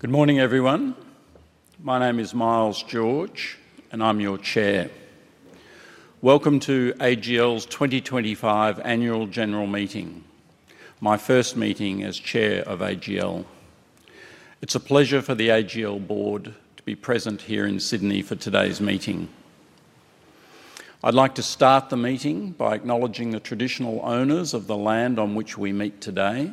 Good morning, everyone. My name is Miles George, and I'm your Chair. Welcome to AGL's 2025 Annual General Meeting, my first meeting as Chair of AGL. It's a pleasure for the AGL Board to be present here in Sydney for today's meeting. I'd like to start the meeting by acknowledging the traditional owners of the land on which we meet today,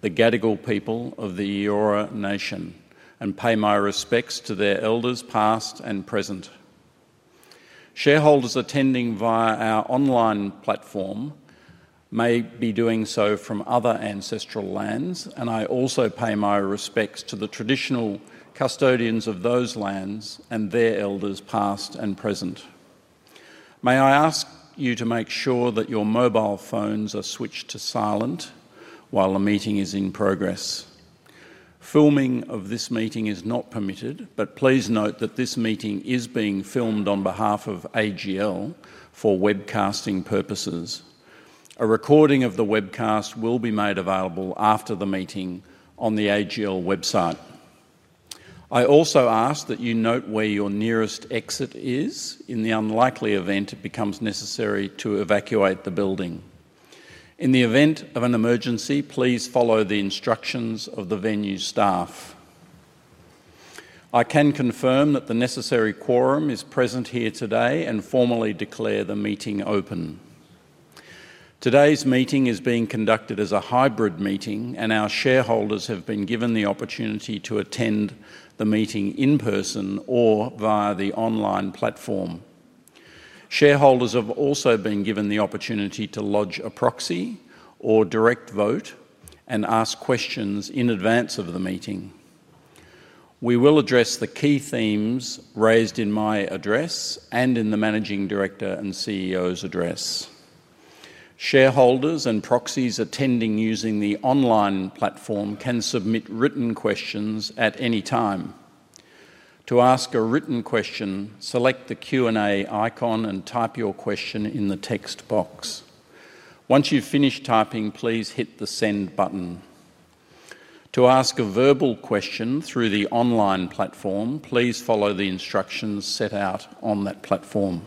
the Gadigal people of the Eora Nation, and pay my respects to their elders past and present. Shareholders attending via our online platform may be doing so from other ancestral lands, and I also pay my respects to the traditional custodians of those lands and their elders past and present. May I ask you to make sure that your mobile phones are switched to silent while the meeting is in progress. Filming of this meeting is not permitted, but please note that this meeting is being filmed on behalf of AGL for webcasting purposes. A recording of the webcast will be made available after the meeting on the AGL website. I also ask that you note where your nearest exit is in the unlikely event it becomes necessary to evacuate the building. In the event of an emergency, please follow the instructions of the venue staff. I can confirm that the necessary quorum is present here today and formally declare the meeting open. Today's meeting is being conducted as a hybrid meeting, and our shareholders have been given the opportunity to attend the meeting in person or via the online platform. Shareholders have also been given the opportunity to lodge a proxy or direct vote and ask questions in advance of the meeting. We will address the key themes raised in my address and in the Managing Director and CEO's address. Shareholders and proxies attending using the online platform can submit written questions at any time. To ask a written question, select the Q&A icon and type your question in the text box. Once you've finished typing, please hit the Send button. To ask a verbal question through the online platform, please follow the instructions set out on that platform.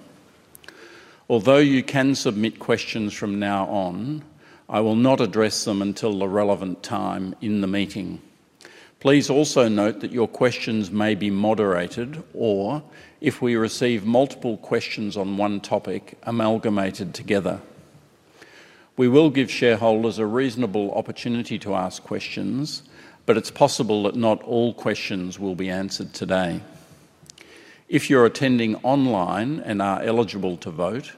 Although you can submit questions from now on, I will not address them until the relevant time in the meeting. Please also note that your questions may be moderated or, if we receive multiple questions on one topic, amalgamated together. We will give shareholders a reasonable opportunity to ask questions, but it's possible that not all questions will be answered today. If you're attending online and are eligible to vote,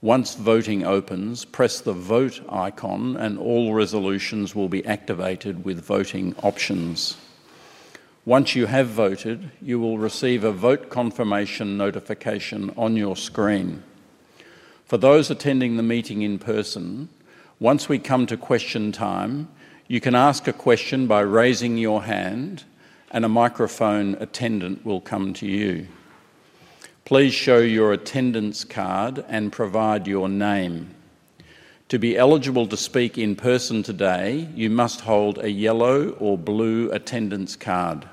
once voting opens, press the Vote icon and all resolutions will be activated with voting options. Once you have voted, you will receive a vote confirmation notification on your screen. For those attending the meeting in person, once we come to question time, you can ask a question by raising your hand and a microphone attendant will come to you. Please show your attendance card and provide your name. To be eligible to speak in person today, you must hold a yellow or blue attendance card.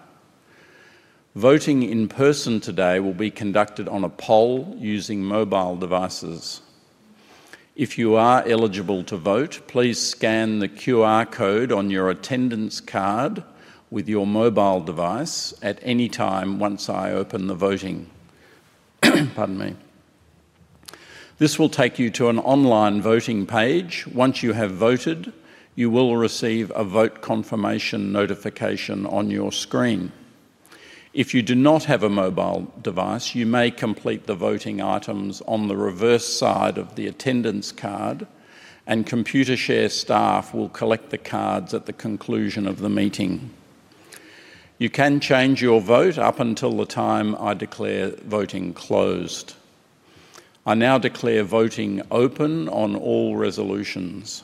Voting in person today will be conducted on a poll using mobile devices. If you are eligible to vote, please scan the QR code on your attendance card with your mobile device at any time once I open the voting. This will take you to an online voting page. Once you have voted, you will receive a vote confirmation notification on your screen. If you do not have a mobile device, you may complete the voting items on the reverse side of the attendance card, and Computershare staff will collect the cards at the conclusion of the meeting. You can change your vote up until the time I declare voting closed. I now declare voting open on all resolutions.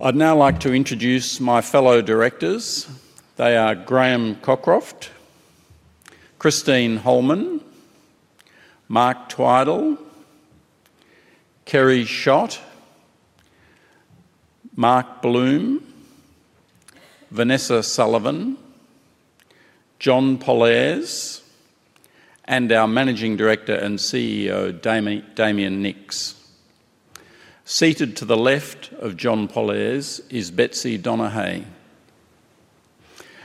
I'd now like to introduce my fellow directors. They are Graham Cockroft, Christine Holman, Mark Twidell, Kerry Schott, Mark Bloom, Vanessa Sullivan, John Pollaers, and our Managing Director and CEO Damien Nicks. Seated to the left of John Pollaers is Betsy Donaghey.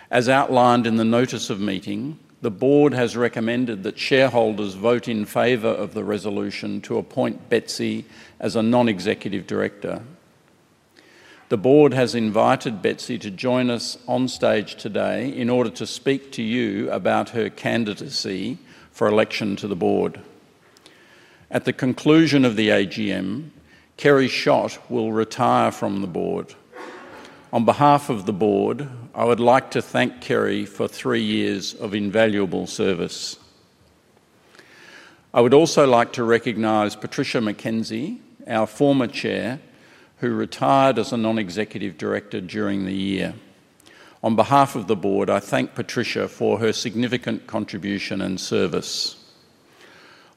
As outlined in the notice of meeting, the Board has recommended that shareholders vote in favor of the resolution to appoint Betsy as a non-executive director. The Board has invited Betsy to join us on stage today in order to speak to you about her candidacy for election to the Board. At the conclusion of the AGM, Kerry Schott will retire from the Board. On behalf of the Board, I would like to thank Kerry for three years of invaluable service. I would also like to recognize Patricia McKenzie, our former Chair, who retired as a non-executive director during the year. On behalf of the Board, I thank Patricia for her significant contribution and service.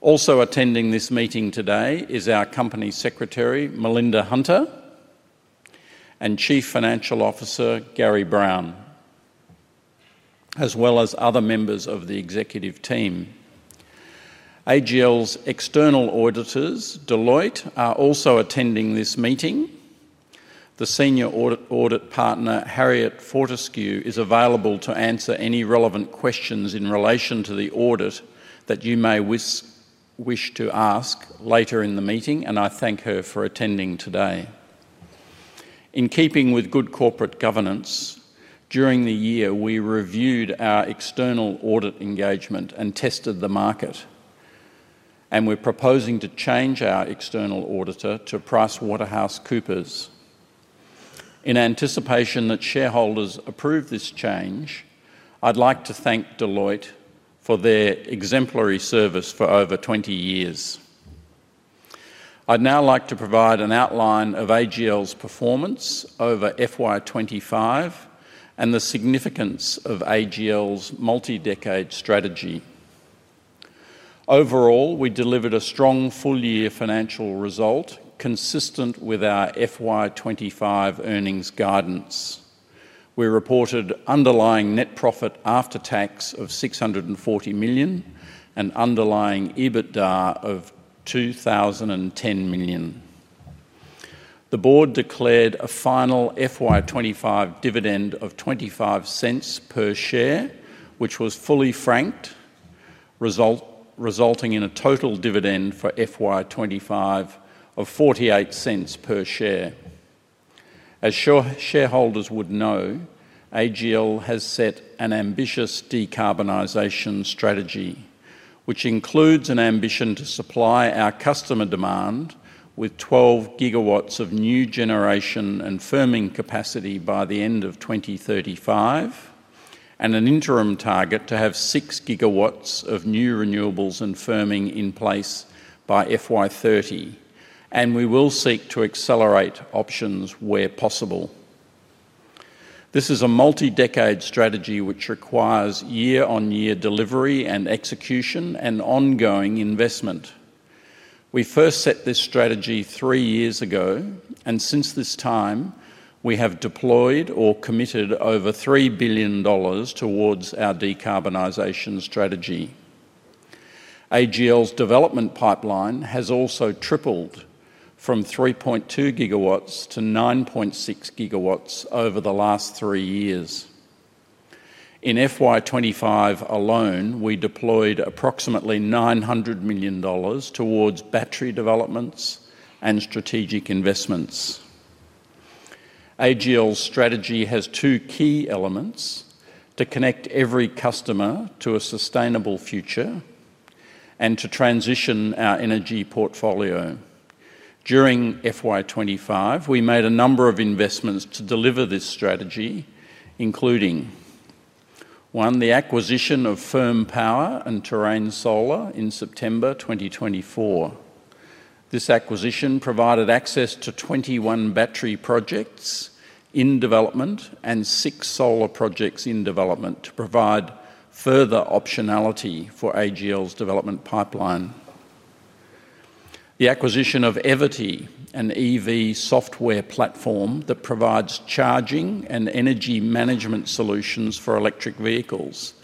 Also attending this meeting today is our Company Secretary, Melinda Hunter, and Chief Financial Officer, Gary Brown, as well as other members of the executive team. AGL's external auditors, Deloitte, are also attending this meeting. The Senior Audit Partner, Harriet Fortescue, is available to answer any relevant questions in relation to the audit that you may wish to ask later in the meeting, and I thank her for attending today. In keeping with good corporate governance, during the year, we reviewed our external audit engagement and tested the market, and we're proposing to change our external auditor to PricewaterhouseCoopers. In anticipation that shareholders approve this change, I'd like to thank Deloitte for their exemplary service for over 20 years. I'd now like to provide an outline of AGL's performance over FY 2025 and the significance of AGL's multi-decade strategy. Overall, we delivered a strong full-year financial result consistent with our FY 2025 earnings guidance. We reported underlying net profit after tax of 640 million and underlying EBITDA of 2,010,000. The Board declared a final FY 2025 dividend of 0.25 per share, which was fully franked, resulting in a total dividend for FY 2025 of 0.48 per share. As shareholders would know, AGL has set an ambitious decarbonization strategy, which includes an ambition to supply our customer demand with 12 GW of new generation and firming capacity by the end of 2035, and an interim target to have 6 GW of new renewables and firming in place by FY 2030, and we will seek to accelerate options where possible. This is a multi-decade strategy which requires year-on-year delivery and execution and ongoing investment. We first set this strategy three years ago, and since this time, we have deployed or committed over 3 billion dollars towards our decarbonization strategy. AGL's development pipeline has also tripled from 3.2 GW to 9.6 GW over the last three years. In FY 2025 alone, we deployed approximately 900 million dollars towards battery developments and strategic investments. AGL's strategy has two key elements: to connect every customer to a sustainable future and to transition our energy portfolio. During FY 2025, we made a number of investments to deliver this strategy, including: one, the acquisition of Firm Power and Terrain Solar in September 2024. This acquisition provided access to 21 battery projects in development and six solar projects in development to provide further optionality for AGL's development pipeline. The acquisition of Everty, an EV software platform that provides charging and energy management solutions for electric vehicles,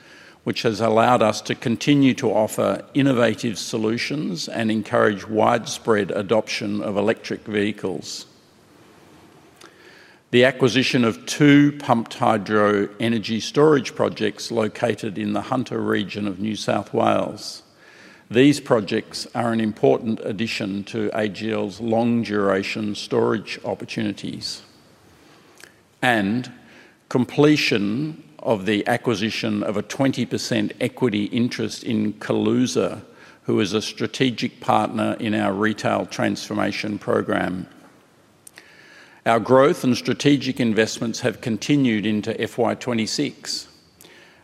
has allowed us to continue to offer innovative solutions and encourage widespread adoption of electric vehicles. The acquisition of two pumped hydro energy storage projects located in the Hunter region of New South Wales is an important addition to AGL's long-duration storage opportunities. Completion of the acquisition of a 20% equity interest in Kaluza, who is a strategic partner in our retail transformation program, has also been achieved. Our growth and strategic investments have continued into FY 2026.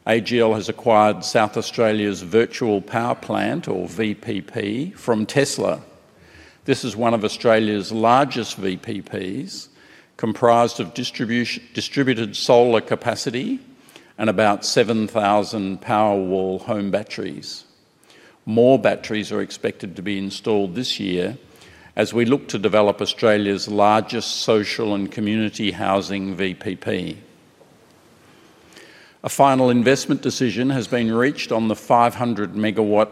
AGL has acquired South Australia's Virtual Power Plant, or VPP, from Tesla. This is one of Australia's largest VPPs, comprised of distributed solar capacity and about 7,000 Powerwall home batteries. More batteries are expected to be installed this year as we look to develop Australia's largest social and community housing VPP. A final investment decision has been reached on the 500 MW,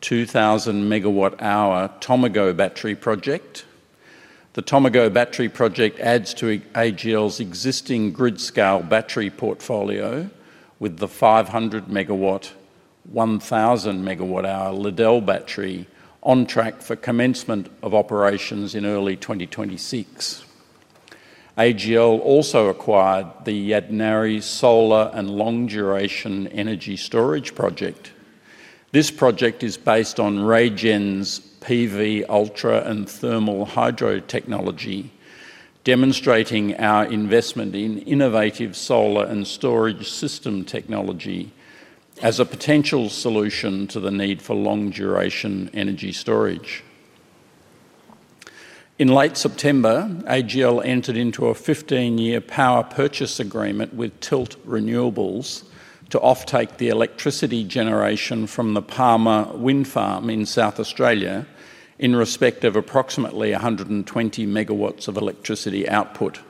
2,000 MWh Tomago battery project. The Tomago battery project adds to AGL's existing grid-scale battery portfolio, with the 500 MW, 1,000 MWh Liddell battery on track for commencement of operations in early 2026. AGL also acquired the Yadnarie Solar and Long-Duration Energy Storage Project. This project is based on RayGen's PV Ultra and Thermal Hydro technology, demonstrating our investment in innovative solar and storage system technology as a potential solution to the need for long-duration energy storage. In late September, AGL entered into a 15-year power purchase agreement with Tilt Renewables to offtake the electricity generation from the Palmer Wind Farm in South Australia in respect of approximately 120 MW of electricity output.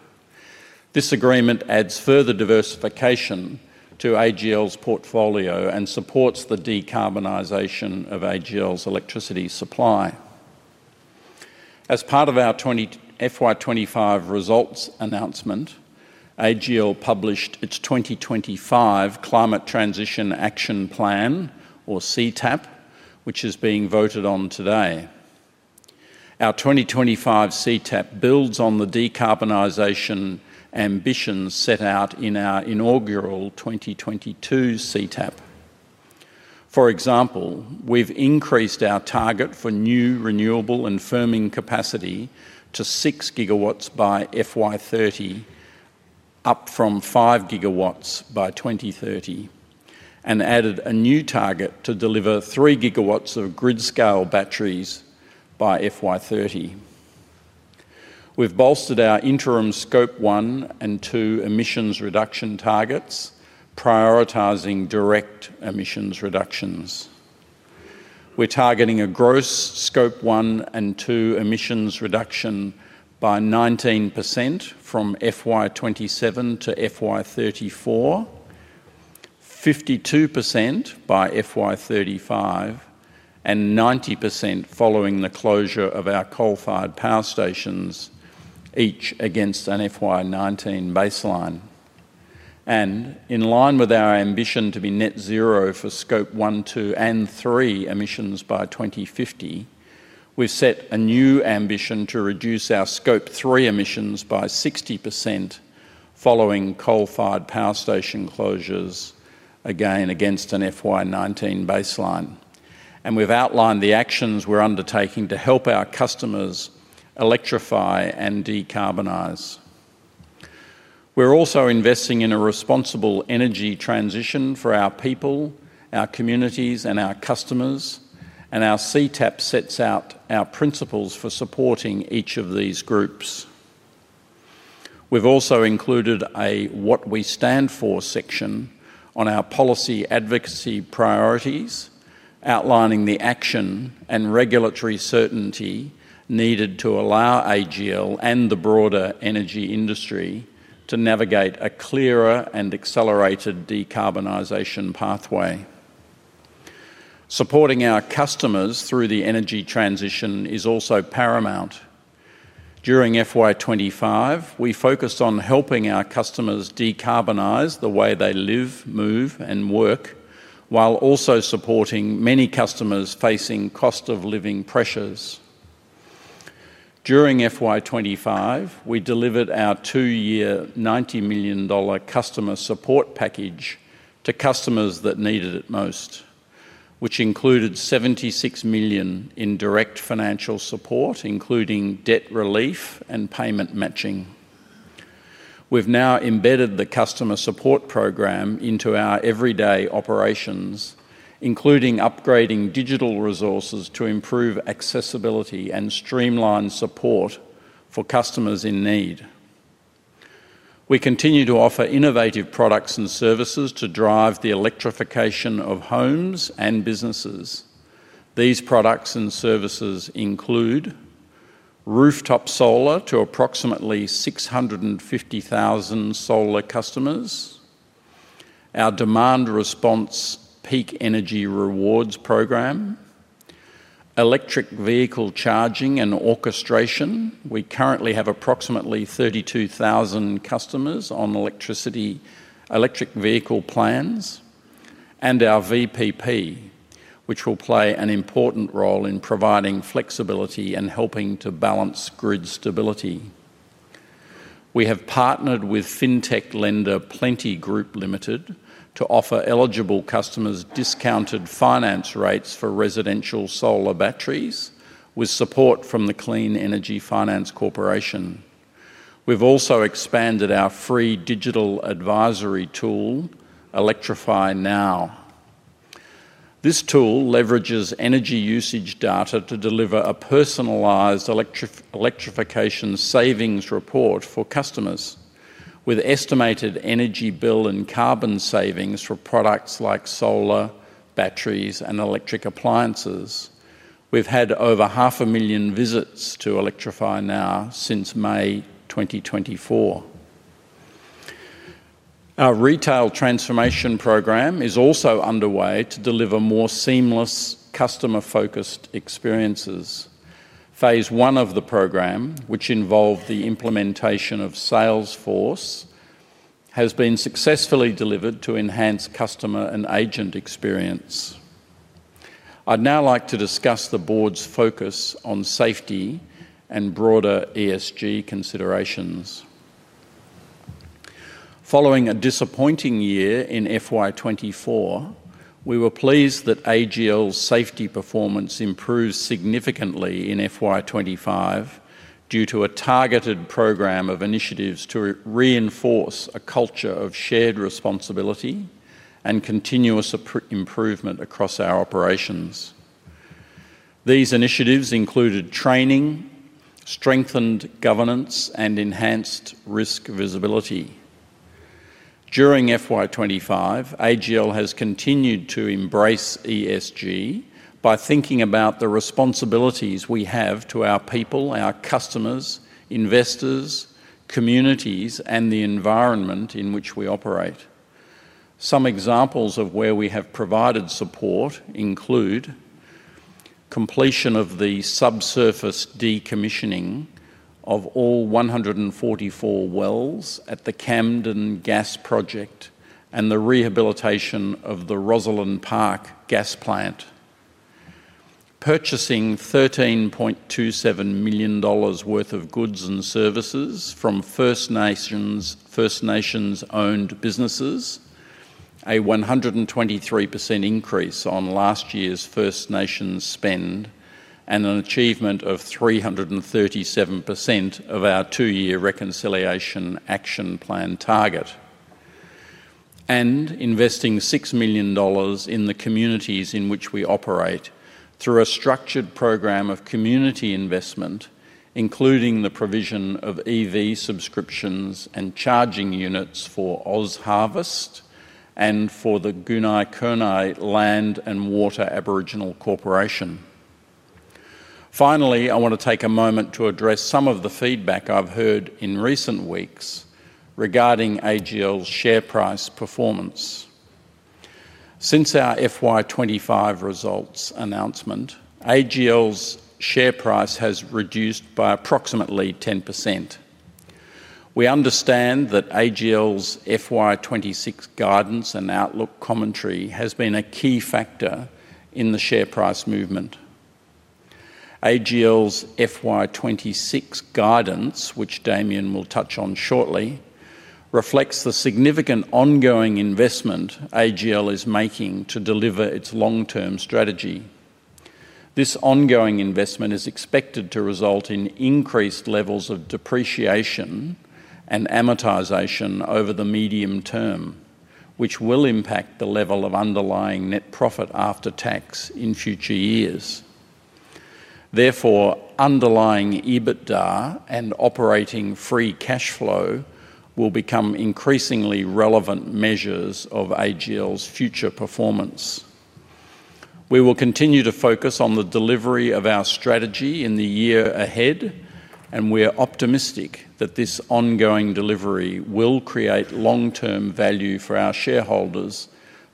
This agreement adds further diversification to AGL's portfolio and supports the decarbonization of AGL's electricity supply. As part of our FY 2025 results announcement, AGL published its 2025 Climate Transition Action Plan, or CTAP, which is being voted on today. Our 2025 CTAP builds on the decarbonization ambitions set out in our inaugural 2022 CTAP. For example, we've increased our target for new renewable and firming capacity to 6 GW by FY 2030, up from 5 GW by 2030, and added a new target to deliver 3 GW of grid-scale batteries by FY 2030. We've bolstered our interim Scope 1 and 2 emissions reduction targets, prioritizing direct emissions reductions. We're targeting a gross Scope 1 and 2 emissions reduction by 19% from FY 2027 to FY 2034, 52% by FY 2035, and 90% following the closure of our coal-fired power stations, each against an FY 2019 baseline. In line with our ambition to be net zero for Scope 1, 2, and 3 emissions by 2050, we've set a new ambition to reduce our Scope 3 emissions by 60% following coal-fired power station closures, again against an FY 2019 baseline. We've outlined the actions we're undertaking to help our customers electrify and decarbonize. We're also investing in a responsible energy transition for our people, our communities, and our customers, and our CTAP sets out our principles for supporting each of these groups. We've also included a "What We Stand For" section on our policy advocacy priorities, outlining the action and regulatory certainty needed to allow AGL and the broader energy industry to navigate a clearer and accelerated decarbonization pathway. Supporting our customers through the energy transition is also paramount. During FY 2025, we focused on helping our customers decarbonize the way they live, move, and work, while also supporting many customers facing cost-of-living pressures. During FY 2025, we delivered our two-year, 90 million dollar customer support package to customers that needed it most, which included 76 million in direct financial support, including debt relief and payment matching. We've now embedded the customer support program into our everyday operations, including upgrading digital resources to improve accessibility and streamline support for customers in need. We continue to offer innovative products and services to drive the electrification of homes and businesses. These products and services include rooftop solar to approximately 650,000 solar customers, our demand response peak energy rewards program, electric vehicle charging and orchestration. We currently have approximately 32,000 customers on electric vehicle plans, and our VPP, which will play an important role in providing flexibility and helping to balance grid stability. We have partnered with fintech lender Plenti Group Ltd to offer eligible customers discounted finance rates for residential solar batteries with support from the Clean Energy Finance Corporation. We've also expanded our free digital advisory tool, Electrify Now. This tool leverages energy usage data to deliver a personalized electrification savings report for customers, with estimated energy bill and carbon savings for products like solar, batteries, and electric appliances. We've had over half a million visits to Electrify Now since May 2024. Our retail transformation program is also underway to deliver more seamless, customer-focused experiences. Phase one of the program, which involved the implementation of Salesforce, has been successfully delivered to enhance customer and agent experience. I'd now like to discuss the Board's focus on safety and broader ESG considerations. Following a disappointing year in FY 2024, we were pleased that AGL's safety performance improved significantly in FY 2025 due to a targeted program of initiatives to reinforce a culture of shared responsibility and continuous improvement across our operations. These initiatives included training, strengthened governance, and enhanced risk visibility. During FY 2025, AGL has continued to embrace ESG by thinking about the responsibilities we have to our people, our customers, investors, communities, and the environment in which we operate. Some examples of where we have provided support include completion of the subsurface decommissioning of all 144 wells at the Camden Gas Project and the rehabilitation of the Rosalind Park Gas Plant, purchasing AUD 13.27 million worth of goods and services from First Nations-owned businesses, a 123% increase on last year's First Nations spend, and an achievement of 337% of our two-year reconciliation action plan target, and investing 6 million dollars in the communities in which we operate through a structured program of community investment, including the provision of EV subscriptions and charging units for OzHarvest and for the Gunaikurnai Land and Water Aboriginal Corporation. Finally, I want to take a moment to address some of the feedback I've heard in recent weeks regarding AGL's share price performance. Since our FY 2025 results announcement, AGL's share price has reduced by approximately 10%. We understand that AGL's FY 2026 guidance and outlook commentary has been a key factor in the share price movement. AGL's FY 2026 guidance, which Damien will touch on shortly, reflects the significant ongoing investment AGL is making to deliver its long-term strategy. This ongoing investment is expected to result in increased levels of depreciation and amortization over the medium term, which will impact the level of underlying net profit after tax in future years. Therefore, underlying EBITDA and operating free cash flow will become increasingly relevant measures of AGL's future performance. We will continue to focus on the delivery of our strategy in the year ahead, and we're optimistic that this ongoing delivery will create long-term value for our shareholders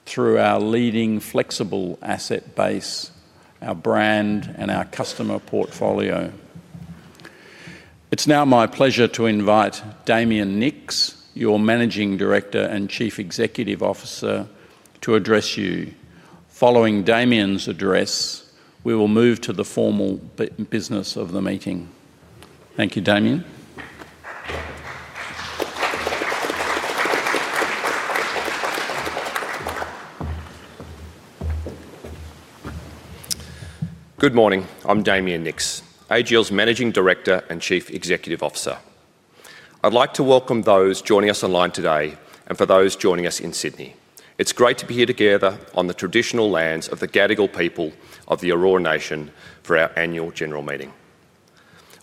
through our leading flexible asset base, our brand, and our customer portfolio. It's now my pleasure to invite Damien Nicks, your Managing Director and Chief Executive Officer, to address you. Following Damien's address, we will move to the formal business of the meeting. Thank you, Damien. Good morning. I'm Damien Nicks, AGL's Managing Director and Chief Executive Officer. I'd like to welcome those joining us online today and for those joining us in Sydney. It's great to be here together on the traditional lands of the Gadigal people of the Eora Nation for our annual general meeting.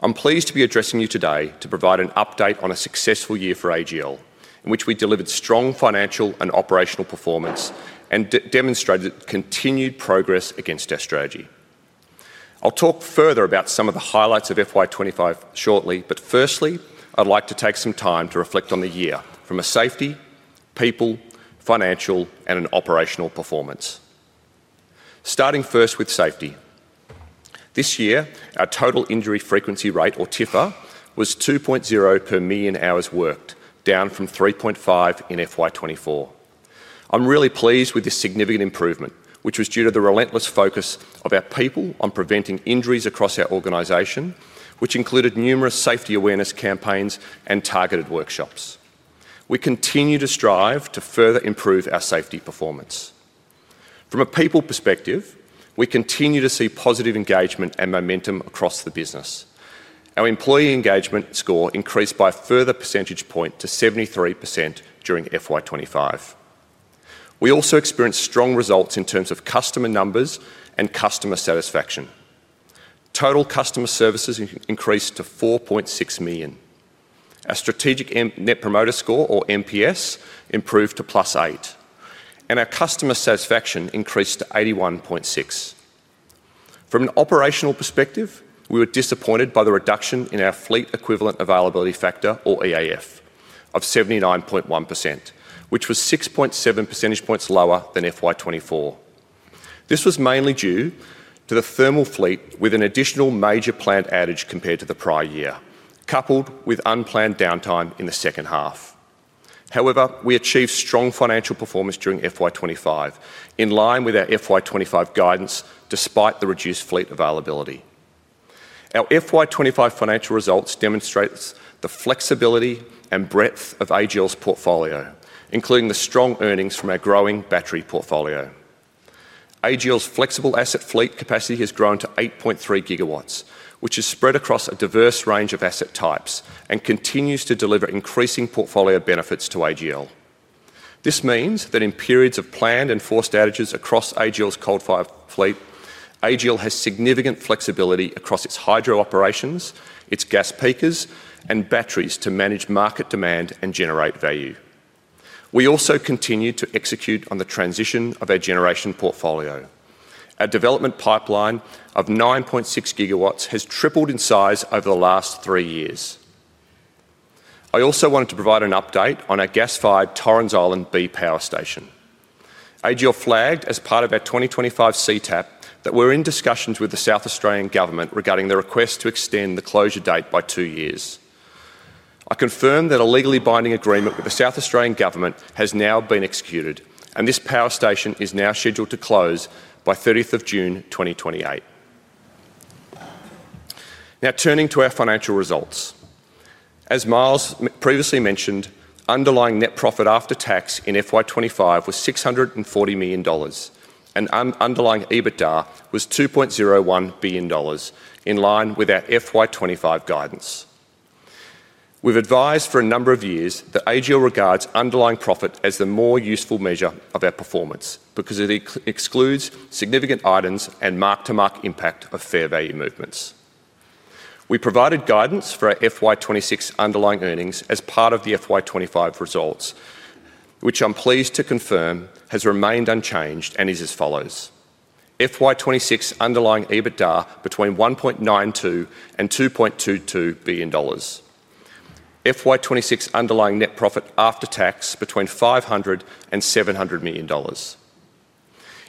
I'm pleased to be addressing you today to provide an update on a successful year for AGL, in which we delivered strong financial and operational performance and demonstrated continued progress against our strategy. I'll talk further about some of the highlights of FY 202025 shortly, but firstly, I'd like to take some time to reflect on the year from a safety, people, financial, and an operational performance. Starting first with safety. This year, our total injury frequency rate, or TIFA, was 2.0 per million hours worked, down from 3.5 in FY 2024. I'm really pleased with this significant improvement, which was due to the relentless focus of our people on preventing injuries across our organization, which included numerous safety awareness campaigns and targeted workshops. We continue to strive to further improve our safety performance. From a people perspective, we continue to see positive engagement and momentum across the business. Our employee engagement score increased by a further percentage point to 73% during FY 2025. We also experienced strong results in terms of customer numbers and customer satisfaction. Total customer services increased to 4.6 million. Our strategic net promoter score, or NPS, improved to plus eight, and our customer satisfaction increased to 81.6%. From an operational perspective, we were disappointed by the reduction in our fleet equivalent availability factor, or EAF, of 79.1%, which was 6.7 percentage points lower than FY 2024. This was mainly due to the thermal fleet with an additional major plant outage compared to the prior year, coupled with unplanned downtime in the second half. However, we achieved strong financial performance during FY 2025 in line with our FY 2025 guidance, despite the reduced fleet availability. Our FY 2025 financial results demonstrate the flexibility and breadth of AGL's portfolio, including the strong earnings from our growing battery portfolio. AGL's flexible asset fleet capacity has grown to 8.3 GW, which has spread across a diverse range of asset types and continues to deliver increasing portfolio benefits to AGL. This means that in periods of planned and forced outages across AGL's coal-fired fleet, AGL has significant flexibility across its hydro operations, its gas peakers, and batteries to manage market demand and generate value. We also continue to execute on the transition of our generation portfolio. Our development pipeline of 9.6 GW has tripled in size over the last three years. I also wanted to provide an update on our gas-fired Torrens Island B power station. AGL flagged as part of our 2025 CTAP that we're in discussions with the South Australian Government regarding the request to extend the closure date by two years. I confirmed that a legally binding agreement with the South Australian Government has now been executed, and this power station is now scheduled to close by 30th of June, 2028. Now turning to our financial results. As Miles previously mentioned, underlying net profit after tax in FY 2025 was 640 million dollars, and underlying EBITDA was 2.01 billion dollars, in line with our FY 2025 guidance. We've advised for a number of years that AGL regards underlying profit as the more useful measure of our performance because it excludes significant items and mark-to-market impact of fair value movements. We provided guidance for our FY 2026 underlying earnings as part of the FY 2025 results, which I'm pleased to confirm has remained unchanged and is as follows: FY 2026 underlying EBITDA between AUD 1.92 and AUD 2.22 billion. FY 2026 underlying net profit after tax between AUD 500 million and AUD 700 million.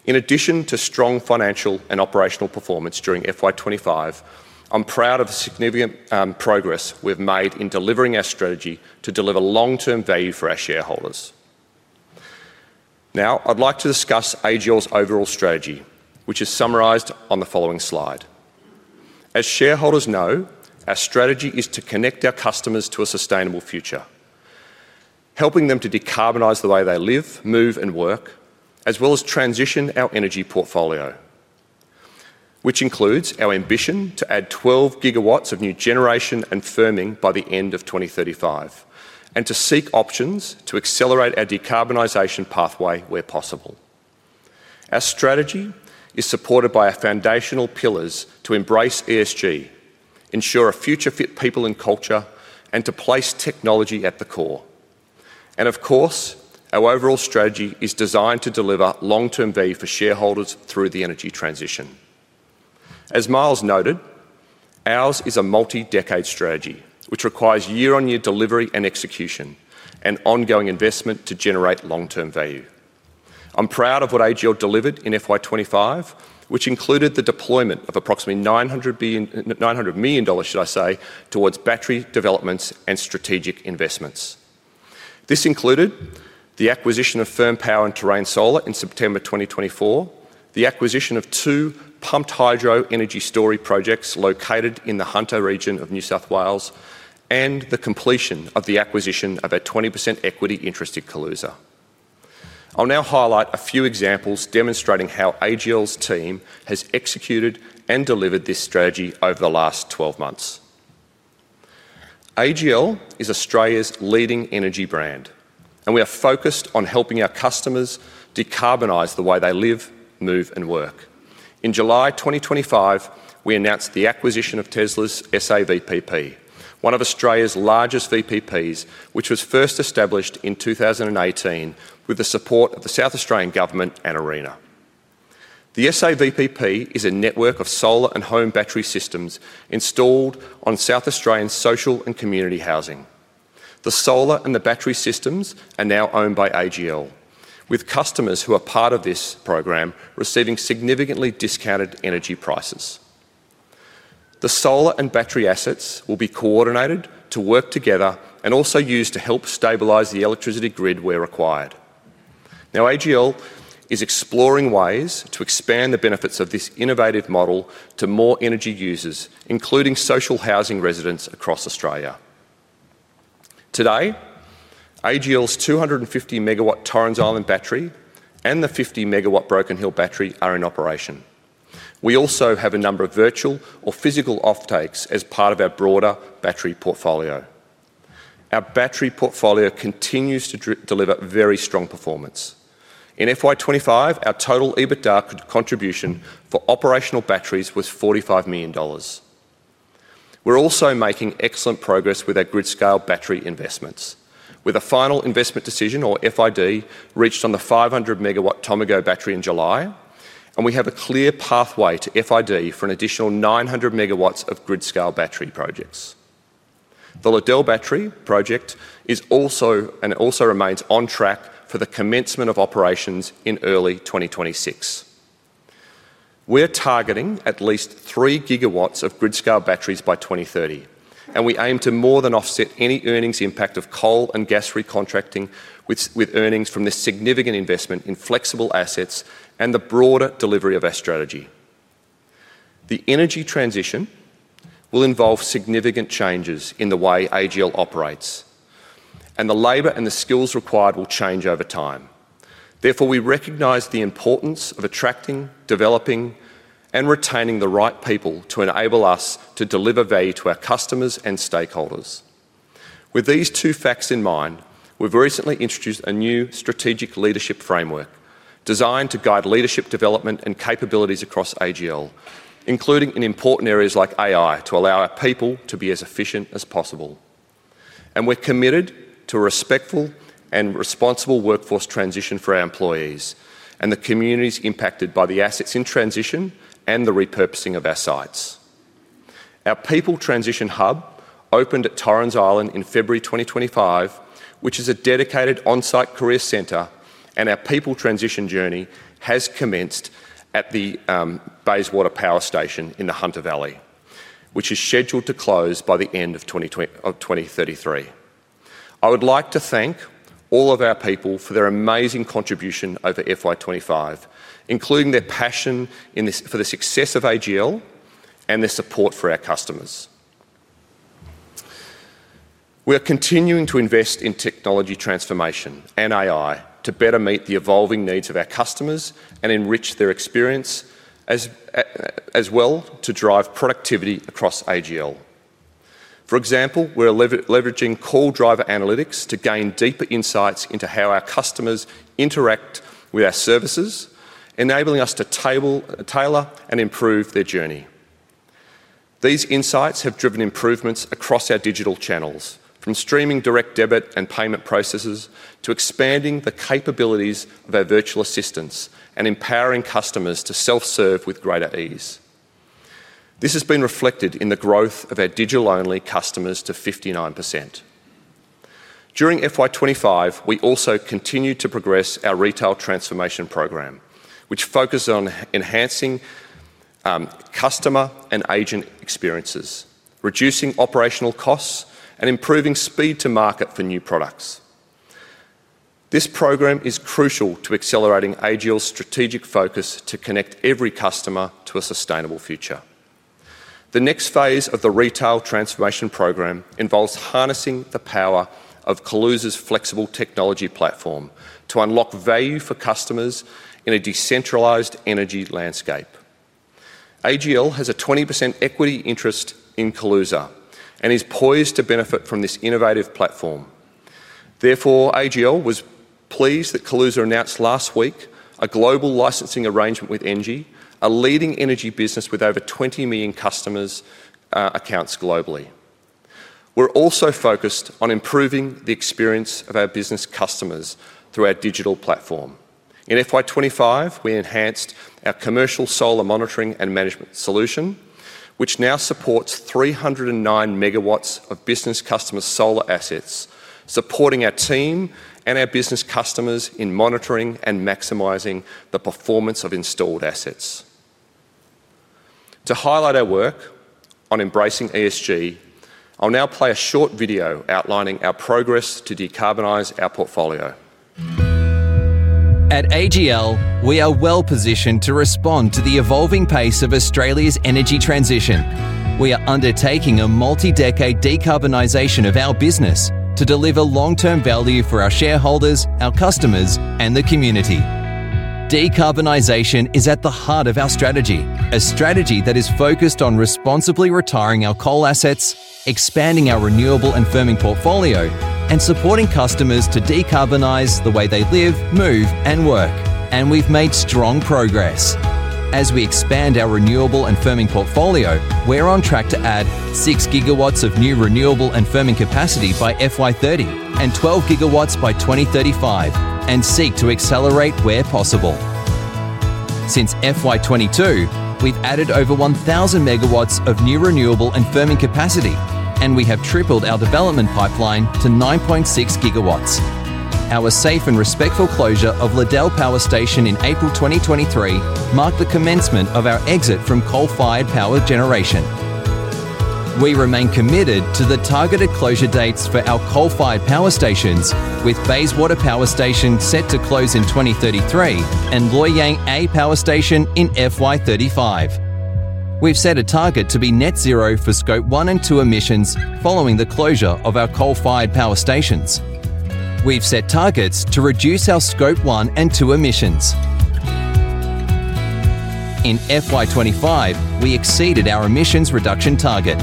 In addition to strong financial and operational performance during FY 2025, I'm proud of the significant progress we've made in delivering our strategy to deliver long-term value for our shareholders. Now, I'd like to discuss AGL's overall strategy, which is summarized on the following slide. As shareholders know, our strategy is to connect our customers to a sustainable future, helping them to decarbonize the way they live, move, and work, as well as transition our energy portfolio, which includes our ambition to add 12 GW of new generation and firming by the end of 2035, and to seek options to accelerate our decarbonization pathway where possible. Our strategy is supported by our foundational pillars to embrace ESG, ensure a future fit people and culture, and to place technology at the core. Our overall strategy is designed to deliver long-term value for shareholders through the energy transition. As Miles noted, ours is a multi-decade strategy, which requires year-on-year delivery and execution and ongoing investment to generate long-term value. I'm proud of what AGL delivered in FY 2025, which included the deployment of approximately 900 million dollars towards battery developments and strategic investments. This included the acquisition of Firm Power and Terrain Solar in September 2024, the acquisition of two pumped hydro energy storage projects located in the Hunter region of New South Wales, and the completion of the acquisition of a 20% equity interest in Kaluza. I'll now highlight a few examples demonstrating how AGL's team has executed and delivered this strategy over the last 12 months. AGL is Australia's leading energy brand, and we are focused on helping our customers decarbonize the way they live, move, and work. In July 2025, we announced the acquisition of Tesla's SA VPP, one of Australia's largest VPPs, which was first established in 2018 with the support of the South Australian Government and ARENA. The SA VPP is a network of solar and home battery systems installed on South Australian social and community housing. The solar and the battery systems are now owned by AGL, with customers who are part of this program receiving significantly discounted energy prices. The solar and battery assets will be coordinated to work together and also used to help stabilize the electricity grid where required. Now, AGL is exploring ways to expand the benefits of this innovative model to more energy users, including social housing residents across Australia. Today, AGL's 250 MW Torrens Island battery and the 50 MW Broken Hill battery are in operation. We also have a number of virtual or physical offtakes as part of our broader battery portfolio. Our battery portfolio continues to deliver very strong performance. In FY 2025, our total EBITDA contribution for operational batteries was 45 million dollars. We're also making excellent progress with our grid-scale battery investments, with a final investment decision, or FID, reached on the 500 MW Tomago battery in July, and we have a clear pathway to FID for an additional 900 MW of grid-scale battery projects. The Liddell battery project also remains on track for the commencement of operations in early 2026. We're targeting at least 3 GW of grid-scale batteries by 2030, and we aim to more than offset any earnings impact of coal and gas recontracting with earnings from this significant investment in flexible assets and the broader delivery of our strategy. The energy transition will involve significant changes in the way AGL operates, and the labor and the skills required will change over time. Therefore, we recognize the importance of attracting, developing, and retaining the right people to enable us to deliver value to our customers and stakeholders. With these two facts in mind, we've recently introduced a new strategic leadership framework designed to guide leadership development and capabilities across AGL, including in important areas like AI to allow our people to be as efficient as possible. We're committed to a respectful and responsible workforce transition for our employees and the communities impacted by the assets in transition and the repurposing of our sites. Our People Transition Hub opened at Torrens Island in February 2025, which is a dedicated on-site career center, and our People Transition journey has commenced at the Bayswater Power Station in Hunter Valley, which is scheduled to close by the end of 2033. I would like to thank all of our people for their amazing contribution over FY 2025, including their passion for the success of AGL and their support for our customers. We're continuing to invest in technology transformation and AI to better meet the evolving needs of our customers and enrich their experience as well to drive productivity across AGL. For example, we're leveraging call driver analytics to gain deeper insights into how our customers interact with our services, enabling us to tailor and improve their journey. These insights have driven improvements across our digital channels, from streamlining direct debit and payment processes to expanding the capabilities of our virtual assistants and empowering customers to self-serve with greater ease. This has been reflected in the growth of our digital-only customers to 59%. During FY 2025, we also continued to progress our retail transformation program, which focuses on enhancing customer and agent experiences, reducing operational costs, and improving speed to market for new products. This program is crucial to accelerating AGL's strategic focus to connect every customer to a sustainable future. The next phase of the retail transformation program involves harnessing the power of Kaluza's flexible technology platform to unlock value for customers in a decentralized energy landscape. AGL has a 20% equity interest in Kaluza and is poised to benefit from this innovative platform. Therefore, AGL was pleased that Kaluza announced last week a global licensing arrangement with ENGIE, a leading energy business with over 20 million customer accounts globally. We're also focused on improving the experience of our business customers through our digital platform. In FY 2025, we enhanced our commercial solar monitoring and management solution, which now supports 309 MW of business customer solar assets, supporting our team and our business customers in monitoring and maximizing the performance of installed assets. To highlight our work on embracing ESG, I'll now play a short video outlining our progress to decarbonize our portfolio. At AGL, we are well-positioned to respond to the evolving pace of Australia's energy transition. We are undertaking a multi-decade decarbonization of our business to deliver long-term value for our shareholders, our customers, and the community. Decarbonization is at the heart of our strategy, a strategy that is focused on responsibly retiring our coal assets, expanding our renewable and firming portfolio, and supporting customers to decarbonize the way they live, move, and work. We have made strong progress. As we expand our renewable and firming portfolio, we're on track to add 6 GW of new renewable and firming capacity by FY 2030 and 12 GW by 2035, and seek to accelerate where possible. Since FY 2022, we've added over 1,000 MW of new renewable and firming capacity, and we have tripled our development pipeline to 9.6 GW. Our safe and respectful closure of Liddell Power Station in April 2023 marked the commencement of our exit from coal-fired power generation. We remain committed to the targeted closure dates for our coal-fired power stations, with Bayswater Power Station set to close in 2033 and Loy Yang A Power Station in FY 2035. We've set a target to be net zero for Scope 1 and 2 emissions following the closure of our coal-fired power stations. We've set targets to reduce our Scope 1 and 2 emissions. In FY 2025, we exceeded our emissions reduction target.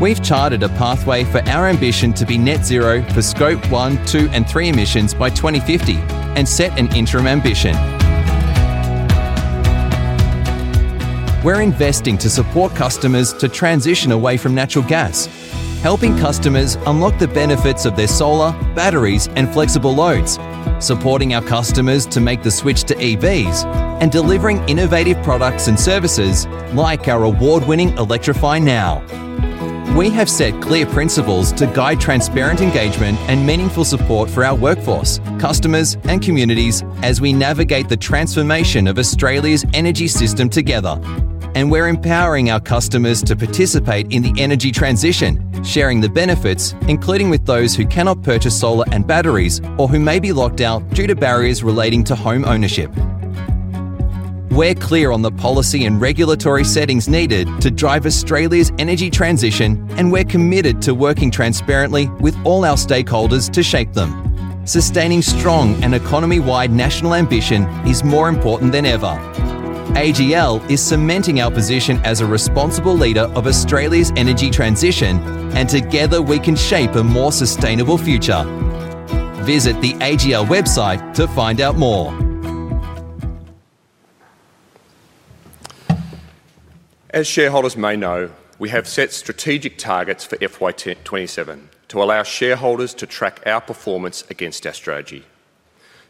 We've charted a pathway for our ambition to be net zero for Scope 1, 2, and 3 emissions by 2050 and set an interim ambition. We're investing to support customers to transition away from natural gas, helping customers unlock the benefits of their solar, batteries, and flexible loads, supporting our customers to make the switch to EVs, and delivering innovative products and services like our award-winning Electrify Now. We have set clear principles to guide transparent engagement and meaningful support for our workforce, customers, and communities as we navigate the transformation of Australia's energy system together, and we're empowering our customers to participate in the energy transition, sharing the benefits, including with those who cannot purchase solar and batteries or who may be locked out due to barriers relating to home ownership. We're clear on the policy and regulatory settings needed to drive Australia's energy transition, and we're committed to working transparently with all our stakeholders to shape them. Sustaining strong and economy-wide national ambition is more important than ever. AGL is cementing our position as a responsible leader of Australia's energy transition, and together we can shape a more sustainable future. Visit the AGL website to find out more. As shareholders may know, we have set strategic targets for FY 2027 to allow shareholders to track our performance against our strategy.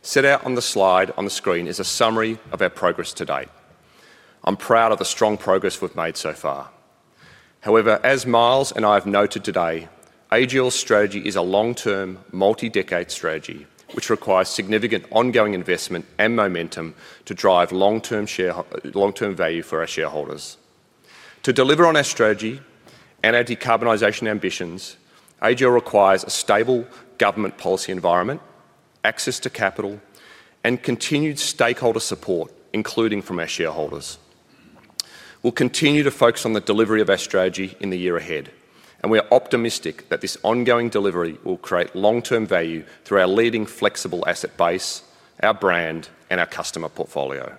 Set out on the slide on the screen is a summary of our progress to date. I'm proud of the strong progress we've made so far. However, as Miles and I have noted today, AGL's strategy is a long-term, multi-decade strategy, which requires significant ongoing investment and momentum to drive long-term value for our shareholders. To deliver on our strategy and our decarbonization ambitions, AGL requires a stable government policy environment, access to capital, and continued stakeholder support, including from our shareholders. We'll continue to focus on the delivery of our strategy in the year ahead, and we are optimistic that this ongoing delivery will create long-term value through our leading flexible asset base, our brand, and our customer portfolio.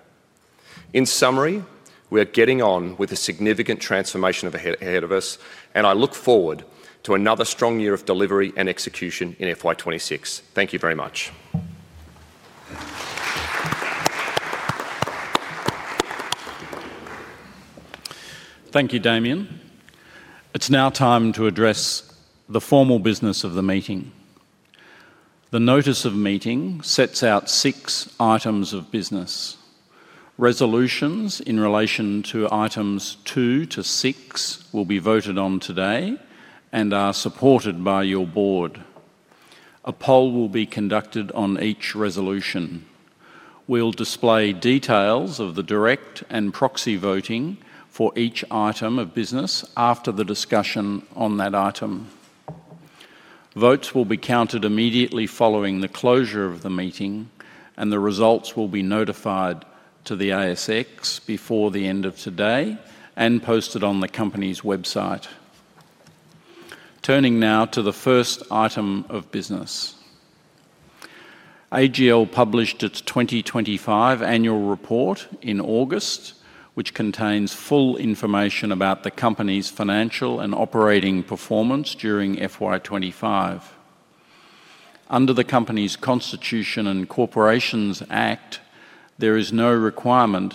In summary, we are getting on with a significant transformation ahead of us, and I look forward to another strong year of delivery and execution in FY 2026. Thank you very much. Thank you, Damien. It's now time to address the formal business of the meeting. The notice of meeting sets out six items of business. Resolutions in relation to items 2 to 6 will be voted on today and are supported by your board. A poll will be conducted on each resolution. We'll display details of the direct and proxy voting for each item of business after the discussion on that item. Votes will be counted immediately following the closure of the meeting, and the results will be notified to the ASX before the end of today and posted on the company's website. Turning now to the first item of business. AGL published its 2025 annual report in August, which contains full information about the company's financial and operating performance during FY 2025. Under the company's Constitution and Corporations Act, there is no requirement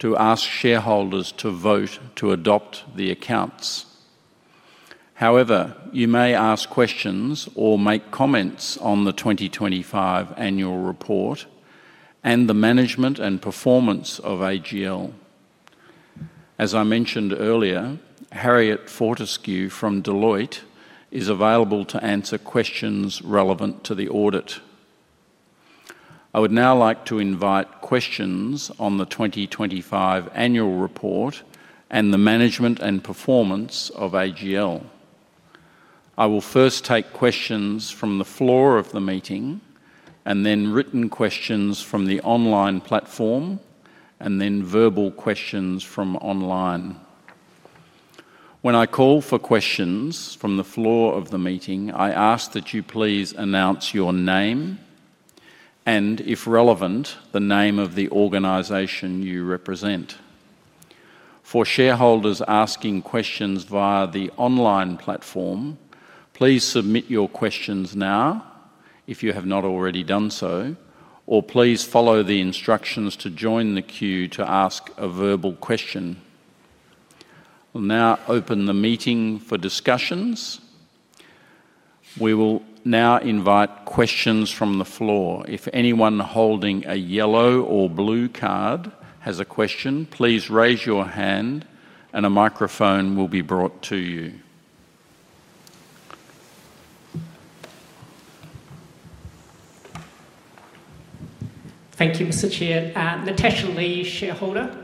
to ask shareholders to vote to adopt the accounts. However, you may ask questions or make comments on the 2025 annual report and the management and performance of AGL. As I mentioned earlier, Harriet Fortescue from Deloitte is available to answer questions relevant to the audit. I would now like to invite questions on the 2025 annual report and the management and performance of AGL. I will first take questions from the floor of the meeting and then written questions from the online platform, and then verbal questions from online. When I call for questions from the floor of the meeting, I ask that you please announce your name and, if relevant, the name of the organization you represent. For shareholders asking questions via the online platform, please submit your questions now if you have not already done so, or please follow the instructions to join the queue to ask a verbal question. I'll now open the meeting for discussions. We will now invite questions from the floor. If anyone holding a yellow or blue card has a question, please raise your hand and a microphone will be brought to you. Thank you, Mr. Chair. Natasha Lee, shareholder.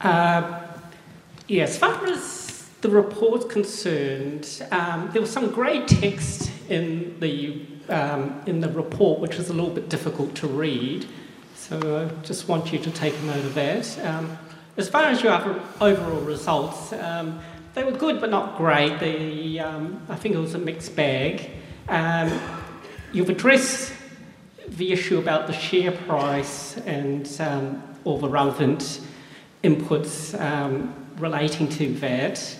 As far as the report's concerned, there was some grey text in the report, which was a little bit difficult to read, so I just want you to take a note of that. As far as your overall results, they were good but not great. I think it was a mixed bag. You've addressed the issue about the share price and all the relevant inputs relating to that,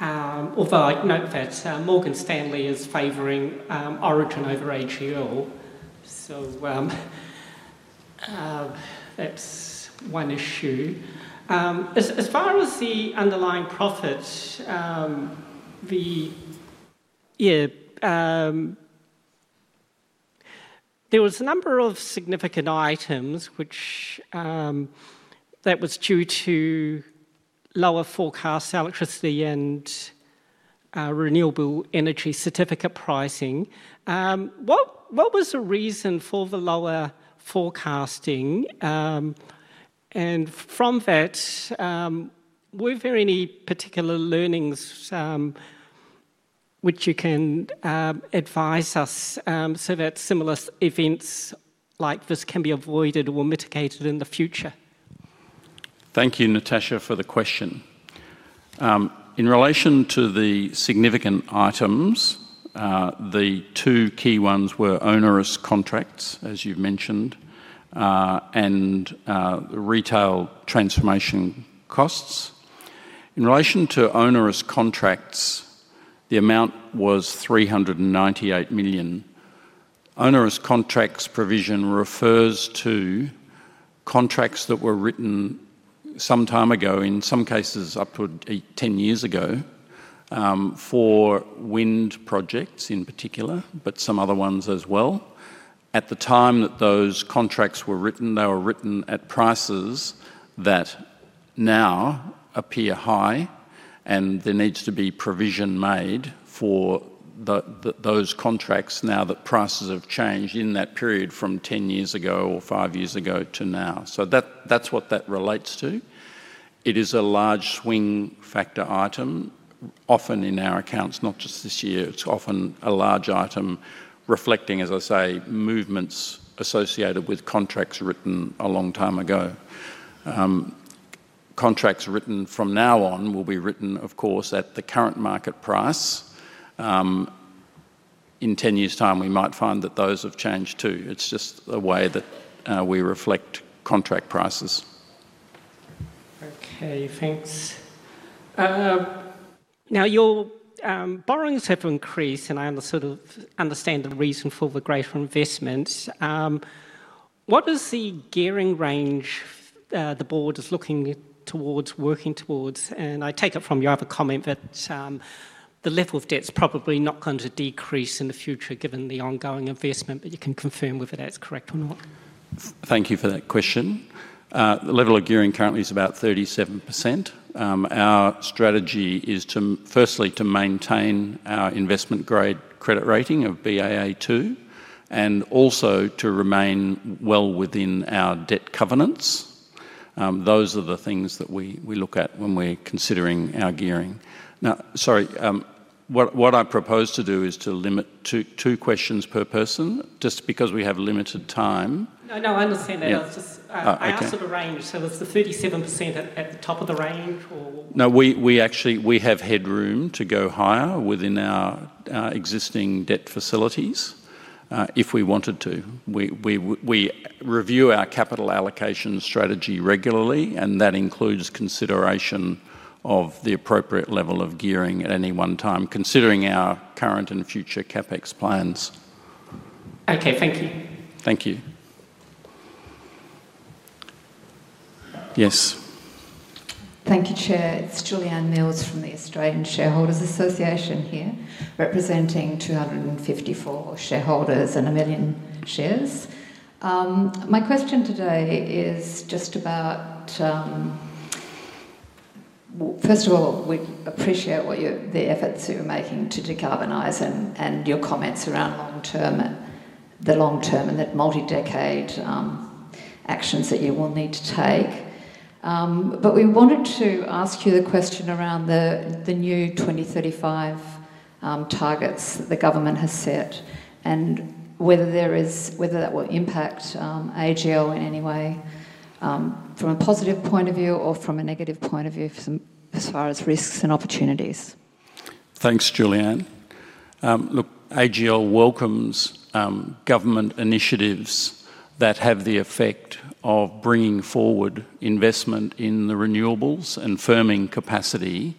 although I'd note that Morgan Stanley is favoring Origin over AGL, so that's one issue. As far as the underlying profits, there were a number of significant items that were due to lower forecast electricity and renewable energy certificate pricing. What was the reason for the lower forecasting? From that, were there any particular learnings which you can advise us so that similar events like this can be avoided or mitigated in the future? Thank you, Natasha, for the question. In relation to the significant items, the two key ones were onerous contracts, as you've mentioned, and the retail transformation costs. In relation to onerous contracts, the amount was 398 million. Onerous contracts provision refers to contracts that were written some time ago, in some cases up to 10 years ago, for wind projects in particular, but some other ones as well. At the time that those contracts were written, they were written at prices that now appear high, and there needs to be provision made for those contracts now that prices have changed in that period from 10 years ago or five years ago to now. That's what that relates to. It is a large swing factor item, often in our accounts, not just this year. It's often a large item reflecting, as I say, movements associated with contracts written a long time ago. Contracts written from now on will be written, of course, at the current market price. In 10 years' time, we might find that those have changed too. It's just the way that we reflect contract prices. Okay, thanks. Now, your borrowings have increased, and I understand the reason for the greater investments. What is the gearing range the board is looking towards, working towards? I take it from your comment that the level of debt is probably not going to decrease in the future given the ongoing investment, but you can confirm whether that's correct or not. Thank you for that question. The level of gearing currently is about 37%. Our strategy is to, firstly, maintain our investment-grade credit rating of BAA2 and also to remain well within our debt covenants. Those are the things that we look at when we're considering our gearing. Now, sorry, what I propose to do is to limit to two questions per person just because we have limited time. No, I understand that. I asked for the range, so there's the 37% at the top of the rank or? No, we actually have headroom to go higher within our existing debt facilities if we wanted to. We review our capital allocation strategy regularly, and that includes consideration of the appropriate level of gearing at any one time, considering our current and future CapEx plans. Okay, thank you. Thank you. Yes? Thank you, Chair. It's Julieanne Mills from the Australian Shareholders' Association here representing 254 shareholders and a million shares. My question today is just about, first of all, we appreciate the efforts that you're making to decarbonize and your comments around the long-term, and that multi-decade actions that you will need to take. We wanted to ask you the question around the new 2035 targets the government has set and whether that will impact AGL in any way from a positive point of view or from a negative point of view as far as risks and opportunities. Thanks, Juliane. Look, AGL welcomes government initiatives that have the effect of bringing forward investment in the renewables and firming capacity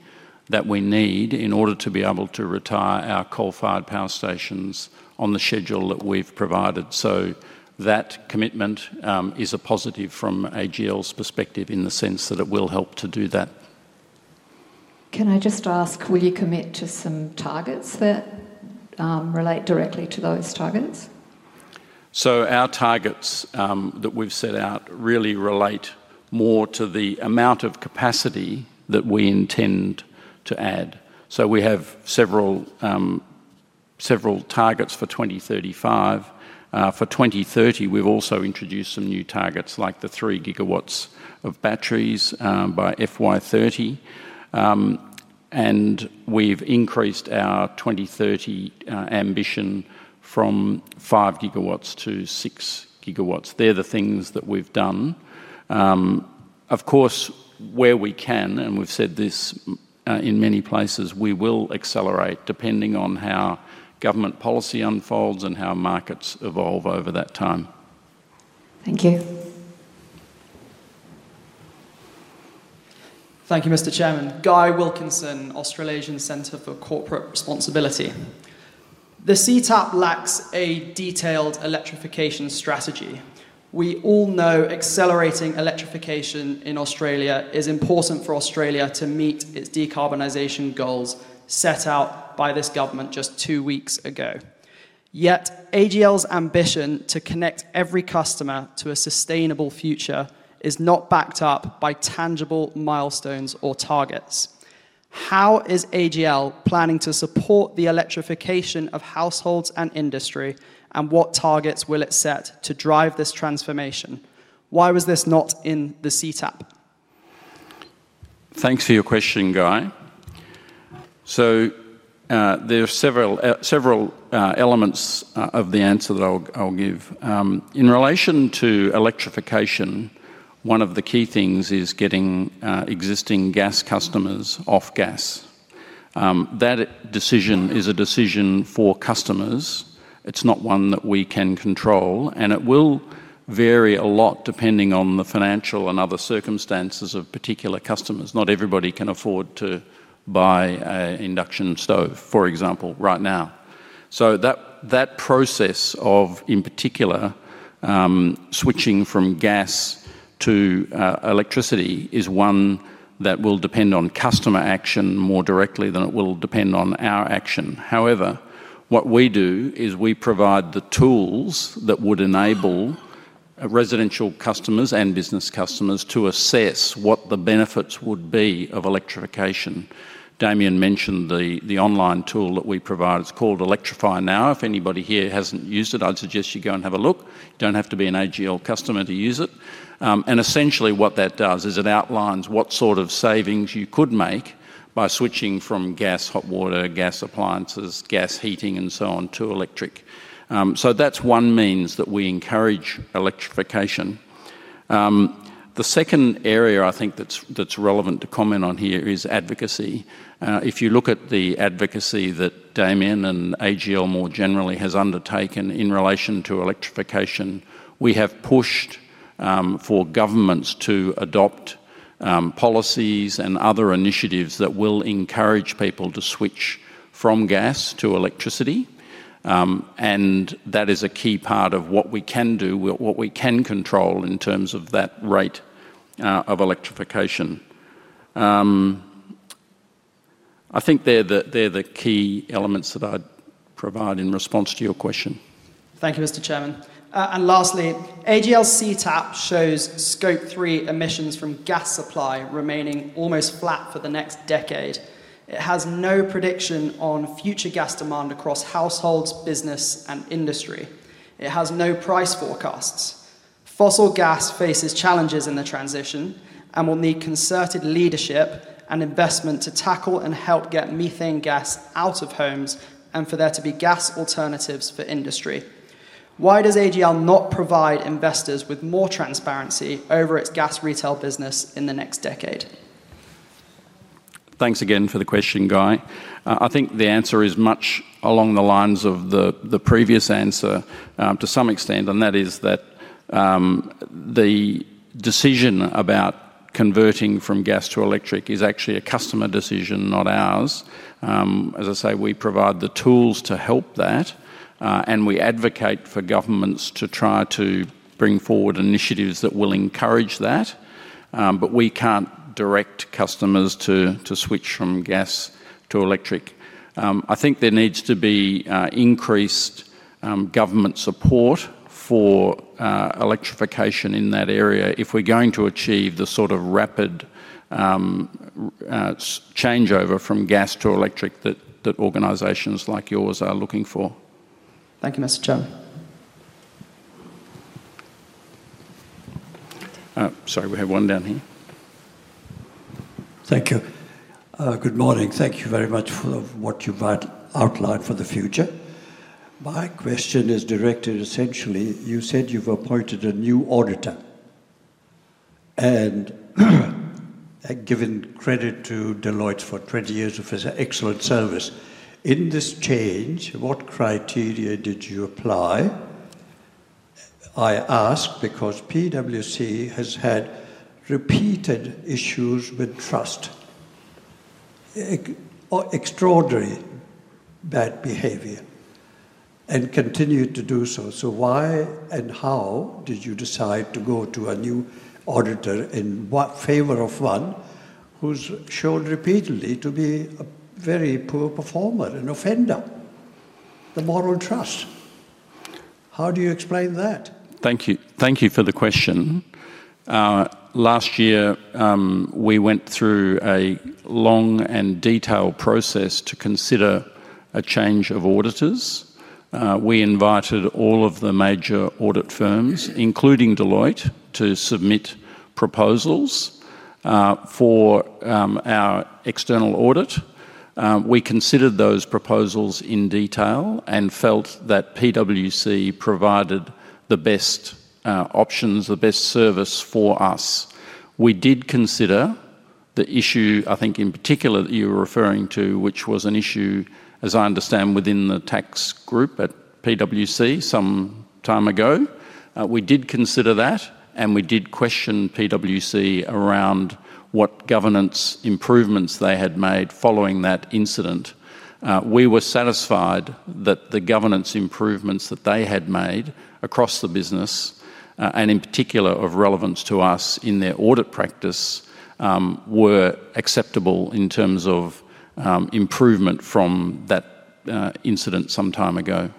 that we need in order to be able to retire our coal-fired power stations on the schedule that we've provided. That commitment is a positive from AGL's perspective in the sense that it will help to do that. Can I just ask, will you commit to some targets that relate directly to those targets? Our targets that we've set out really relate more to the amount of capacity that we intend to add. We have several targets for 2035. For 2030, we've also introduced some new targets like the 3 GW of batteries by FY 2030, and we've increased our 2030 ambition from 5 GW to 6 GW. They're the things that we've done. Of course, where we can, and we've said this in many places, we will accelerate depending on how government policy unfolds and how markets evolve over that time. Thank you. Thank you, Mr. Chairman. Guy Wilkinson, Australasian Centre for Corporate Responsibility. The CTAP lacks a detailed electrification strategy. We all know accelerating electrification in Australia is important for Australia to meet its decarbonization goals set out by this government just two weeks ago. Yet, AGL's ambition to connect every customer to a sustainable future is not backed up by tangible milestones or targets. How is AGL planning to support the electrification of households and industry, and what targets will it set to drive this transformation? Why was this not in the CTAP? Thanks for your question, Guy. There are several elements of the answer that I'll give. In relation to electrification, one of the key things is getting existing gas customers off gas. That decision is a decision for customers. It's not one that we can control, and it will vary a lot depending on the financial and other circumstances of particular customers. Not everybody can afford to buy an induction stove, for example, right now. That process of, in particular, switching from gas to electricity is one that will depend on customer action more directly than it will depend on our action. However, what we do is we provide the tools that would enable residential customers and business customers to assess what the benefits would be of electrification. Damien mentioned the online tool that we provide. It's called Electrify Now. If anybody here hasn't used it, I'd suggest you go and have a look. You don't have to be an AGL customer to use it. Essentially, what that does is it outlines what sort of savings you could make by switching from gas, hot water, gas appliances, gas heating, and so on to electric. That's one means that we encourage electrification. The second area I think that's relevant to comment on here is advocacy. If you look at the advocacy that Damien and AGL more generally have undertaken in relation to electrification, we have pushed for governments to adopt policies and other initiatives that will encourage people to switch from gas to electricity. That is a key part of what we can do, what we can control in terms of that rate of electrification. I think they're the key elements that I'd provide in response to your question. Thank you, Mr. Chairman. Lastly, AGL's CTAP shows Scope 3 emissions from gas supply remaining almost flat for the next decade. It has no prediction on future gas demand across households, business, and industry. It has no price forecasts. Fossil gas faces challenges in the transition and will need concerted leadership and investment to tackle and help get methane gas out of homes and for there to be gas alternatives for industry. Why does AGL not provide investors with more transparency over its gas retail business in the next decade? Thanks again for the question, Guy. I think the answer is much along the lines of the previous answer to some extent, and that is that the decision about converting from gas to electric is actually a customer decision, not ours. As I say, we provide the tools to help that, and we advocate for governments to try to bring forward initiatives that will encourage that, but we can't direct customers to switch from gas to electric. I think there needs to be increased government support for electrification in that area if we're going to achieve the sort of rapid changeover from gas to electric that organizations like yours are looking for. Thank you, Mr. Chairman. Sorry, we have one down here. Thank you. Good morning. Thank you very much for what you've outlined for the future. My question is directed, essentially, you said you've appointed a new auditor and given credit to Deloitte for 20 years of excellent service. In this change, what criteria did you apply? I ask because PwC has had repeated issues with trust, extraordinary bad behavior, and continued to do so. Why and how did you decide to go to a new auditor in favor of one who's shown repeatedly to be a very poor performer and offender? The moral trust. How do you explain that? Thank you. Thank you for the question. Last year, we went through a long and detailed process to consider a change of auditors. We invited all of the major audit firms, including Deloitte, to submit proposals for our external audit. We considered those proposals in detail and felt that PwC provided the best options, the best service for us. We did consider the issue, I think in particular that you were referring to, which was an issue, as I understand, within the tax group at PwC some time ago. We did consider that, and we did question PwC around what governance improvements they had made following that incident. We were satisfied that the governance improvements that they had made across the business, and in particular of relevance to us in their audit practice, were acceptable in terms of improvement from that incident some time ago.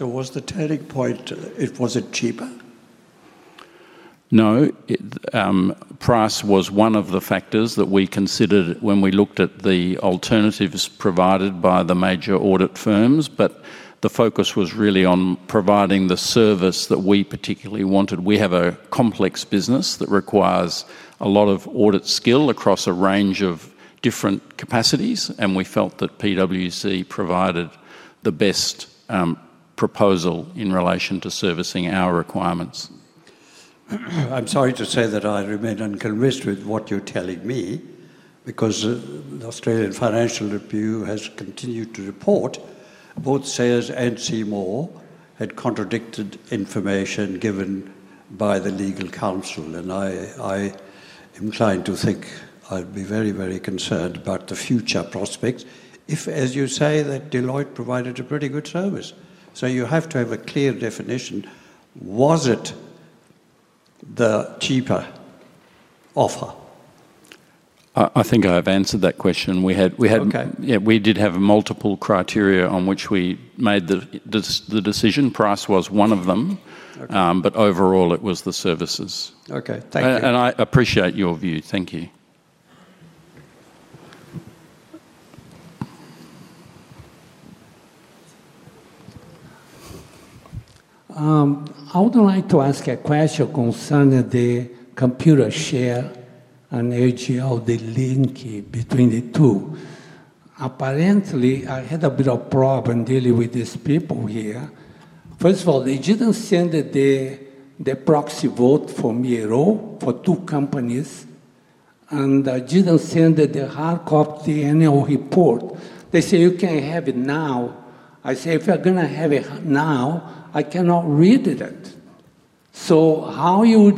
Was the turning point, was it cheaper? No, price was one of the factors that we considered when we looked at the alternatives provided by the major audit firms, but the focus was really on providing the service that we particularly wanted. We have a complex business that requires a lot of audit skill across a range of different capacities, and we felt that PricewaterhouseCoopers provided the best proposal in relation to servicing our requirements. I'm sorry to say that I remain unconvinced with what you're telling me because the Australian Financial Review has continued to report both sales and CMOR had contradicted information given by the legal counsel. I am inclined to think I'd be very, very concerned about the future prospects if, as you say, that Deloitte provided a pretty good service. You have to have a clear definition. Was it the cheaper offer? I think I've answered that question. We did have multiple criteria on which we made the decision. Price was one of them, but overall it was the services. Okay, thank you. I appreciate your view. Thank you. I would like to ask a question concerning the Computershare and AGL, the link between the two. Apparently, I had a bit of a problem dealing with these people here. First of all, they didn't send the proxy vote for me at all for two companies, and they didn't send the hard copy annual report. They say you can have it now. I say if you're going to have it now, I cannot read it. How are you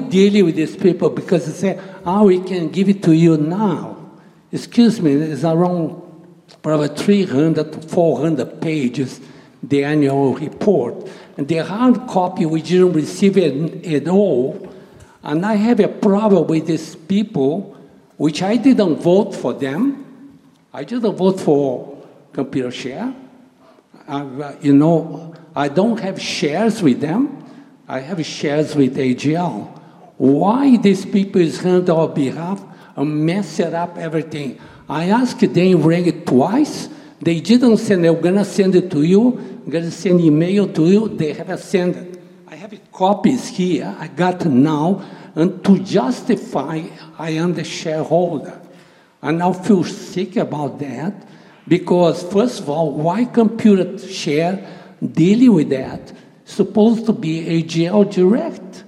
dealing with these people? They say, oh, we can give it to you now. Excuse me, it's around probably 300-400 pages, the annual report. The hard copy, we didn't receive it at all. I have a problem with these people, which I didn't vote for them. I didn't vote for Computershare. I don't have shares with them. I have shares with AGL. Why do these people handle on our behalf and mess up everything? I asked them, read it twice. They didn't say they were going to send it to you. I'm going to send an email to you. They haven't sent it. I have copies here I got now. To justify, I am the shareholder. I feel sick about that because, first of all, why is Computershare dealing with that? It's supposed to be AGL direct.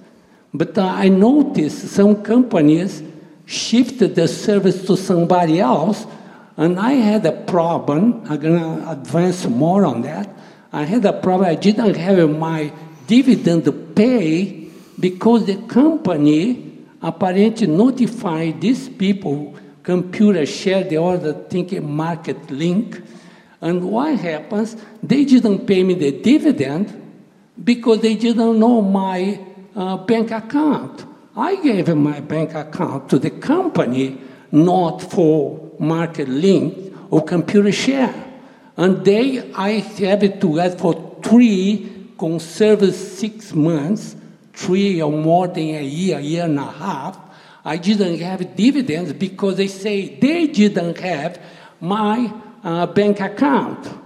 I noticed some companies shifted the service to somebody else, and I had a problem. I'm going to advance more on that. I had a problem. I didn't have my dividend to pay because the company apparently notified these people, Computershare, the other thing MarketLink. What happens? They didn't pay me the dividend because they didn't know my bank account. I gave my bank account to the company, not for MarketLink or Computershare. I have had to ask for three consecutive six months, three or more than a year, a year and a half. I didn't have dividends because they say they didn't have my bank account.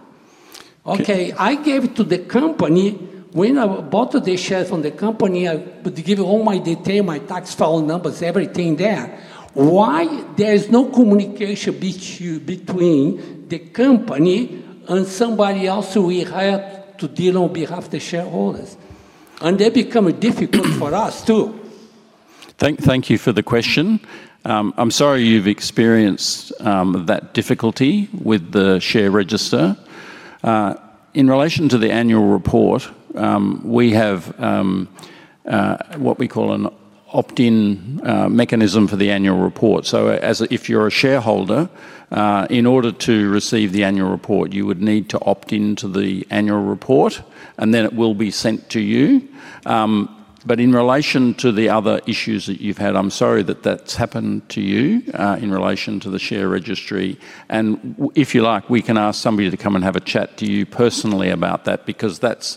I gave it to the company. When I bought the shares from the company, I would give all my details, my tax file numbers, everything there. Why is there no communication between the company and somebody else who we hired to deal on behalf of the shareholders? That becomes difficult for us too. Thank you for the question. I'm sorry you've experienced that difficulty with the share register. In relation to the annual report, we have what we call an opt-in mechanism for the annual report. If you're a shareholder, in order to receive the annual report, you would need to opt into the annual report, and then it will be sent to you. In relation to the other issues that you've had, I'm sorry that that's happened to you in relation to the share registry. If you like, we can ask somebody to come and have a chat to you personally about that because that's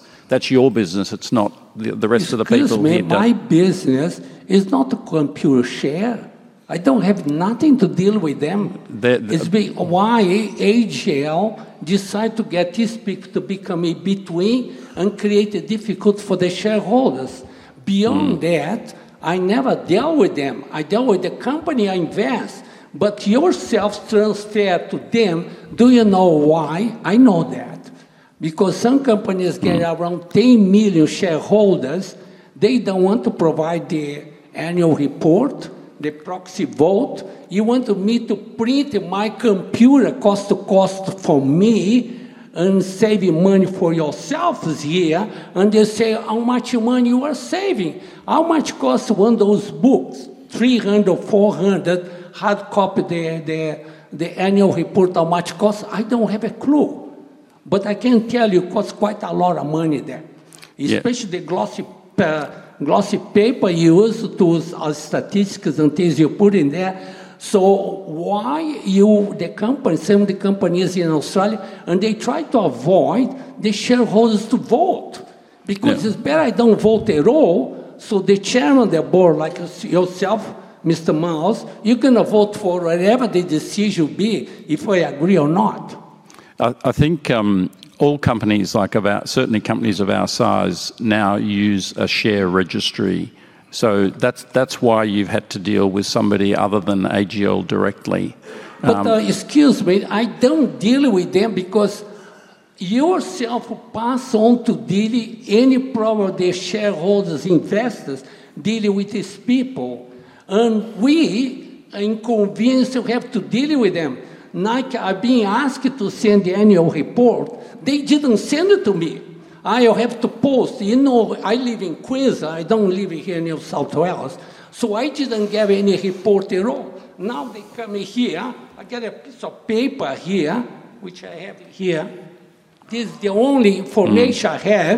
your business. It's not the rest of the people. My business is not the Computershare. I don't have nothing to deal with them. Why AGL decide to get these people to become in between and create a difficulty for the shareholders? Beyond that, I never dealt with them. I dealt with the company I invest. But yourself sells there to them. Do you know why? I know that because some companies get around 10 million shareholders. They don't want to provide the annual report, the proxy vote. You want me to print my computer cost-to-cost for me and save money for yourself this year, and they say how much money you are saving? How much costs one of those books? 300 or 400 hard copy the annual report, how much costs? I don't have a clue. I can tell you it costs quite a lot of money there, especially the glossy paper you use to statistics and things you put in there. Why do the companies, some of the companies in Australia, and they try to avoid the shareholders to vote? It's better I don't vote at all. The Chairman of the Board, like yourself, Mr. Miles, you can vote for whatever the decision will be, if I agree or not. I think all companies, like certainly companies of our size, now use a share registry. That's why you've had to deal with somebody other than AGL directly. Excuse me, I don't deal with them because you will pass on to deal with any problem of the shareholders, investors dealing with these people. We are inconvenienced to have to deal with them. Like I've been asked to send the annual report. They didn't send it to me. I have to post. You know, I live in Queensland. I don't live here in New South Wales. I didn't get any report at all. Now they come here. I get a piece of paper here, which I have here. This is the only information I had.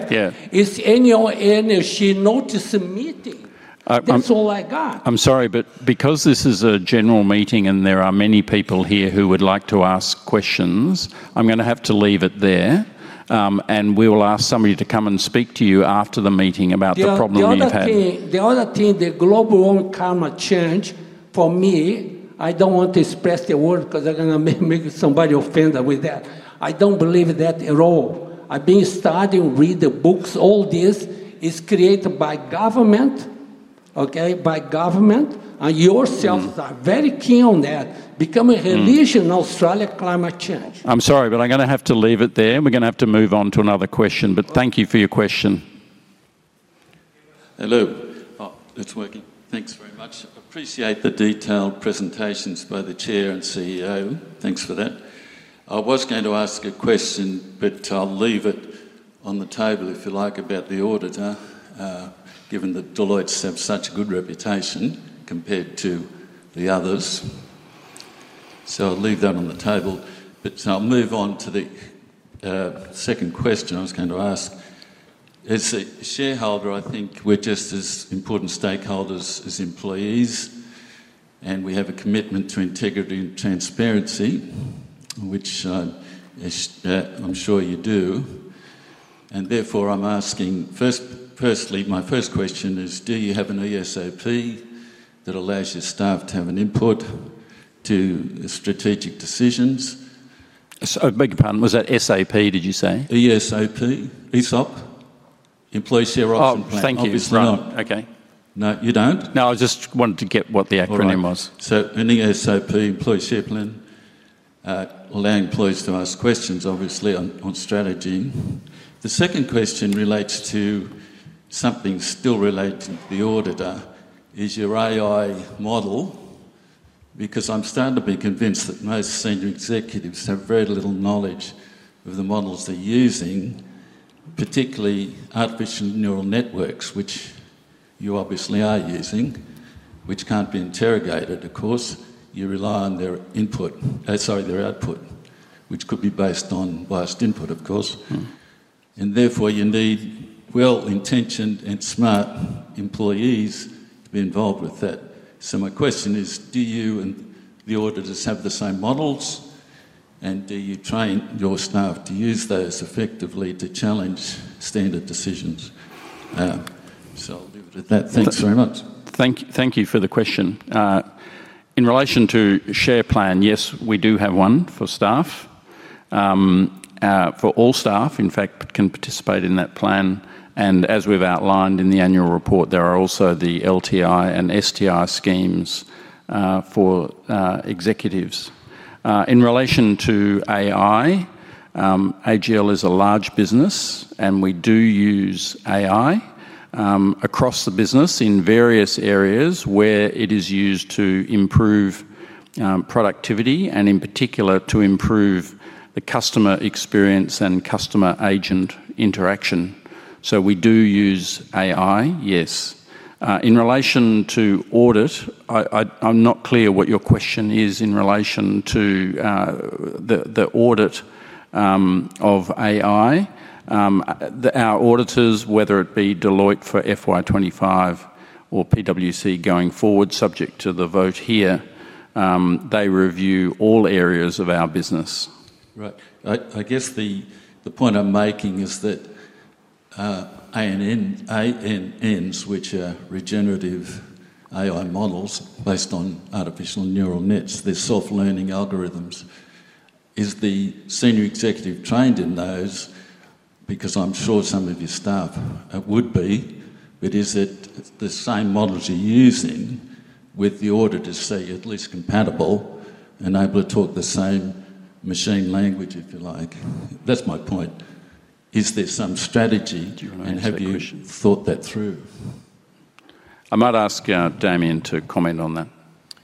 It's annual energy notice meeting. That's all I got. I'm sorry, but because this is a general meeting and there are many people here who would like to ask questions, I'm going to have to leave it there. We will ask somebody to come and speak to you after the meeting about the problem you've had. The other thing, the global on climate change for me, I don't want to express the word because I'm going to make somebody offended with that. I don't believe that at all. I've been starting to read the books. All this is created by government, by government. Yourselves are very keen on that. Become a [religion] in Australia, climate change. I'm sorry, but I'm going to have to leave it there. We're going to have to move on to another question, but thank you for your question. Hello. Oh, it's working. Thanks very much. I appreciate the detailed presentations by the Chair and CEO. Thanks for that. I was going to ask a question, but I'll leave it on the table if you like about the auditor, given that Deloitte has such a good reputation compared to the others. I'll leave that on the table. I'll move on to the second question I was going to ask. As a shareholder, I think we're just as important stakeholders as employees, and we have a commitment to integrity and transparency, which I'm sure you do. Therefore, I'm asking, personally, my first question is, do you have an ESOP that allows your staff to have an input to the strategic decisions? Sorry, beg your pardon. Was that SAP, did you say? ESOP. Employee Share Offering Plan. [ESOP]? Oh, thank you. Okay. No, you don't? No, I just wanted to get what the acronym was. An ESOP, Employee Share Plan, allowing employees to ask questions, obviously, on strategy. The second question relates to something still with [relation] to the auditor, is your AI model, because I'm starting to be convinced that most senior executives have very little knowledge of the models they're using, particularly artificial neural networks, which you obviously are using, which can't be interrogated. Of course, you rely on their output, which could be based on biased input, of course. Therefore, you need well-intentioned and smart employees to be involved with that. My question is, do you and the auditors have the same models? Do you train your staff to use those effectively to challenge standard decisions? I'll leave it at that. Thanks very much. Thank you for the question. In relation to a shared plan, yes, we do have one for staff, for all staff, in fact, can participate in that plan. As we've outlined in the annual report, there are also the LTI and STI schemes for executives. In relation to AI, AGL is a large business, and we do use AI across the business in various areas where it is used to improve productivity and, in particular, to improve the customer experience and customer-agent interaction. We do use AI, yes. In relation to audit, I'm not clear what your question is in relation to the audit of AI. Our auditors, whether it be Deloitte for FY 2025 or PwC going forward, subject to the vote here, review all areas of our business. Right. I guess the point I'm making is that ANNs, which are regenerative AI models based on artificial neural nets, the soft learning algorithms, is the Senior Executive trained in those? I'm sure some of your staff would be, but is it the same models you're using with the auditors, at least compatible and able to talk the same machine language, if you like? That's my point. Is there some strategy? Have you thought that through? I might ask Damien to comment on that.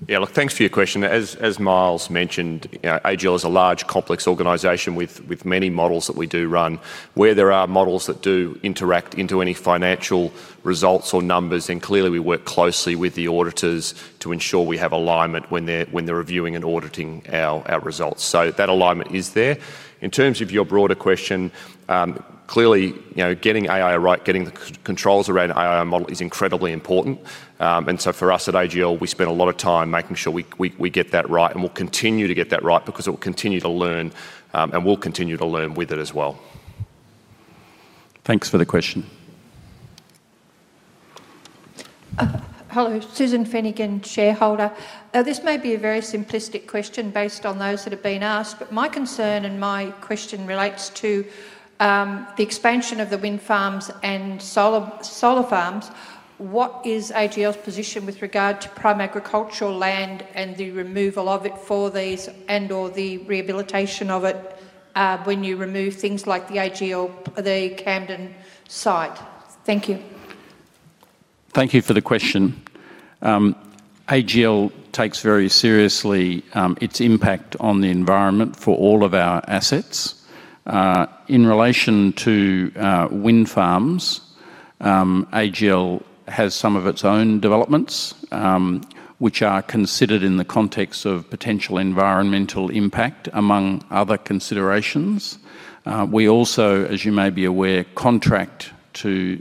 Yeah, look, thanks for your question. As Miles mentioned, AGL is a large, complex organization with many models that we do run. Where there are models that do interact into any financial results or numbers, then clearly we work closely with the auditors to ensure we have alignment when they're reviewing and auditing our results. That alignment is there. In terms of your broader question, clearly, you know, getting AI right, getting the controls around an AI model is incredibly important. For us at AGL, we spend a lot of time making sure we get that right, and we'll continue to get that right because it will continue to learn, and we'll continue to learn with it as well. Thanks for the question. Hello, Susan Finnegan, shareholder. This may be a very simplistic question based on those that have been asked, but my concern and my question relates to the expansion of the wind farms and solar farms. What is AGL's position with regard to prime agricultural land and the removal of it for these and/or the rehabilitation of it when you remove things like the AGL, the Camden site? Thank you. Thank you for the question. AGL takes very seriously its impact on the environment for all of our assets. In relation to wind farms, AGL has some of its own developments, which are considered in the context of potential environmental impact among other considerations. We also, as you may be aware, contract to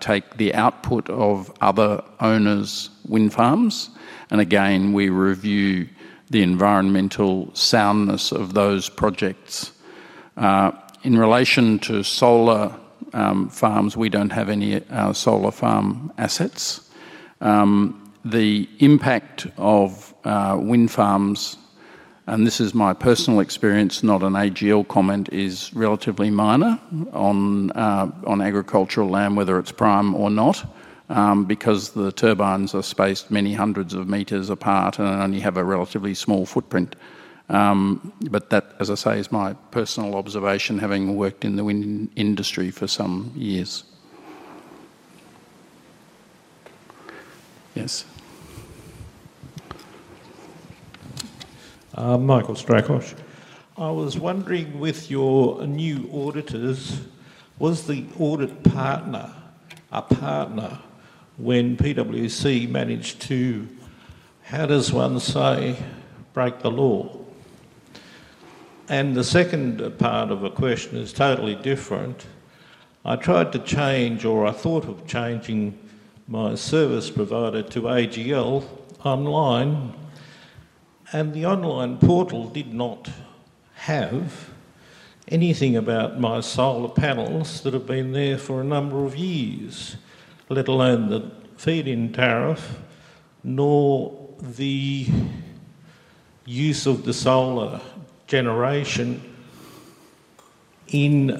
take the output of other owners' wind farms. We review the environmental soundness of those projects. In relation to solar farms, we don't have any solar farm assets. The impact of wind farms, and this is my personal experience, not an AGL comment, is relatively minor on agricultural land, whether it's prime or not, because the turbines are spaced many hundreds of meters apart and only have a relatively small footprint. That, as I say, is my personal observation having worked in the wind industry for some years. Yes? [Michael Straikosh]. I was wondering, with your new auditors, was the audit partner a partner when PwC managed to, how does one say, break the law? The second part of the question is totally different. I tried to change, or I thought of changing my service provider to AGL online, and the online portal did not have anything about my solar panels that have been there for a number of years, let alone the feed-in tariff, nor the use of the solar generation in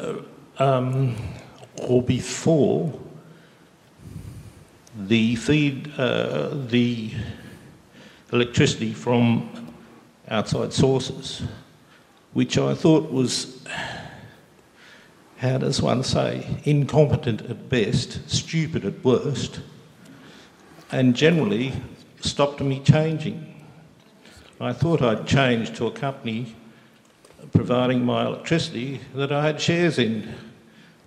or before the electricity from outside sources, which I thought was, how does one say, incompetent at best, stupid at worst, and generally stopped me changing. I thought I'd change to a company providing my electricity that I had shares in,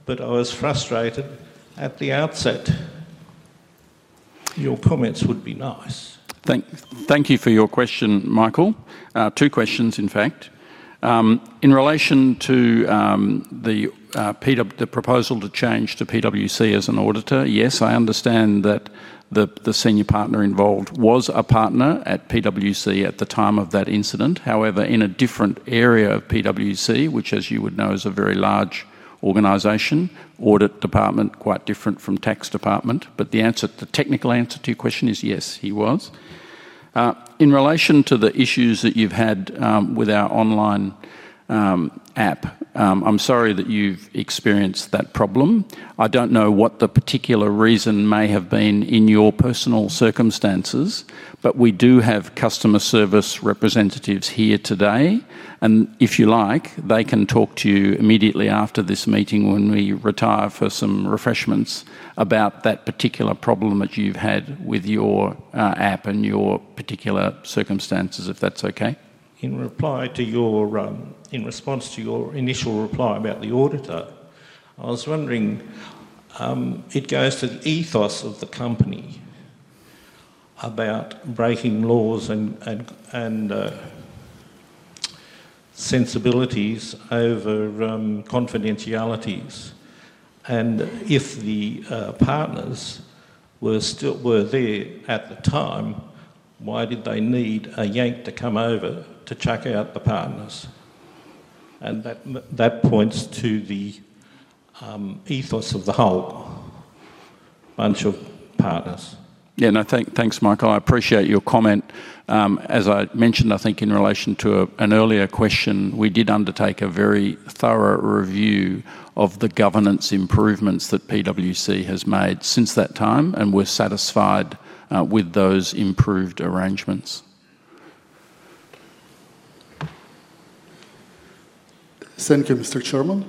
but I was frustrated at the outset. Your comments would be nice. Thank you for your question, Michael. Two questions, in fact. In relation to the proposal to change to PwC as an auditor, yes, I understand that the senior partner involved was a partner at PwC at the time of that incident. However, in a different area of PwC, which, as you would know, is a very large organization, audit department, quite different from tax department. The answer, the technical answer to your question is yes, he was. In relation to the issues that you've had with our online app, I'm sorry that you've experienced that problem. I don't know what the particular reason may have been in your personal circumstances, but we do have customer service representatives here today. If you like, they can talk to you immediately after this meeting when we retire for some refreshments about that particular problem that you've had with your app and your particular circumstances, if that's okay. In response to your initial reply about the auditor, I was wondering, it goes to the ethos of the company about breaking laws and sensibilities over confidentialities. If the partners were still there at the time, why did they need a yank to come over to check out the partners? That points to the ethos of the whole bunch of partners. Thank you, Michael. I appreciate your comment. As I mentioned, I think in relation to an earlier question, we did undertake a very thorough review of the governance improvements that PwC has made since that time, and we're satisfied with those improved arrangements. Thank you, Mr. Chairman.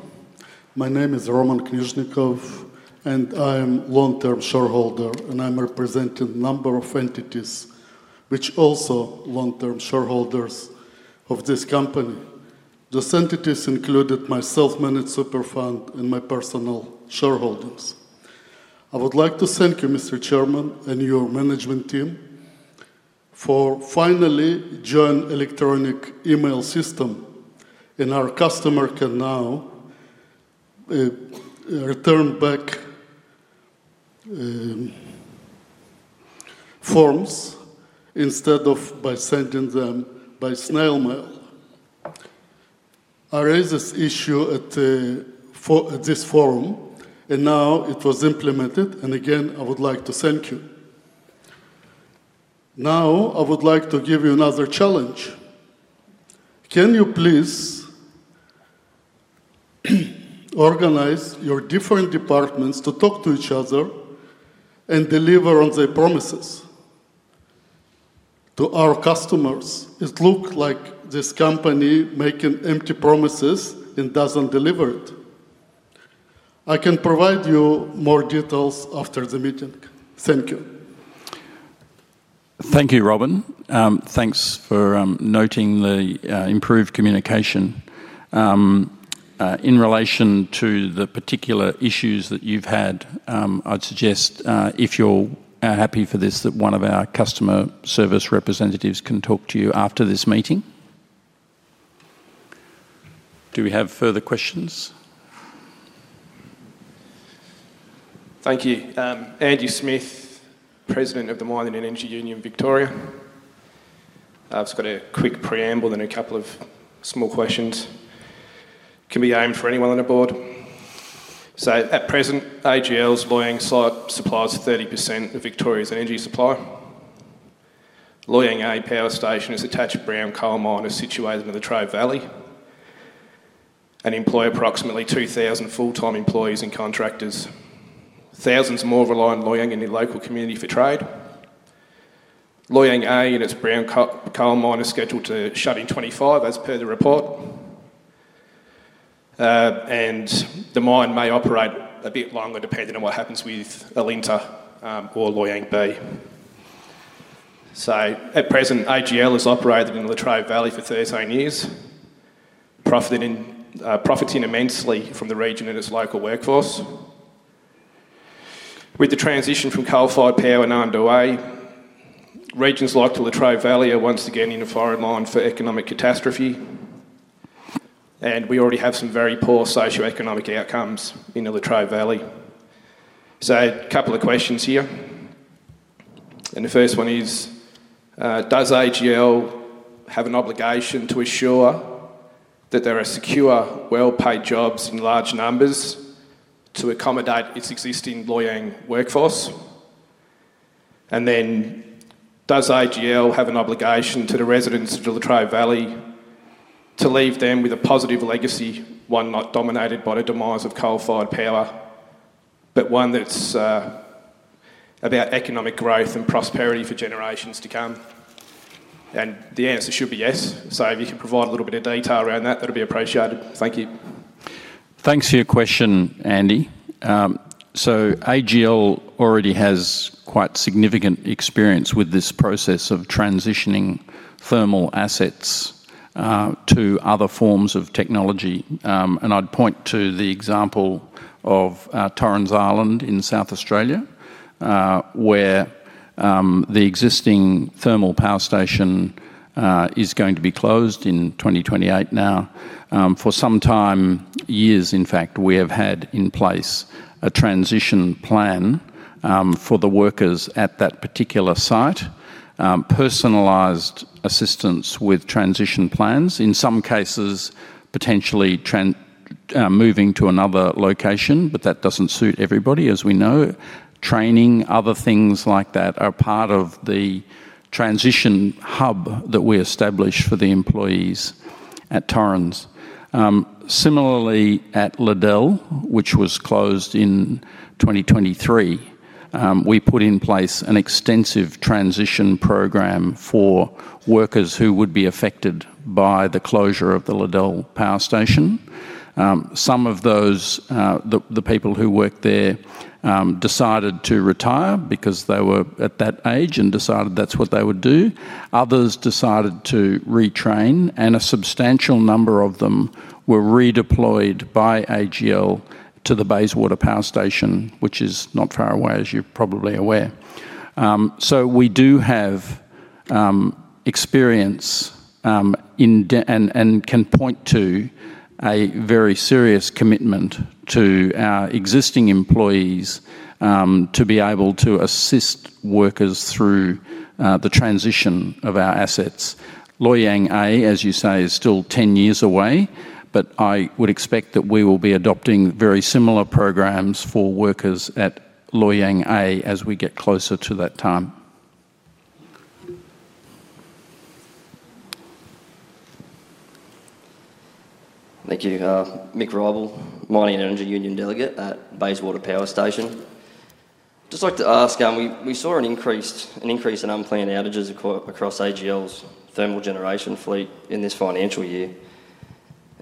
My name is Roman Kuznikov, and I am a long-term shareholder, and I'm representing a number of entities, which are also long-term shareholders of this company. These entities include myself, many super funds, and my personal shareholders. I would like to thank you, Mr. Chairman, and your management team for finally joining the electronic email system, and our customer can now return back forms instead of sending them by snail mail. I raised this issue at this forum, and now it was implemented. I would like to thank you. I would like to give you another challenge. Can you please organize your different departments to talk to each other and deliver on their promises to our customers? It looks like this company is making empty promises and doesn't deliver it. I can provide you more details after the meeting. Thank you. Thank you, Roman. Thanks for noting the improved communication. In relation to the particular issues that you've had, I'd suggest, if you're happy for this, that one of our customer service representatives can talk to you after this meeting. Do we have further questions? Thank you. Andy Smith, President of the Mining and Energy Union of Victoria. I've just got a quick preamble and a couple of small questions. It can be aimed for anyone on the board. At present, AGL's Loy Yang site supplies 30% of Victoria's energy supply. Loy Yang A power station is attached to a brown coal mine, is situated in the Latrobe Valley, and employs approximately 2,000 full-time employees and contractors. Thousands more rely on Loy Yang in their local community for trade. Loy Yang A and its brown coal mine are scheduled to shut in 2025, as per the report. The mine may operate a bit longer depending on what happens with Alinta or Loy Yang B. At present, AGL has operated in the Latrobe Valley for 13 years, profiting immensely from the region and its local workforce. With the transition from coal-fired power underway, regions like the Latrobe Valley are once again in a firing line for economic catastrophe. We already have some very poor socioeconomic outcomes in the Latrobe Valley. A couple of questions here. The first one is, does AGL have an obligation to ensure that there are secure, well-paid jobs in large numbers to accommodate its existing Loy Yang workforce? Does AGL have an obligation to the residents of the Latrobe Valley to leave them with a positive legacy, one not dominated by the demise of coal-fired power, but one that's about economic growth and prosperity for generations to come? The answer should be yes. If you could provide a little bit of detail around that, that'd be appreciated. Thank you. Thanks for your question, Andy. AGL already has quite significant experience with this process of transitioning thermal assets to other forms of technology. I'd point to the example of Torrens Island in South Australia, where the existing thermal power station is going to be closed in 2028 now. For some time, years in fact, we have had in place a transition plan for the workers at that particular site, personalized assistance with transition plans. In some cases, potentially moving to another location, but that doesn't suit everybody, as we know. Training, other things like that are part of the transition hub that we established for the employees at Torrens. Similarly, at Liddell, which was closed in 2023, we put in place an extensive transition program for workers who would be affected by the closure of the Liddell power station. Some of those, the people who worked there, decided to retire because they were at that age and decided that's what they would do. Others decided to retrain, and a substantial number of them were redeployed by AGL to the Bayswater power station, which is not far away, as you're probably aware. We do have experience and can point to a very serious commitment to our existing employees to be able to assist workers through the transition of our assets. Loy Yang A, as you say, is still 10 years away, but I would expect that we will be adopting very similar programs for workers at Loy Yang A as we get closer to that time. Thank you. [Mick Robel], Mining and Energy Union delegate at Bayswater power station. I'd just like to ask, we saw an increase in unplanned outages across AGL's thermal generation fleet in this financial year.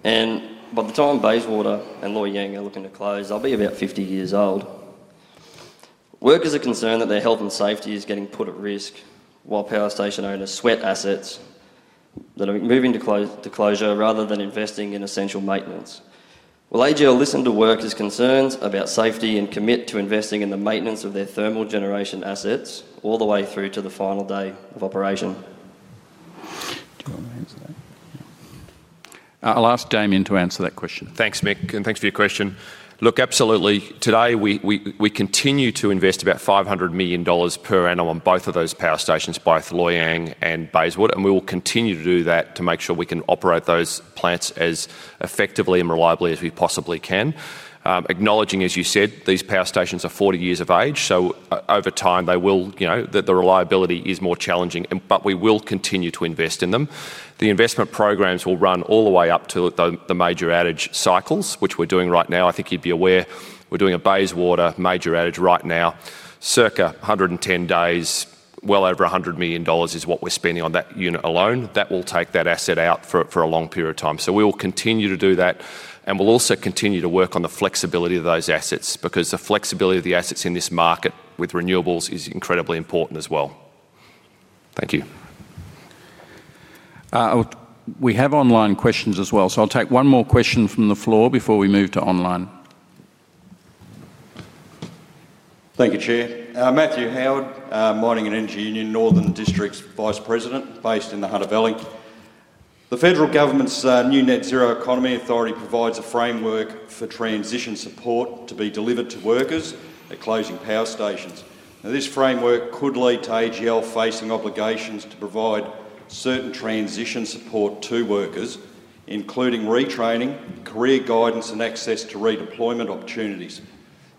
By the time Bayswater and Loy Yang are looking to close, I'll be about 50 years old. Workers are concerned that their health and safety is getting put at risk while power station owners sweat assets that are moving to closure rather than investing in essential maintenance. Will AGL listen to workers' concerns about safety and commit to investing in the maintenance of their thermal generation assets all the way through to the final day of operation? I'll ask Damien to answer that question. Thanks, Mick, and thanks for your question. Absolutely. Today, we continue to invest about 500 million dollars per annum on both of those power stations, both Loy Yang and Bayswater, and we will continue to do that to make sure we can operate those plants as effectively and reliably as we possibly can. Acknowledging, as you said, these power stations are 40 years of age, so over time, the reliability is more challenging, but we will continue to invest in them. The investment programs will run all the way up to the major outage cycles, which we're doing right now. I think you'd be aware, we're doing a Bayswater major outage right now. Circa 110 days, well over 100 million dollars is what we're spending on that unit alone. That will take that asset out for a long period of time. We will continue to do that, and we'll also continue to work on the flexibility of those assets because the flexibility of the assets in this market with renewables is incredibly important as well. Thank you. We have online questions as well, so I'll take one more question from the floor before we move to online. Thank you, Chair. Matthew Howard, Mining and Energy Union Northern District's Vice President, based in the Hunter Valley. The federal government's new Net Zero Economy Authority provides a framework for transition support to be delivered to workers at closing power stations. This framework could lead to AGL facing obligations to provide certain transition support to workers, including retraining, career guidance, and access to redeployment opportunities.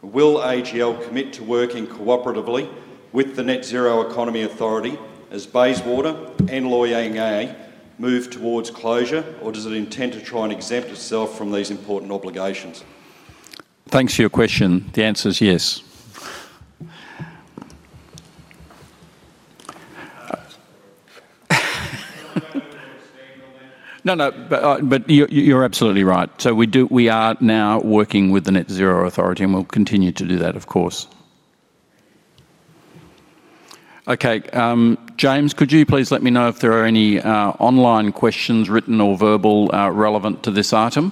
Will AGL commit to working cooperatively with the Net Zero Economy Authority as Bayswater and Loy Yang A move towards closure, or does it intend to try and exempt itself from these important obligations? Thanks for your question. The answer is yes. No, you're absolutely right. We are now working with the Net Zero Authority, and we'll continue to do that, of course. Okay, James, could you please let me know if there are any online questions, written or verbal, relevant to this item?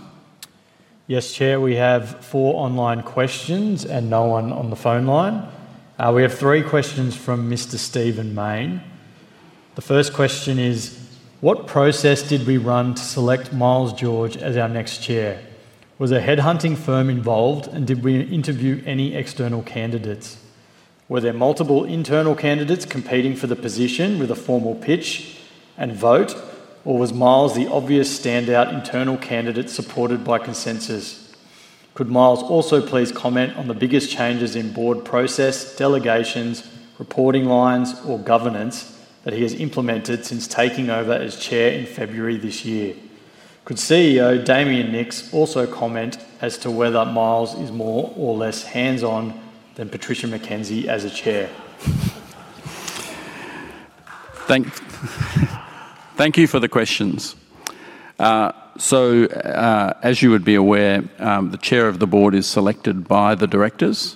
Yes, Chair, we have four online questions and no one on the phone line. We have three questions from Mr. Stephen Main. The first question is, what process did we run to select Miles George as our next Chair? Was a headhunting firm involved, and did we interview any external candidates? Were there multiple internal candidates competing for the position with a formal pitch and vote, or was Miles the obvious standout internal candidate supported by consensus? Could Miles also please comment on the biggest changes in board process, delegations, reporting lines, or governance that he has implemented since taking over as Chair in February this year? Could CEO Damien Nicks also comment as to whether Miles is more or less hands-on than Patricia McKenzie as a Chair? Thank you for the questions. As you would be aware, the Chair of the Board is selected by the directors,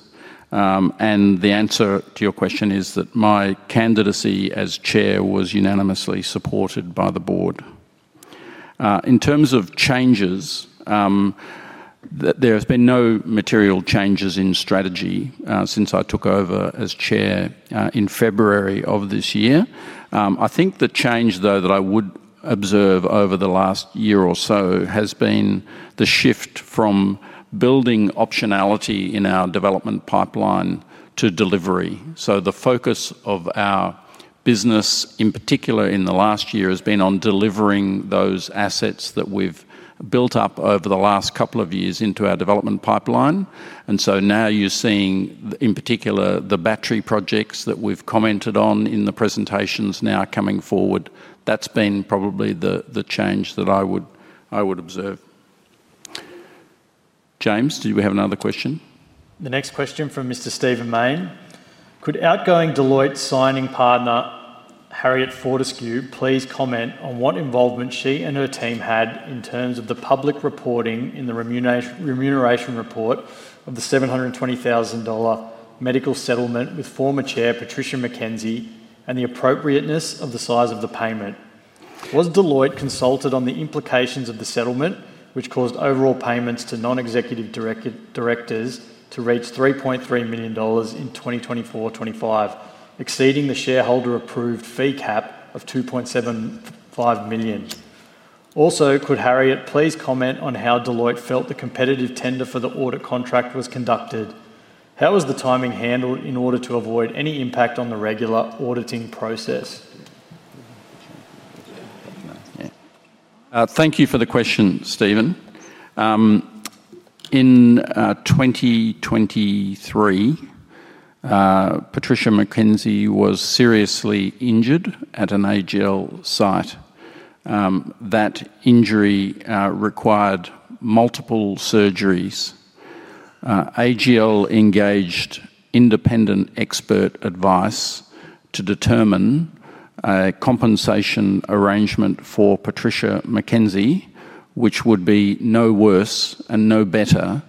and the answer to your question is that my candidacy as Chair was unanimously supported by the Board. In terms of changes, there have been no material changes in strategy since I took over as Chair in February of this year. I think the change, though, that I would observe over the last year or so has been the shift from building optionality in our development pipeline to delivery. The focus of our business, in particular in the last year, has been on delivering those assets that we've built up over the last couple of years into our development pipeline. Now you're seeing, in particular, the battery projects that we've commented on in the presentations now coming forward. That's been probably the change that I would observe. James, do we have another question? The next question from Mr. Stephen Main. Could outgoing Deloitte signing partner Harriet Fortescue please comment on what involvement she and her team had in terms of the public reporting in the remuneration report of the 720,000 dollar medical settlement with former Chair Patricia McKenzie and the appropriateness of the size of the payment? Was Deloitte consulted on the implications of the settlement, which caused overall payments to non-executive directors to reach 3.3 million dollars in 2024-2025, exceeding the shareholder-approved fee cap of 2.75 million? Also, could Harriet please comment on how Deloitte felt the competitive tender for the audit contract was conducted? How was the timing handled in order to avoid any impact on the regular auditing process? Thank you for the question, Stephen. In 2023, Patricia McKenzie was seriously injured at an AGL site. That injury required multiple surgeries. AGL engaged independent expert advice to determine a compensation arrangement for Patricia McKenzie, which would be no worse and no better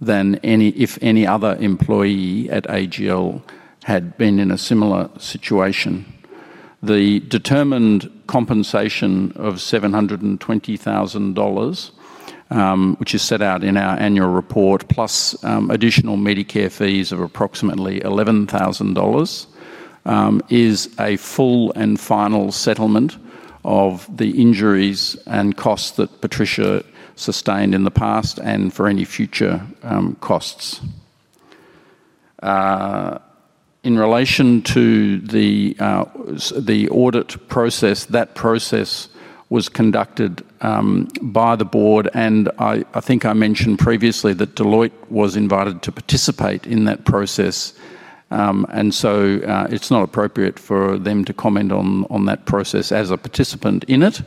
than if any other employee at AGL had been in a similar situation. The determined compensation of 720,000 dollars, which is set out in our annual report, plus additional Medicare fees of approximately 11,000 dollars, is a full and final settlement of the injuries and costs that Patricia sustained in the past and for any future costs. In relation to the audit process, that process was conducted by the board. I think I mentioned previously that Deloitte was invited to participate in that process. It's not appropriate for them to comment on that process as a participant in it.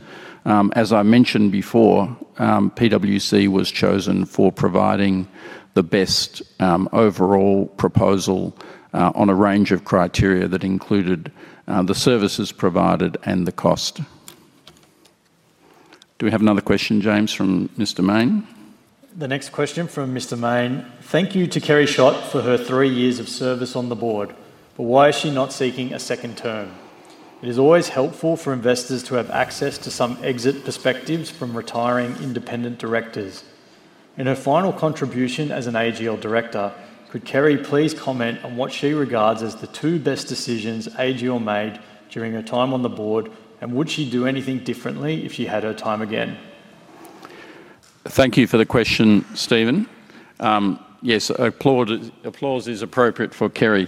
As I mentioned before, PwC was chosen for providing the best overall proposal on a range of criteria that included the services provided and the cost. Do we have another question, James, from Mr. Main? The next question from Mr. Main. Thank you to Kerry Schott for her three years of service on the board, but why is she not seeking a second term? It is always helpful for investors to have access to some exit perspectives from retiring independent directors. In her final contribution as an AGL director, could Kerry please comment on what she regards as the two best decisions AGL made during her time on the board, and would she do anything differently if she had her time again? Thank you for the question, Stephen. Yes, applause is appropriate for Kerry.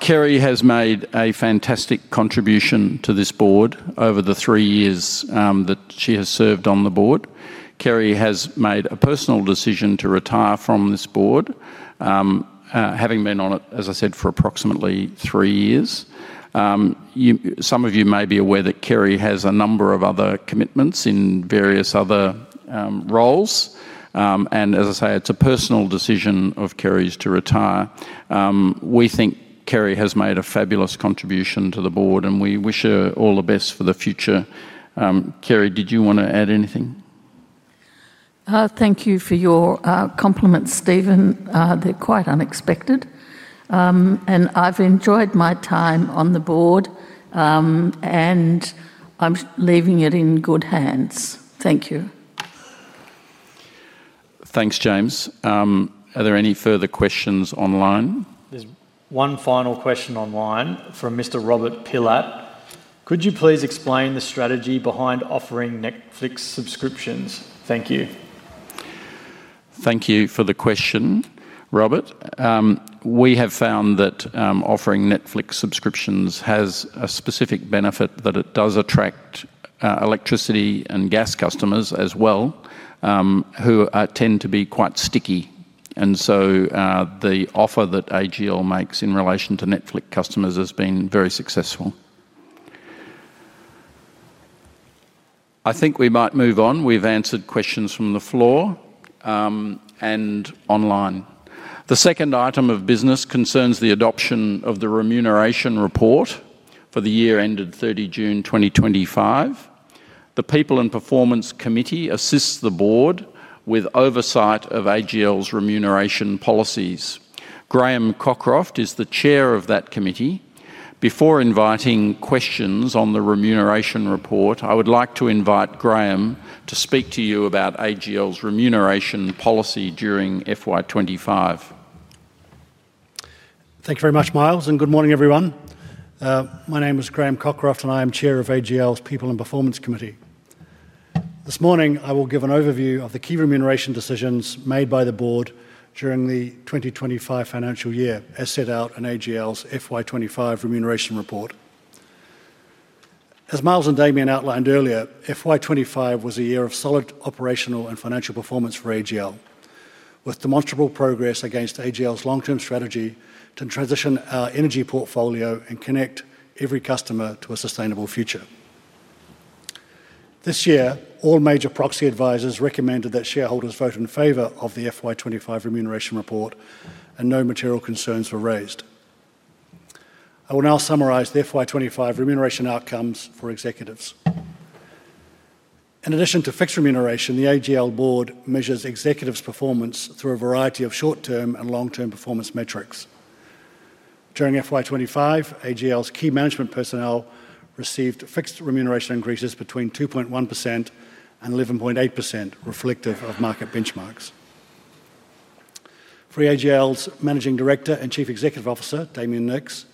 Kerry has made a fantastic contribution to this board over the three years that she has served on the board. Kerry has made a personal decision to retire from this board, having been on it, as I said, for approximately three years. Some of you may be aware that Kerry has a number of other commitments in various other roles. It is a personal decision of Kerry's to retire. We think Kerry has made a fabulous contribution to the board, and we wish her all the best for the future. Kerry, did you want to add anything? Thank you for your compliments, Stephen. They're quite unexpected. I've enjoyed my time on the board, and I'm leaving it in good hands. Thank you. Thanks, James. Are there any further questions online? There's one final question online from Mr. Robert Pillat. Could you please explain the strategy behind offering Netflix subscriptions? Thank you. Thank you for the question, Robert. We have found that offering Netflix subscriptions has a specific benefit that it does attract electricity and gas customers as well, who tend to be quite sticky. The offer that AGL makes in relation to Netflix customers has been very successful. I think we might move on. We've answered questions from the floor and online. The second item of business concerns the adoption of the remuneration report for the year ended 30 June 2025. The People and Performance Committee assists the Board with oversight of AGL's remuneration policies. Graham Cockroft is the Chair of that committee. Before inviting questions on the remuneration report, I would like to invite Graham to speak to you about AGL's remuneration policy during FY 2025. Thank you very much, Miles, and good morning, everyone. My name is Graham Cockroft and I am Chair of AGL's People and Performance Committee. This morning, I will give an overview of the key remuneration decisions made by the board during the 2025 financial year, as set out in AGL's FY 2025 remuneration report. As Miles and Damien outlined earlier, FY 2025 was a year of solid operational and financial performance for AGL, with demonstrable progress against AGL's long-term strategy to transition our energy portfolio and connect every customer to a sustainable future. This year, all major proxy advisors recommended that shareholders vote in favor of the FY 2025 remuneration report, and no material concerns were raised. I will now summarize the FY 2025 remuneration outcomes for executives. In addition to fixed remuneration, the AGL board measures executives' performance through a variety of short-term and long-term performance metrics. During FY 2025, AGL's key management personnel received fixed remuneration increases between 2.1% and 11.8%, reflective of market benchmarks. For AGL's Managing Director and Chief Executive Officer, Damien Nicks,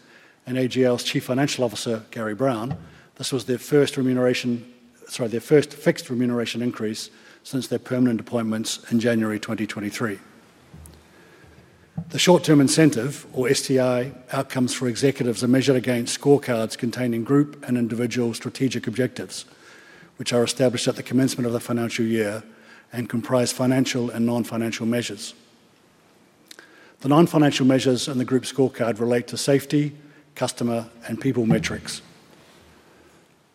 and AGL's Chief Financial Officer, Gary Brown, this was their first fixed remuneration increase since their permanent appointments in January 2023. The short-term incentive, or STI, outcomes for executives are measured against scorecards containing group and individual strategic objectives, which are established at the commencement of the financial year and comprise financial and non-financial measures. The non-financial measures in the group scorecard relate to safety, customer, and people metrics.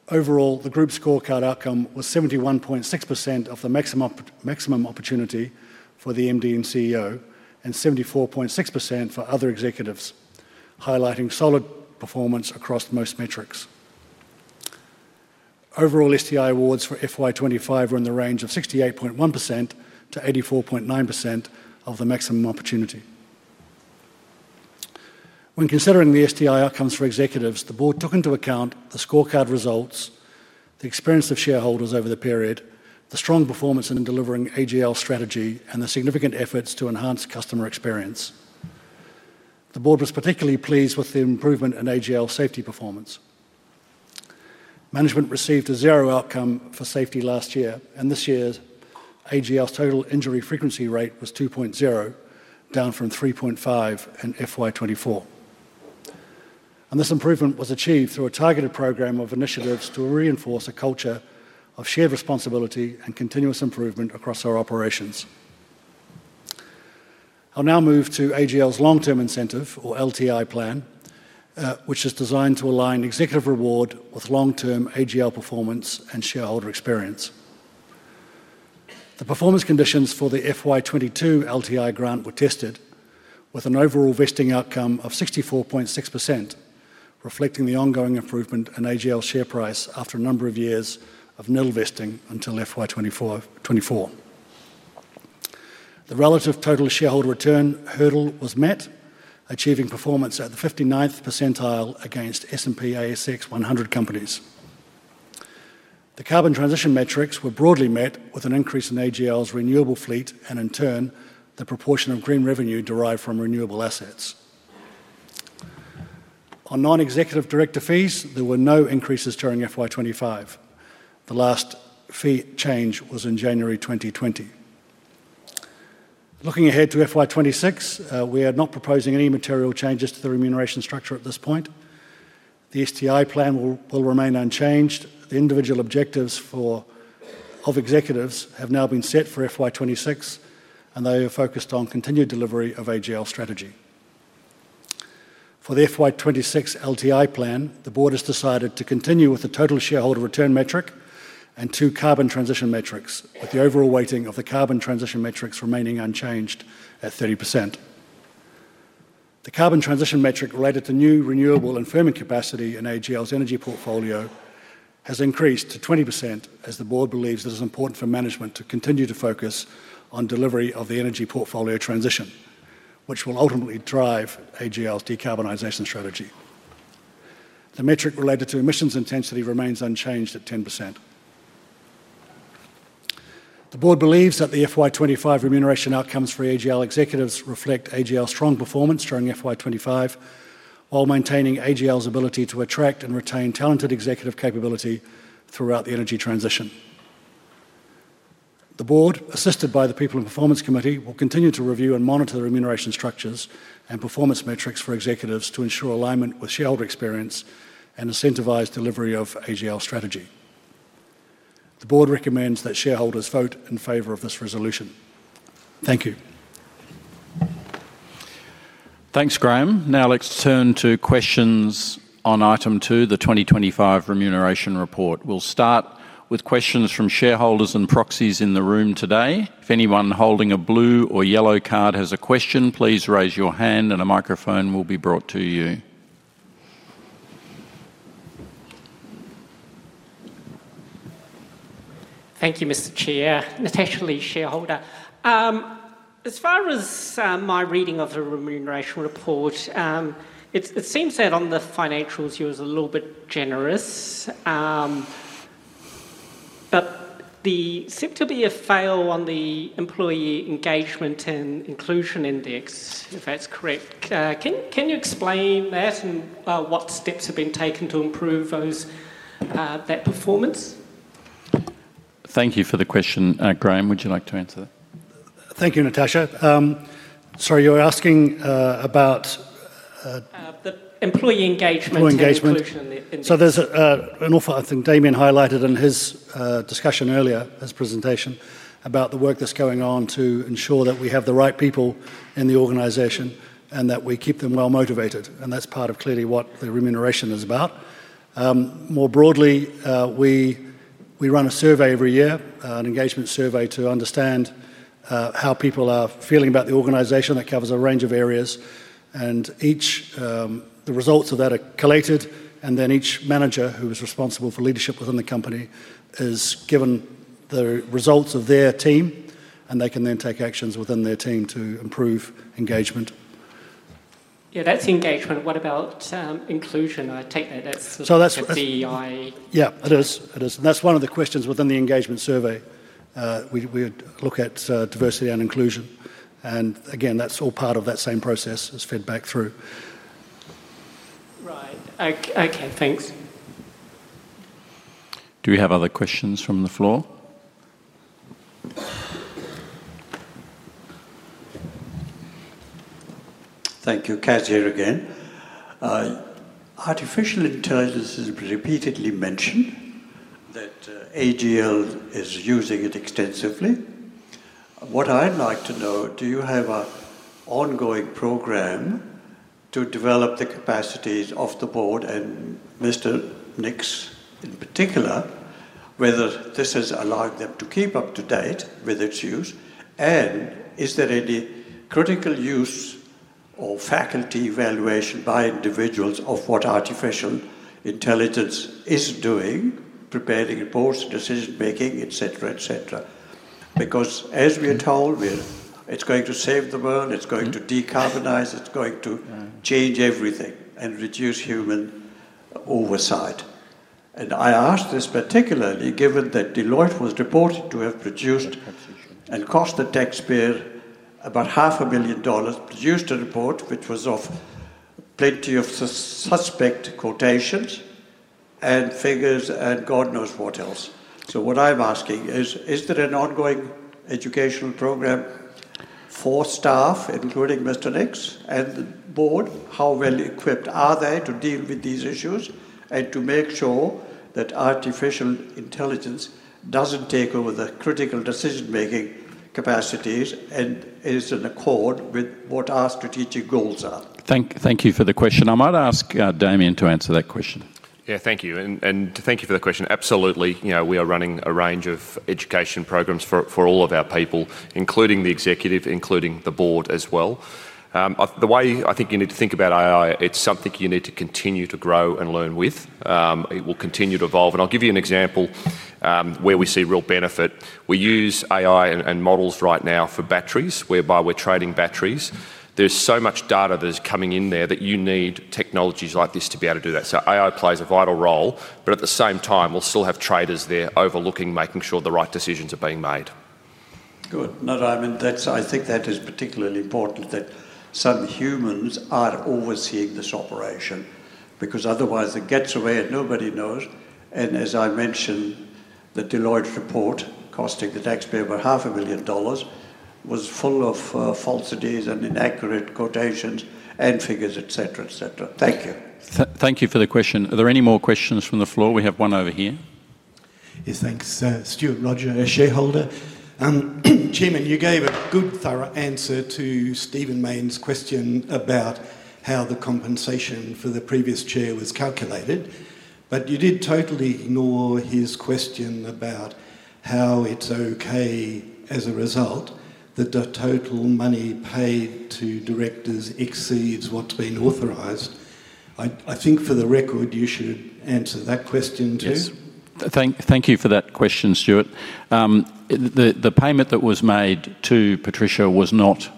Overall, the group scorecard outcome was 71.6% of the maximum opportunity for the MD and CEO and 74.6% for other executives, highlighting solid performance across most metrics. Overall STI awards for FY 2025 were in the range of 68.1% to 84.9% of the maximum opportunity. When considering the STI outcomes for executives, the board took into account the scorecard results, the experience of shareholders over the period, the strong performance in delivering AGL strategy, and the significant efforts to enhance customer experience. The board was particularly pleased with the improvement in AGL safety performance. Management received a zero outcome for safety last year, and this year AGL's total injury frequency rate was 2.0, down from 3.5 in FY 2024. This improvement was achieved through a targeted program of initiatives to reinforce a culture of shared responsibility and continuous improvement across our operations. I'll now move to AGL's long-term incentive, or LTI plan, which is designed to align executive reward with long-term AGL performance and shareholder experience. The performance conditions for the FY 2022 LTI grant were tested, with an overall vesting outcome of 64.6%, reflecting the ongoing improvement in AGL's share price after a number of years of [investing] until FY 2024. The relative total shareholder return hurdle was met, achieving performance at the 59th percentile against S&P ASX 100 companies. The carbon transition metrics were broadly met with an increase in AGL's renewable fleet and, in turn, the proportion of green revenue derived from renewable assets. On non-executive director fees, there were no increases during FY 2025. The last fee change was in January 2020. Looking ahead to FY 2026, we are not proposing any material changes to the remuneration structure at this point. The STI plan will remain unchanged. The individual objectives of executives have now been set for FY 2026, and they are focused on continued delivery of AGL strategy. For the FY 2026 LTI plan, the board has decided to continue with the total shareholder return metric and two carbon transition metrics, with the overall weighting of the carbon transition metrics remaining unchanged at 30%. The carbon transition metric related to new renewable and firming capacity in AGL's energy portfolio has increased to 20% as the board believes it is important for management to continue to focus on delivery of the energy portfolio transition, which will ultimately drive AGL's decarbonization strategy. The metric related to emissions intensity remains unchanged at 10%. The board believes that the FY 2025 remuneration outcomes for AGL executives reflect AGL's strong performance during FY 2025, while maintaining AGL's ability to attract and retain talented executive capability throughout the energy transition. The board, assisted by the People and Performance Committee, will continue to review and monitor the remuneration structures and performance metrics for executives to ensure alignment with shareholder experience and incentivize delivery of AGL strategy. The board recommends that shareholders vote in favor of this resolution. Thank you. Thanks, Graham. Now let's turn to questions on item two, the 2025 remuneration report. We'll start with questions from shareholders and proxies in the room today. If anyone holding a blue or yellow card has a question, please raise your hand and a microphone will be brought to you. Thank you, Mr. Chair. Natasha Lee, shareholder. As far as my reading of the remuneration report, it seems that on the financials you were a little bit generous, but there seemed to be a fail on the employee engagement and inclusion index, if that's correct. Can you explain that and what steps have been taken to improve that performance? Thank you for the question, Graham. Would you like to answer that? Thank you, Natasha. Sorry, you're asking about? The employee engagement and inclusion. There is an awful lot, I think Damien highlighted in his discussion earlier, his presentation about the work that's going on to ensure that we have the right people in the organization and that we keep them well motivated. That's part of clearly what the remuneration is about. More broadly, we run a survey every year, an engagement survey to understand how people are feeling about the organization. That covers a range of areas. The results of that are collected, and then each manager who is responsible for leadership within the company is given the results of their team, and they can then take actions within their team to improve engagement. Yeah, that's engagement. What about inclusion? I take that as sort of a CEI. It is. It is. That's one of the questions within the engagement survey. We look at diversity and inclusion. Again, that's all part of that same process that's fed back through. Right. Okay, thanks. Do we have other questions from the floor? Thank you, [Kaj here] again. Artificial intelligence is repeatedly mentioned that AGL is using it extensively. What I'd like to know, do you have an ongoing program to develop the capacities of the board and Mr. Nicks in particular, whether this has allowed them to keep up to date with its use, and is there any critical use or faculty evaluation by individuals of what artificial intelligence is doing, preparing reports, decision-making, etc., etc.? Because as we are told, it's going to save the world, it's going to decarbonize, it's going to change everything and reduce human oversight. I ask this particularly given that Deloitte was reported to have produced and cost the taxpayer about 0.5 million dollars, produced a report which was of plenty of suspect quotations and figures and God knows what else. What I'm asking is, is there an ongoing educational program for staff, including Mr.Nicks and the board? How well equipped are they to deal with these issues and to make sure that artificial intelligence doesn't take over the critical decision-making capacities and is in accord with what our strategic goals are? Thank you for the question. I might ask Damien to answer that question. Thank you, and thank you for the question. Absolutely. We are running a range of education programs for all of our people, including the Executive, including the Board as well. The way I think you need to think about AI, it's something you need to continue to grow and learn with. It will continue to evolve. I'll give you an example where we see real benefit. We use AI and models right now for batteries, whereby we're trading batteries. There's so much data that is coming in there that you need technologies like this to be able to do that. AI plays a vital role, but at the same time, we'll still have traders there overlooking, making sure the right decisions are being made. No, I mean, I think that is particularly important that some humans are overseeing this operation because otherwise it gets away and nobody knows. As I mentioned, the Deloitte report costing the taxpayer about 0.5 million dollars was full of falsities and inaccurate quotations and figures, etc., etc. Thank you. Thank you for the question. Are there any more questions from the floor? We have one over here. Yes, thanks. Stuart Roger, a shareholder. Chairman, you gave a good, thorough answer to Stephen Main's question about how the compensation for the previous Chair was calculated, but you did totally ignore his question about how it's okay as a result that the total money paid to directors exceeds what's been authorized. I think for the record, you should answer that question too. Yes, thank you for that question, Stuart. The payment that was made to Patricia was not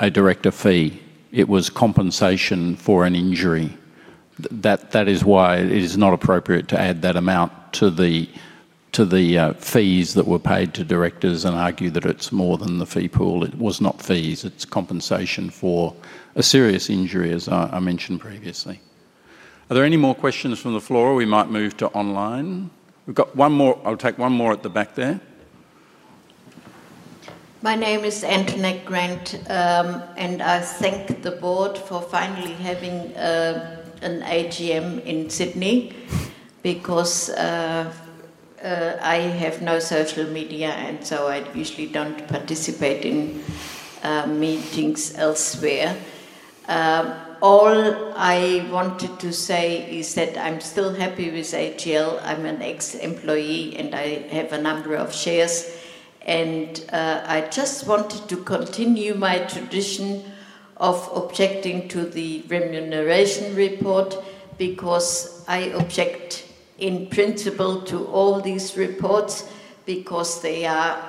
a director fee. It was compensation for an injury. That is why it is not appropriate to add that amount to the fees that were paid to directors and argue that it's more than the fee pool. It was not fees. It's compensation for a serious injury, as I mentioned previously. Are there any more questions from the floor? We might move to online. We've got one more. I'll take one more at the back there. My name is Antonette Grant, and I thank the board for finally having an AGM in Sydney because I have no social media, and I usually don't participate in meetings elsewhere. All I wanted to say is that I'm still happy with AGL. I'm an ex-employee, and I have a number of shares. I just wanted to continue my tradition of objecting to the remuneration report because I object in principle to all these reports because they are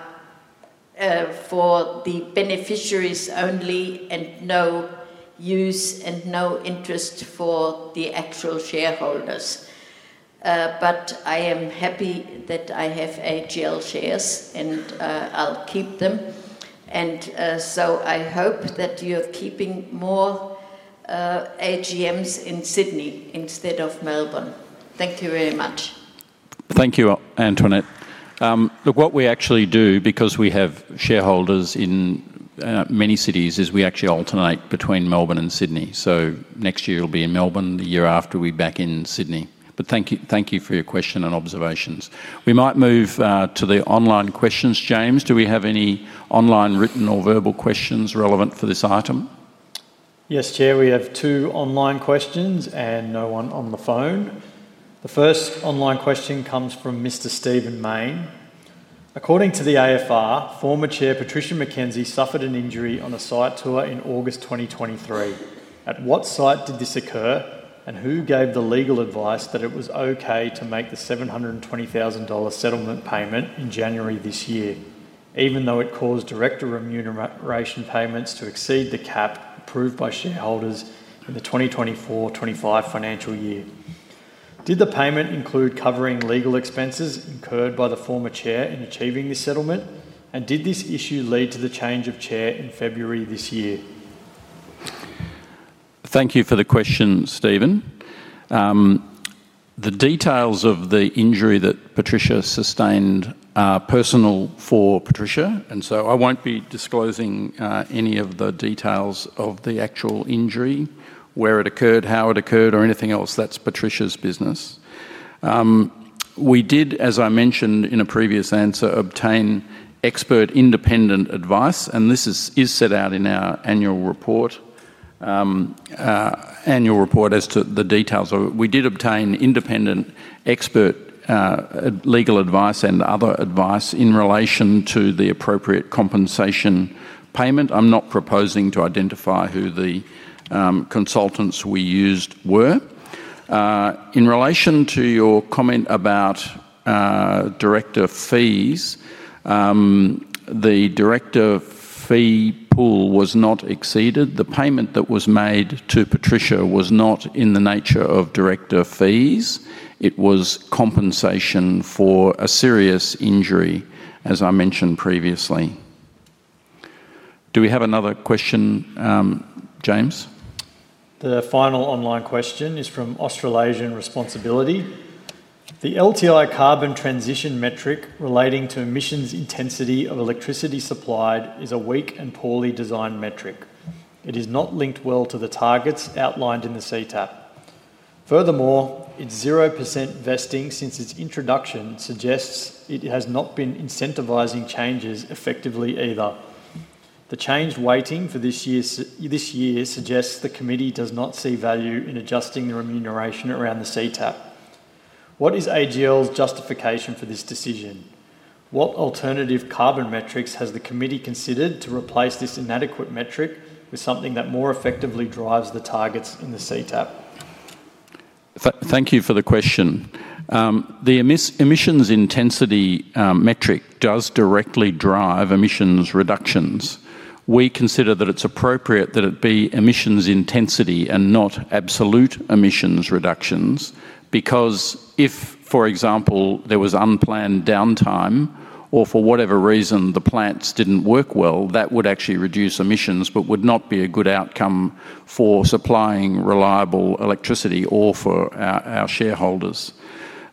for the beneficiaries only and no use and no interest for the actual shareholders. I am happy that I have AGL shares, and I'll keep them. I hope that you're keeping more AGMs in Sydney instead of Melbourne. Thank you very much. Thank you, Antonette. What we actually do, because we have shareholders in many cities, is we actually alternate between Melbourne and Sydney. Next year you'll be in Melbourne, the year after we're back in Sydney. Thank you for your question and observations. We might move to the online questions. James, do we have any online written or verbal questions relevant for this item? Yes, Chair, we have two online questions and no one on the phone. The first online question comes from Mr. Stephen Main. According to the AFR, former Chair Patricia McKenzie suffered an injury on a site tour in August 2023. At what site did this occur, and who gave the legal advice that it was okay to make the 720,000 dollar settlement payment in January this year, even though it caused director remuneration payments to exceed the cap approved by shareholders in the 2024-2025 financial year? Did the payment include covering legal expenses incurred by the former Chair in achieving this settlement, and did this issue lead to the change of Chair in February this year? Thank you for the question, Stephen. The details of the injury that Patricia sustained are personal for Patricia, and so I won't be disclosing any of the details of the actual injury, where it occurred, how it occurred, or anything else. That's Patricia's business. We did, as I mentioned in a previous answer, obtain expert independent advice, and this is set out in our annual report as to the details. We did obtain independent expert legal advice and other advice in relation to the appropriate compensation payment. I'm not proposing to identify who the consultants we used were. In relation to your comment about director fees, the director fee pool was not exceeded. The payment that was made to Patricia was not in the nature of director fees. It was compensation for a serious injury, as I mentioned previously. Do we have another question, James? The final online question is from Australasian Responsibility. The LTI carbon transition metric relating to emissions intensity of electricity supplied is a weak and poorly designed metric. It is not linked well to the targets outlined in the CTAP. Furthermore, its 0% vesting since its introduction suggests it has not been incentivizing changes effectively either. The changed weighting for this year suggests the committee does not see value in adjusting the remuneration around the CTAP. What is AGL's justification for this decision? What alternative carbon metrics has the committee considered to replace this inadequate metric with something that more effectively drives the targets in the CTAP? Thank you for the question. The emissions intensity metric does directly drive emissions reductions. We consider that it's appropriate that it be emissions intensity and not absolute emissions reductions because if, for example, there was unplanned downtime or for whatever reason the plants didn't work well, that would actually reduce emissions but would not be a good outcome for supplying reliable electricity or for our shareholders.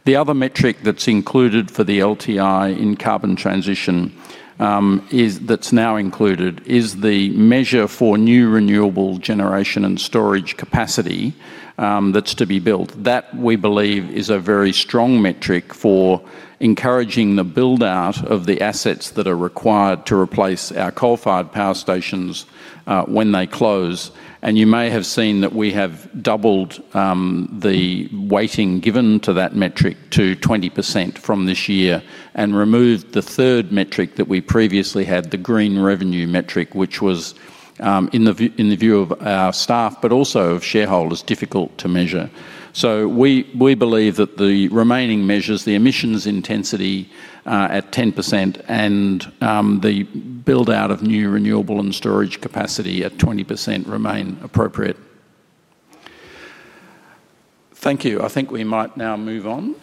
The other metric that's included for the LTI in carbon transition that's now included is the measure for new renewable generation and storage capacity that's to be built. We believe that is a very strong metric for encouraging the build-out of the assets that are required to replace our coal-fired power stations when they close. You may have seen that we have doubled the weighting given to that metric to 20% from this year and removed the third metric that we previously had, the green revenue metric, which was in the view of our staff but also of shareholders, difficult to measure. We believe that the remaining measures, the emissions intensity at 10% and the build-out of new renewable and storage capacity at 20%, remain appropriate. Thank you. I think we might now move on.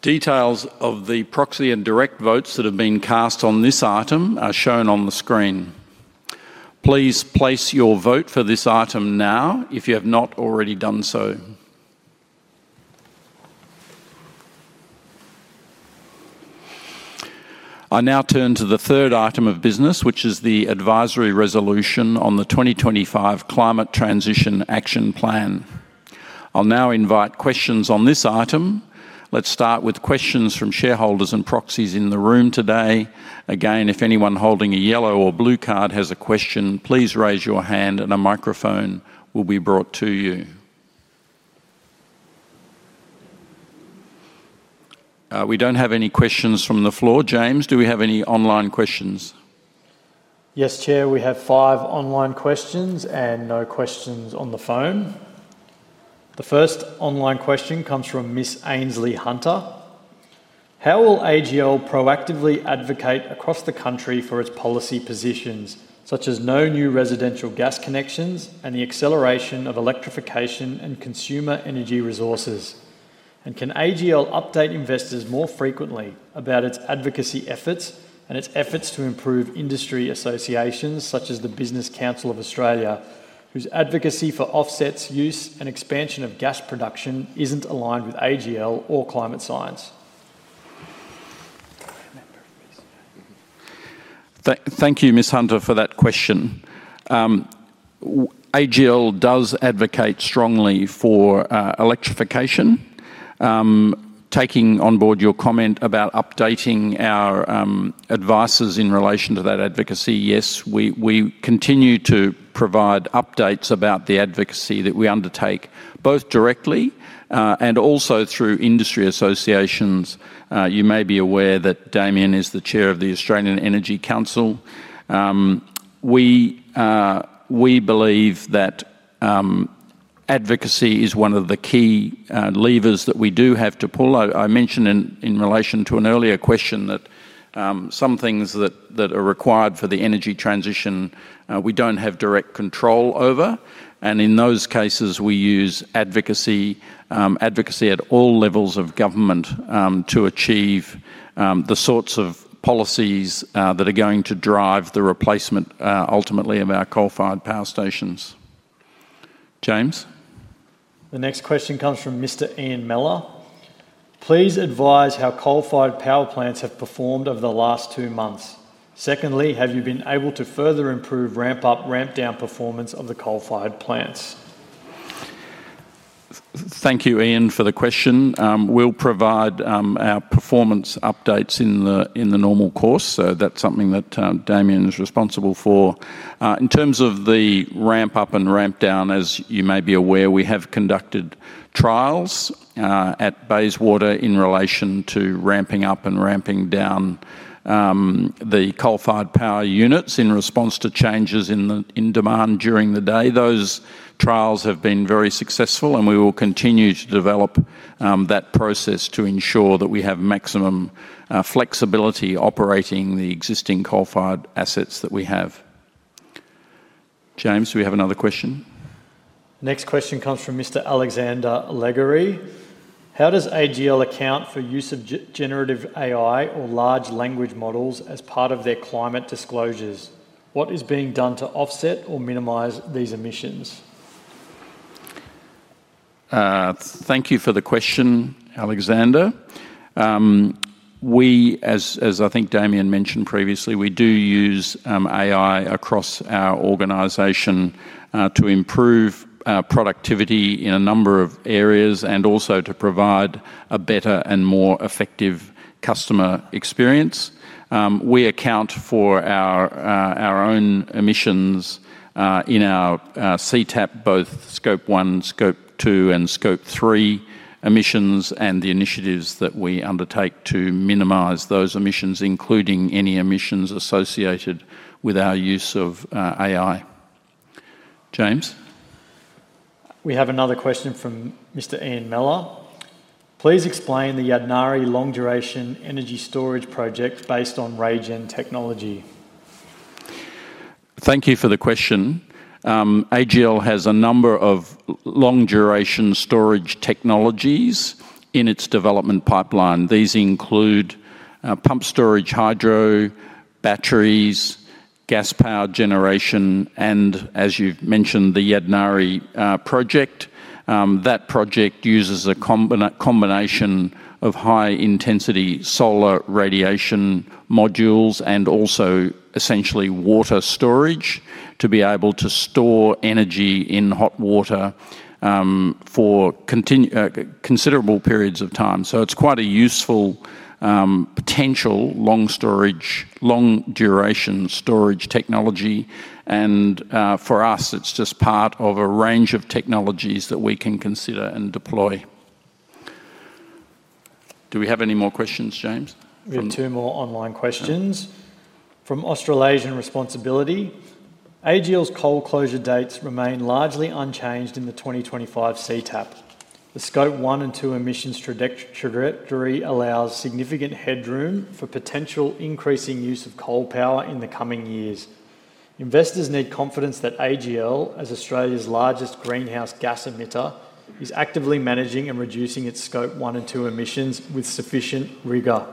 Details of the proxy and direct votes that have been cast on this item are shown on the screen. Please place your vote for this item now if you have not already done so. I now turn to the third item of business, which is the advisory resolution on the 2025 Climate Transition Action Plan. I'll now invite questions on this item. Let's start with questions from shareholders and proxies in the room today. Again, if anyone holding a yellow or blue card has a question, please raise your hand and a microphone will be brought to you. We don't have any questions from the floor. James, do we have any online questions? Yes, Chair, we have five online questions and no questions on the phone. The first online question comes from Ms. Ainsley Hunter. How will AGL proactively advocate across the country for its policy positions, such as no new residential gas connections and the acceleration of electrification and consumer energy resources? Can AGL update investors more frequently about its advocacy efforts and its efforts to improve industry associations, such as the Business Council of Australia, whose advocacy for offsets, use, and expansion of gas production isn't aligned with AGL or climate science? Thank you, Ms. Hunt, for that question. AGL does advocate strongly for electrification. Taking on board your comment about updating our advices in relation to that advocacy, yes, we continue to provide updates about the advocacy that we undertake, both directly and also through industry associations. You may be aware that Damien is the Chair of the Australian Energy Council. We believe that advocacy is one of the key levers that we do have to pull. I mentioned in relation to an earlier question that some things that are required for the energy transition, we don't have direct control over. In those cases, we use advocacy at all levels of government to achieve the sorts of policies that are going to drive the replacement ultimately of our coal-fired power stations. James? The next question comes from Mr. Ian [Miller]. Please advise how coal-fired power plants have performed over the last two months. Secondly, have you been able to further improve ramp-up, ramp-down performance of the coal-fired plants? Thank you, Ian, for the question. We'll provide our performance updates in the normal course. That's something that Damien is responsible for. In terms of the ramp-up and ramp-down, as you may be aware, we have conducted trials at Bayswater in relation to ramping up and ramping down the coal-fired power units in response to changes in demand during the day. Those trials have been very successful, and we will continue to develop that process to ensure that we have maximum flexibility operating the existing coal-fired assets that we have. James, do we have another question? Next question comes from Mr. Alexander Legary. How does AGL account for use of generative AI or large language models as part of their climate disclosures? What is being done to offset or minimize these emissions? Thank you for the question, Alexander. We, as I think Damien mentioned previously, do use AI across our organization to improve productivity in a number of areas and also to provide a better and more effective customer experience. We account for our own emissions in our CTAP, both Scope 1, Scope 2, and Scope 3 emissions, and the initiatives that we undertake to minimize those emissions, including any emissions associated with our use of AI. James? We have another question from Mr. Ian Miller. Please explain the Yadnarie long-duration energy storage project based on RayGen technology. Thank you for the question. AGL has a number of long-duration storage technologies in its development pipeline. These include pumped hydro, batteries, gas-powered generation, and as you mentioned, the Yadnarie project. That project uses a combination of high-intensity solar radiation modules and also essentially water storage to be able to store energy in hot water for considerable periods of time. It is quite a useful potential long-duration storage technology. For us, it is just part of a range of technologies that we can consider and deploy. Do we have any more questions, James? We have two more online questions. From Australasian Responsibility. AGL's coal closure dates remain largely unchanged in the 2025 CTAP. The Scope 1 and 2 emissions trajectory allows significant headroom for potential increasing use of coal power in the coming years. Investors need confidence that AGL, as Australia's largest greenhouse gas emitter, is actively managing and reducing its Scope 1 and 2 emissions with sufficient rigor.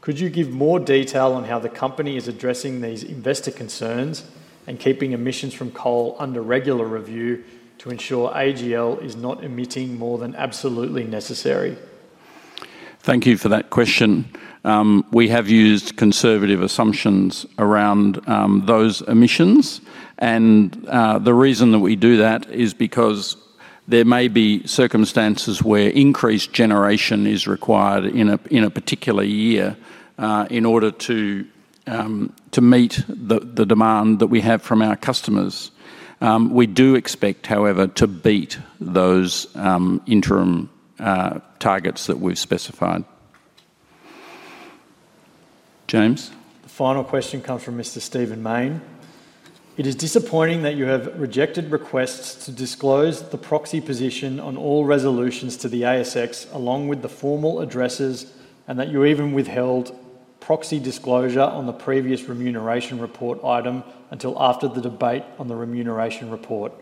Could you give more detail on how the company is addressing these investor concerns and keeping emissions from coal under regular review to ensure AGL is not emitting more than absolutely necessary? Thank you for that question. We have used conservative assumptions around those emissions. The reason that we do that is because there may be circumstances where increased generation is required in a particular year in order to meet the demand that we have from our customers. We do expect, however, to beat those interim targets that we've specified. James? The final question comes from Mr. Stephen Main. It is disappointing that you have rejected requests to disclose the proxy position on all resolutions to the ASX along with the formal addresses, and that you even withheld proxy disclosure on the previous remuneration report item until after the debate on the remuneration report.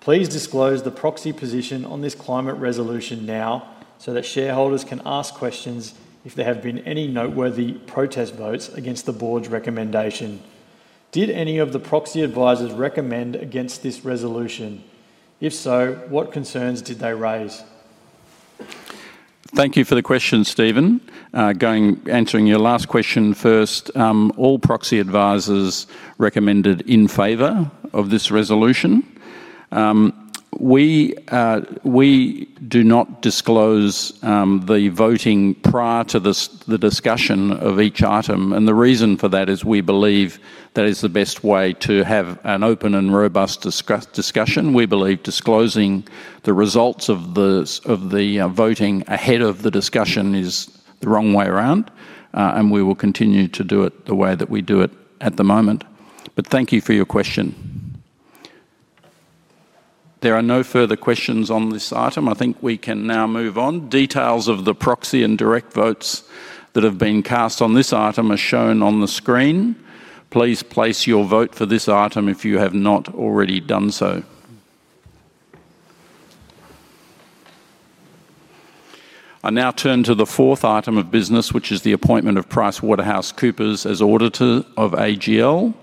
Please disclose the proxy position on this climate resolution now so that shareholders can ask questions if there have been any noteworthy protest votes against the board's recommendation. Did any of the proxy advisors recommend against this resolution? If so, what concerns did they raise? Thank you for the question, Stephen. Going answering your last question first, all proxy advisors recommended in favor of this resolution. We do not disclose the voting prior to the discussion of each item. The reason for that is we believe that it's the best way to have an open and robust discussion. We believe disclosing the results of the voting ahead of the discussion is the wrong way around. We will continue to do it the way that we do it at the moment. Thank you for your question. There are no further questions on this item. I think we can now move on. Details of the proxy and direct votes that have been cast on this item are shown on the screen. Please place your vote for this item if you have not already done so. I now turn to the fourth item of business, which is the appointment of PricewaterhouseCoopers as auditor of AGL.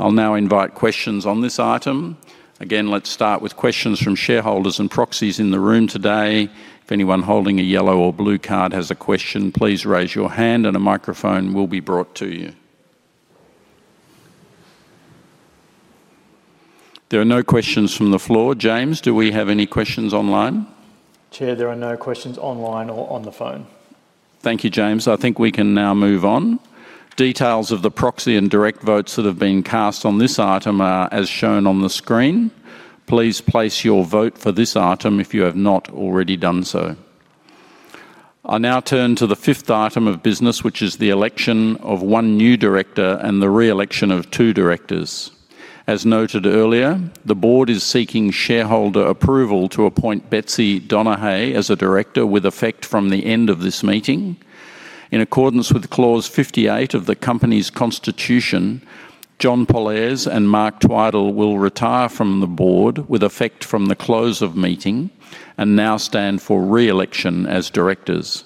I'll now invite questions on this item. Again, let's start with questions from shareholders and proxies in the room today. If anyone holding a yellow or blue card has a question, please raise your hand and a microphone will be brought to you. There are no questions from the floor. James, do we have any questions online? Chair, there are no questions online or on the phone. Thank you, James. I think we can now move on. Details of the proxy and direct votes that have been cast on this item are as shown on the screen. Please place your vote for this item if you have not already done so. I now turn to the fifth item of business, which is the election of one new director and the re-election of two directors. As noted earlier, the board is seeking shareholder approval to appoint Betsy Donaghey as a director with effect from the end of this meeting. In accordance with clause 58 of the company's constitution, John Pollaers and Mark Twidell will retire from the board with effect from the close of meeting and now stand for re-election as directors.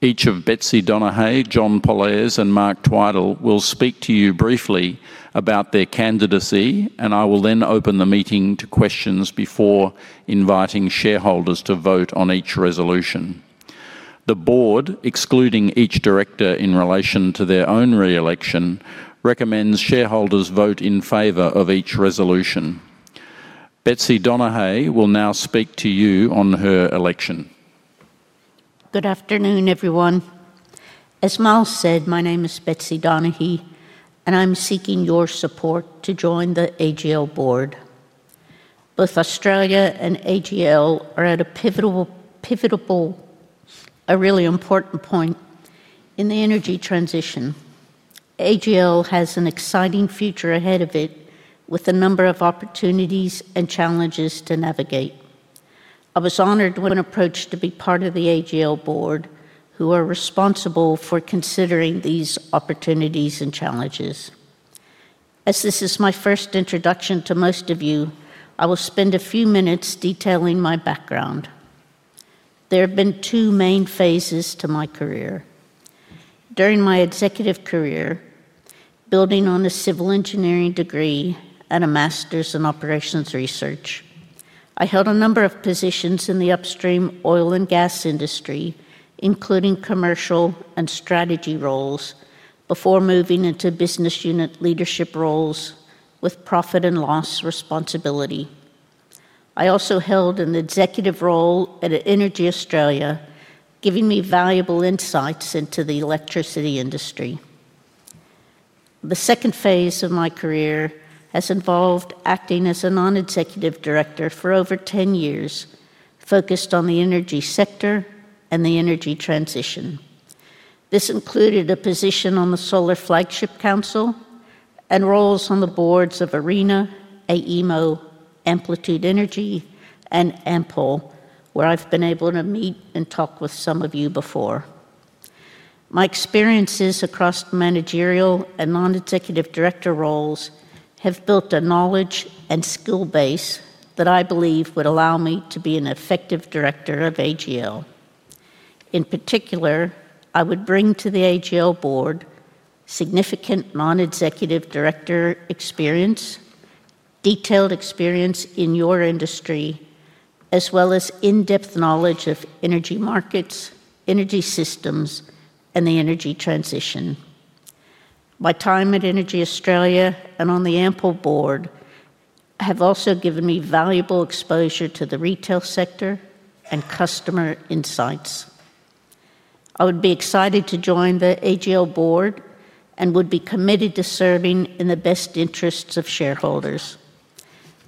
Each of Betsy Donaghey, John Pollaers, and Mark Twidell will speak to you briefly about their candidacy, and I will then open the meeting to questions before inviting shareholders to vote on each resolution. The board, excluding each director in relation to their own re-election, recommends shareholders vote in favor of each resolution. Betsy Donaghey will now speak to you on her election. Good afternoon, everyone. As Miles said, my name is Betsy Donaghey, and I'm seeking your support to join the AGL board. Both Australia and AGL are at a pivotal, a really important point in the energy transition. AGL has an exciting future ahead of it with a number of opportunities and challenges to navigate. I was honored when approached to be part of the AGL board, who are responsible for considering these opportunities and challenges. As this is my first introduction to most of you, I will spend a few minutes detailing my background. There have been two main phases to my career. During my executive career, building on a civil engineering degree and a master's in operations research, I held a number of positions in the upstream oil and gas industry, including commercial and strategy roles, before moving into business unit leadership roles with profit and loss responsibility. I also held an executive role at Energy Australia, giving me valuable insights into the electricity industry. The second phase of my career has involved acting as a non-executive director for over 10 years, focused on the energy sector and the energy transition. This included a position on the Solar Flagship Council and roles on the boards of ARENA, AEMO, Amplitude Energy, and Ampol, where I've been able to meet and talk with some of you before. My experiences across managerial and non-executive director roles have built a knowledge and skill base that I believe would allow me to be an effective director of AGL. In particular, I would bring to the AGL board significant non-executive director experience, detailed experience in your industry, as well as in-depth knowledge of energy markets, energy systems, and the energy transition. My time at Energy Australia and on the Ampol board have also given me valuable exposure to the retail sector and customer insights. I would be excited to join the AGL board and would be committed to serving in the best interests of shareholders.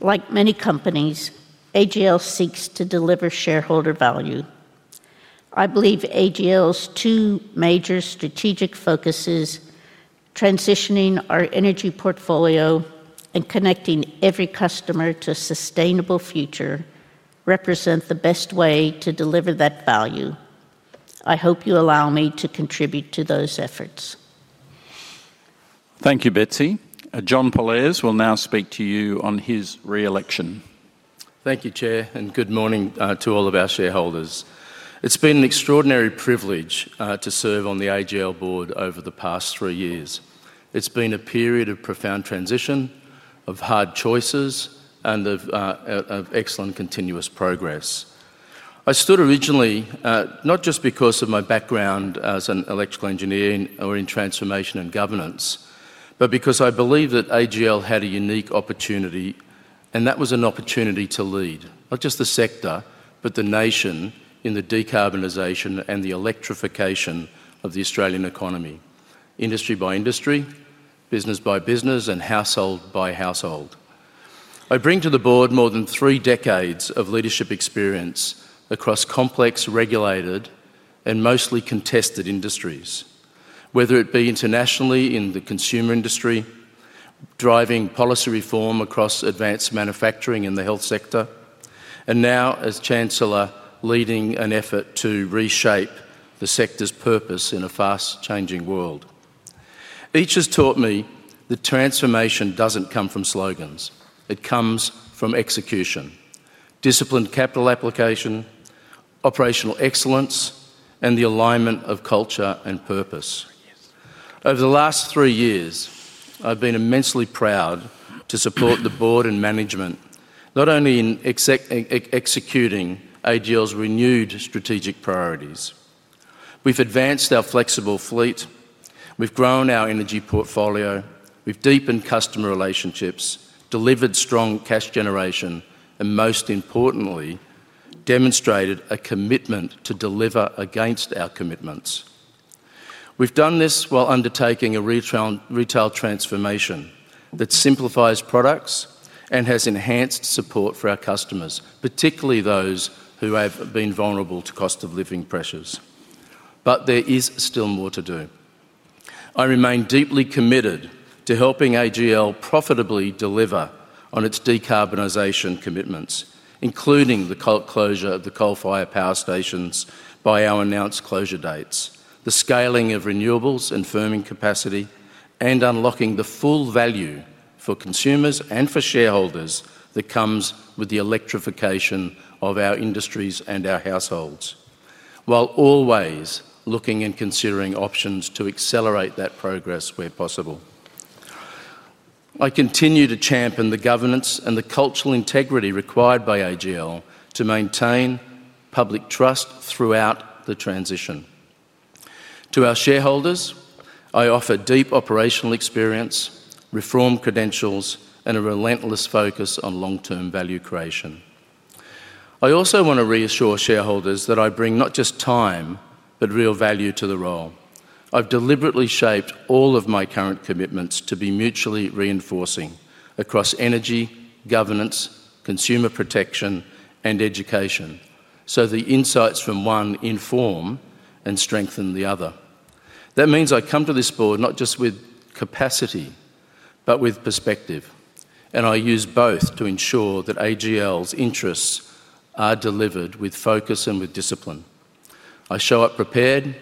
Like many companies, AGL seeks to deliver shareholder value. I believe AGL's two major strategic focuses, transitioning our energy portfolio and connecting every customer to a sustainable future, represent the best way to deliver that value. I hope you allow me to contribute to those efforts. Thank you, Betsy. John Pollaers will now speak to you on his re-election. Thank you, Chair, and good morning to all of our shareholders. It's been an extraordinary privilege to serve on the AGL board over the past three years. It's been a period of profound transition, of hard choices, and of excellent continuous progress. I stood originally not just because of my background as an electrical engineer or in transformation and governance, but because I believe that AGL had a unique opportunity, and that was an opportunity to lead, not just the sector, but the nation in the decarbonization and the electrification of the Australian economy, industry by industry, business by business, and household by household. I bring to the board more than three decades of leadership experience across complex, regulated, and mostly contested industries, whether it be internationally in the consumer industry, driving policy reform across advanced manufacturing in the health sector, and now as Chancellor, leading an effort to reshape the sector's purpose in a fast-changing world. Each has taught me that transformation doesn't come from slogans. It comes from execution, disciplined capital application, operational excellence, and the alignment of culture and purpose. Over the last three years, I've been immensely proud to support the board and management, not only in executing AGL's renewed strategic priorities. We've advanced our flexible fleet, we've grown our energy portfolio, we've deepened customer relationships, delivered strong cash generation, and most importantly, demonstrated a commitment to deliver against our commitments. We've done this while undertaking a retail transformation that simplifies products and has enhanced support for our customers, particularly those who have been vulnerable to cost of living pressures. There is still more to do. I remain deeply committed to helping AGL profitably deliver on its decarbonization commitments, including the closure of the coal-fired power stations by our announced closure dates, the scaling of renewables and firming capacity, and unlocking the full value for consumers and for shareholders that comes with the electrification of our industries and our households, while always looking and considering options to accelerate that progress where possible. I continue to champion the governance and the cultural integrity required by AGL to maintain public trust throughout the transition. To our shareholders, I offer deep operational experience, reform credentials, and a relentless focus on long-term value creation. I also want to reassure shareholders that I bring not just time, but real value to the role. I've deliberately shaped all of my current commitments to be mutually reinforcing across energy, governance, consumer protection, and education, so the insights from one inform and strengthen the other. That means I come to this board not just with capacity, but with perspective, and I use both to ensure that AGL's interests are delivered with focus and with discipline. I show up prepared,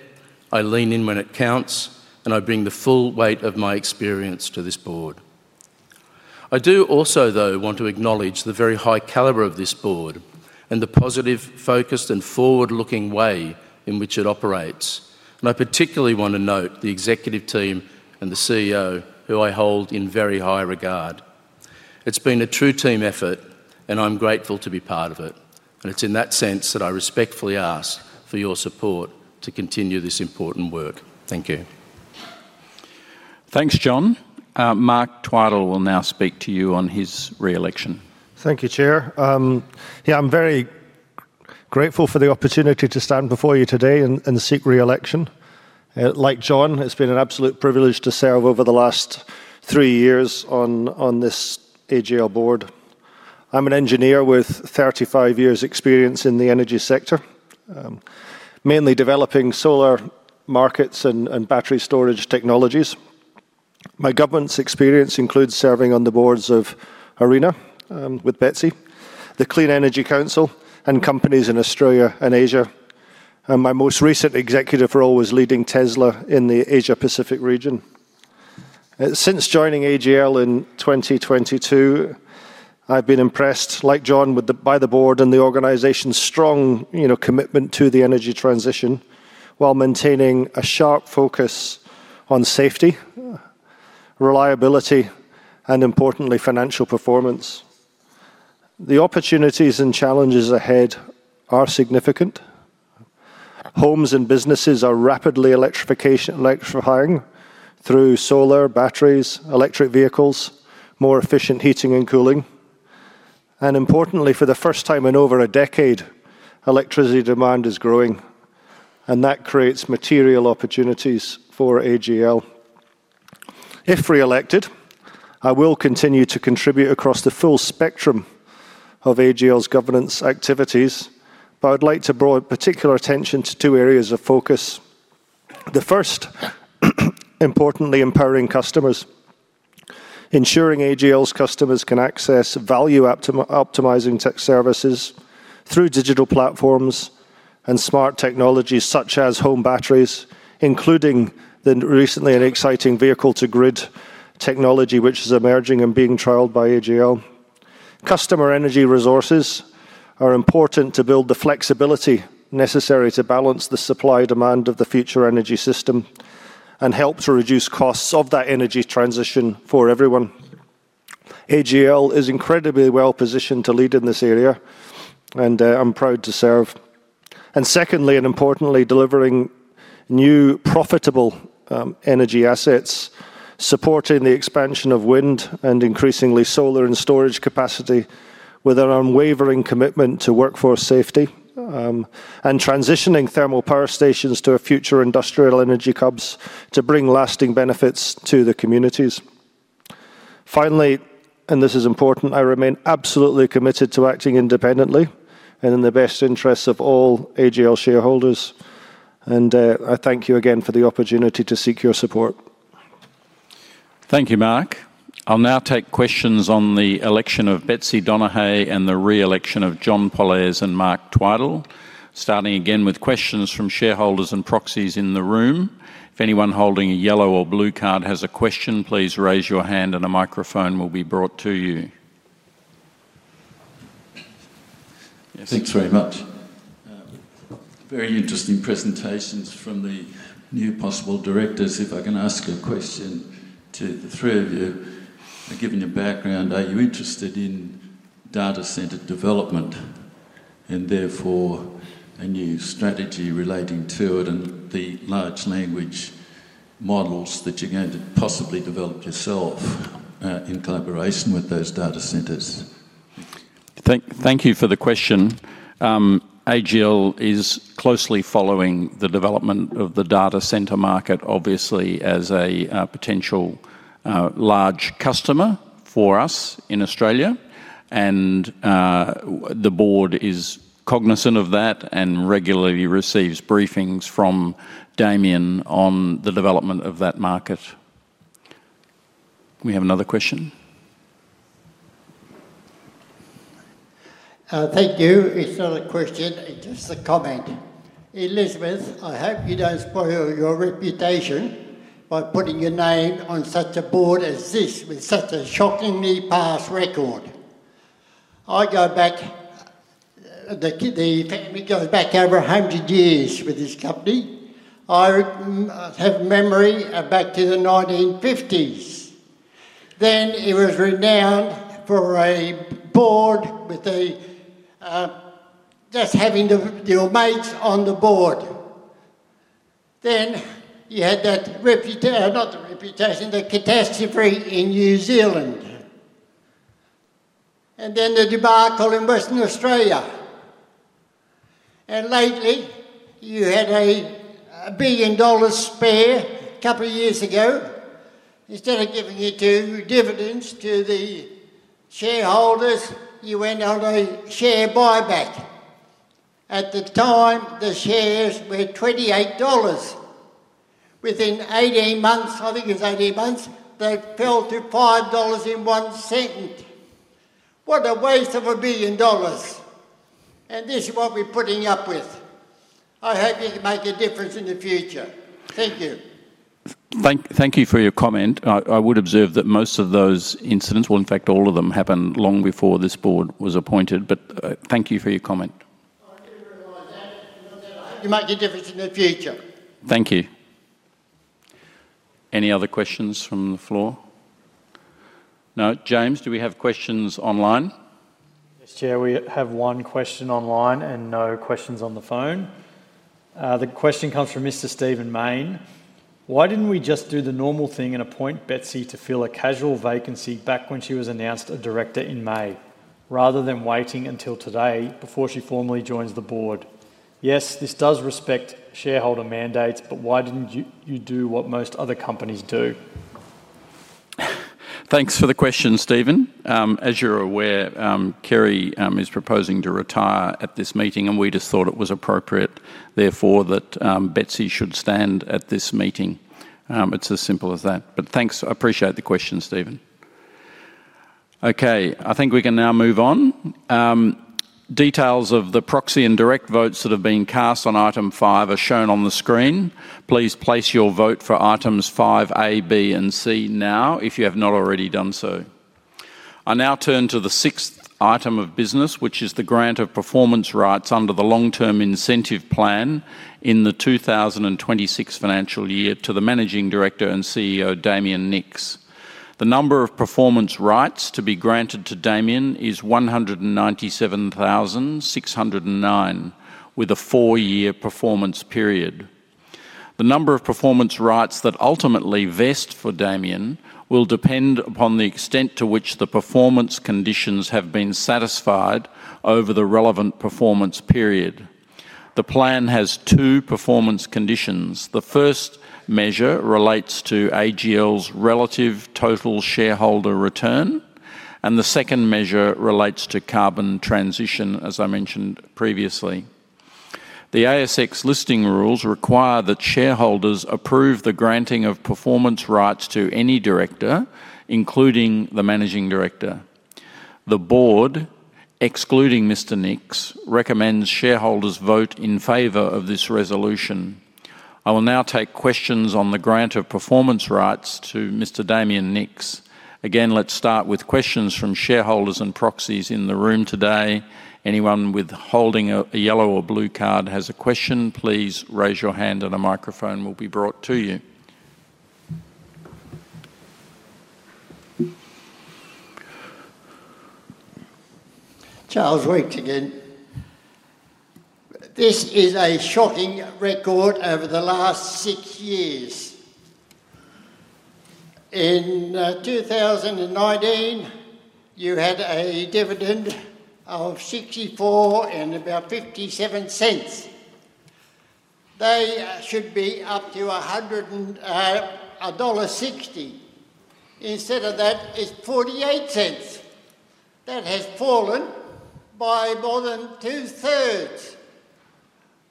I lean in when it counts, and I bring the full weight of my experience to this board. I do also though want to acknowledge the very high caliber of this board and the positive, focused, and forward-looking way in which it operates. I particularly want to note the executive team and the CEO, who I hold in very high regard. It's been a true team effort, and I'm grateful to be part of it. It's in that sense that I respectfully ask for your support to continue this important work. Thank you. Thanks, John. Mark Twidell will now speak to you on his re-election. Thank you, Chair. I'm very grateful for the opportunity to stand before you today and seek re-election. Like John, it's been an absolute privilege to serve over the last three years on AGL board. I'm an engineer with 35 years' experience in the energy sector, mainly developing solar markets and battery storage technologies. My governance experience includes serving on the boards of ARENA with Betsy, the Clean Energy Council, and companies in Australia and Asia. My most recent executive role was leading Tesla in the Asia-Pacific region. Since joining AGL in 2022, I've been impressed, like John, by the board and the organization's strong commitment to the energy transition while maintaining a sharp focus on safety, reliability, and, importantly, financial performance. The opportunities and challenges ahead are significant. Homes and businesses are rapidly electrifying through solar, batteries, electric vehicles, more efficient heating and cooling, and, importantly, for the first time in over a decade, electricity demand is growing, and that creates material opportunities for AGL. If re-elected, I will continue to contribute across the full spectrum of AGL's governance activities, but I'd like to draw particular attention to two areas of focus. The first, importantly, empowering customers, ensuring AGL's customers can access value-optimizing tech services through digital platforms and smart technologies such as home batteries, including the recently exciting vehicle-to-grid technology, which is emerging and being trialed by AGL. Customer energy resources are important to build the flexibility necessary to balance the supply-demand of the future energy system and help to reduce costs of that energy transition for everyone. AGL is incredibly well positioned to lead in this area, and I'm proud to serve. Secondly, and importantly, delivering new profitable energy assets, supporting the expansion of wind and increasingly solar and storage capacity with an unwavering commitment to workforce safety and transitioning thermal power stations to our future industrial energy hubs to bring lasting benefits to the communities. Finally, and this is important, I remain absolutely committed to acting independently and in the best interests of AGL shareholders, and I thank you again for the opportunity to seek your support. Thank you, Mark. I'll now take questions on the election of Betsy Donaghey and the re-election of John Pollaers and Mark Twidell, starting again with questions from shareholders and proxies in the room. If anyone holding a yellow or blue card has a question, please raise your hand and a microphone will be brought to you. Thanks very much. Very interesting presentations from the new possible directors. If I can ask a question to the three of you, I've given you back. Are you interested in data center development and therefore a new strategy relating to it and the large language models that you're going to possibly develop yourself, in collaboration with those data centers? Thank you for the question. AGL is closely following the development of the data center market, obviously, as a potential large customer for us in Australia. The board is cognizant of that and regularly receives briefings from Damien on the development of that market. We have another question. Thank you. It's not a question, just a comment. Elizabeth, I hope you don't spoil your reputation by putting your name on such a board as this with such a shockingly past record. I go back, the family goes back over 100 years with this company. I have memory back to the 1950s. Then it was renowned for a board with just having your mates on the board. You had that reputation, not the reputation, the catastrophe in New Zealand. The debacle in Western Australia. Lately, you had a 1 billion dollars spare a couple of years ago. Instead of giving you two dividends to the shareholders, you went on a share buyback. At the time, the shares were 28 dollars. Within 18 months, I think it was 18 months, they fell to 5 dollars in one sentence. What a waste of 1 billion dollars. This is what we're putting up with. I hope you can make a difference in the future. Thank you. Thank you for your comment. I would observe that most of those incidents, in fact, all of them, happened long before this board was appointed, but thank you for your comment. You make a difference in the future. Thank you. Any other questions from the floor? No? James, do we have questions online? Yes, Chair, we have one question online and no questions on the phone. The question comes from Mr. Stephen Main. Why didn't we just do the normal thing and appoint Betsy to fill a casual vacancy back when she was announced a director in May, rather than waiting until today before she formally joins the board? Yes, this does respect shareholder mandates, but why didn't you do what most other companies do? Thanks for the question, Stephen. As you're aware, Kerry is proposing to retire at this meeting and we just thought it was appropriate, therefore, that Betsy should stand at this meeting. It's as simple as that. Thanks, I appreciate the question, Stephen. I think we can now move on. Details of the proxy and direct votes that have been cast on item five are shown on the screen. Please place your vote for items five, A, B, and C now if you have not already done so. I now turn to the sixth item of business, which is the grant of performance rights under the long-term incentive plan in the 2026 financial year to the Managing Director and CEO, Damien Nicks. The number of performance rights to be granted to Damien is 197,609 with a four-year performance period. The number of performance rights that ultimately vest for Damien will depend upon the extent to which the performance conditions have been satisfied over the relevant performance period. The plan has two performance conditions. The first measure relates to AGL's relative total shareholder return, and the second measure relates to carbon transition, as I mentioned previously. The ASX listing rules require that shareholders approve the granting of performance rights to any director, including the Managing Director. The board, excluding Mr. Nicks, recommends shareholders vote in favor of this resolution. I will now take questions on the grant of performance rights to Mr. Damien Nicks. Again, let's start with questions from shareholders and proxies in the room today. Anyone holding a yellow or blue card has a question. Please raise your hand and a microphone will be brought to you. [Charles Reach] again. This is a shocking record over the last six years. In 2019, you had a dividend of 0.64 and about 0.57. They should be up to 1.60 dollar. Instead of that, it's 0.48. That has fallen by more than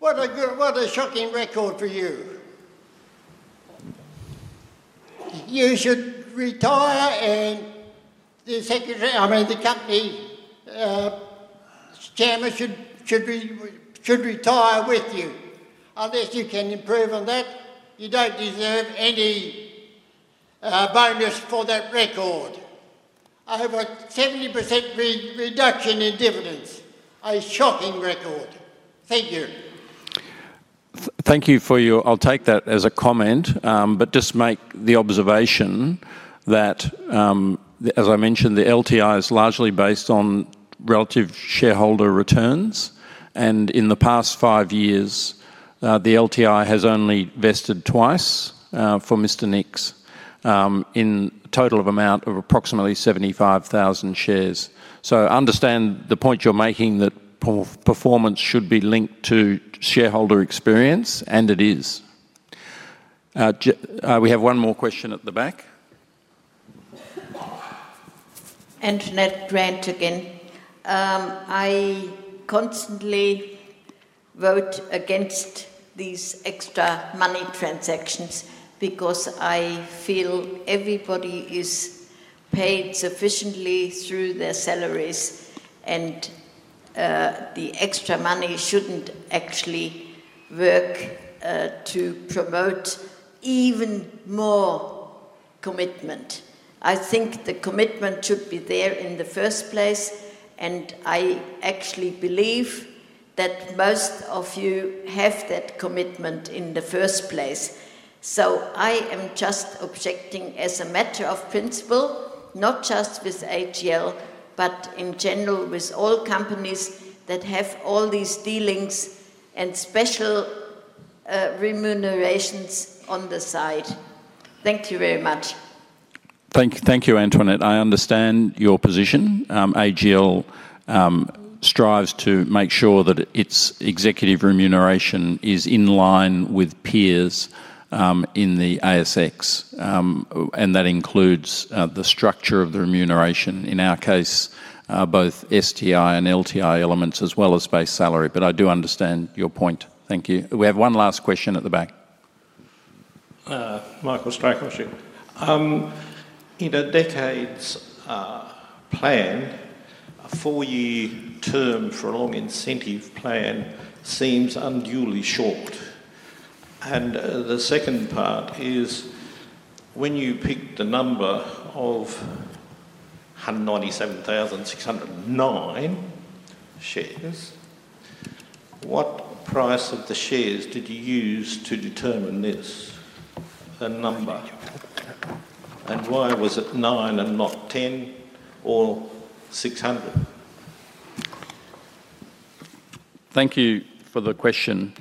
two-thirds. What a shocking record to you. You should retire and the Company Chairman should retire with you. Unless you can improve on that, you don't deserve any bonus for that record. Over 70% reduction in dividends. A shocking record. Thank you. Thank you for your, I'll take that as a comment, but just make the observation that, as I mentioned, the LTI is largely based on relative shareholder returns. In the past five years, the LTI has only vested twice for Mr. Nicks in a total amount of approximately 75,000 shares. I understand the point you're making that performance should be linked to shareholder experience, and it is. We have one more question at the back. Antonette Grant again. I constantly vote against these extra money transactions because I feel everybody is paid sufficiently through their salaries, and the extra money shouldn't actually work to promote even more commitment. I think the commitment should be there in the first place, and I actually believe that most of you have that commitment in the first place. I am just objecting as a matter of principle, not just with AGL, but in general with all companies that have all these dealings and special remunerations on the side. Thank you very much. Thank you, Antonette. I understand your position. AGL strives to make sure that its executive remuneration is in line with peers in the ASX, and that includes the structure of the remuneration, in our case, both STI and LTI elements, as well as base salary. I do understand your point. Thank you. We have one last question at the back. Markus [Traikovski]. In a decades plan, a four-year term for a long incentive plan seems unduly short. The second part is when you picked the number of 197,609 shares, what price of the shares did you use to determine this? A number? Why was it 9 and not 10 or 600? Thank you for the question.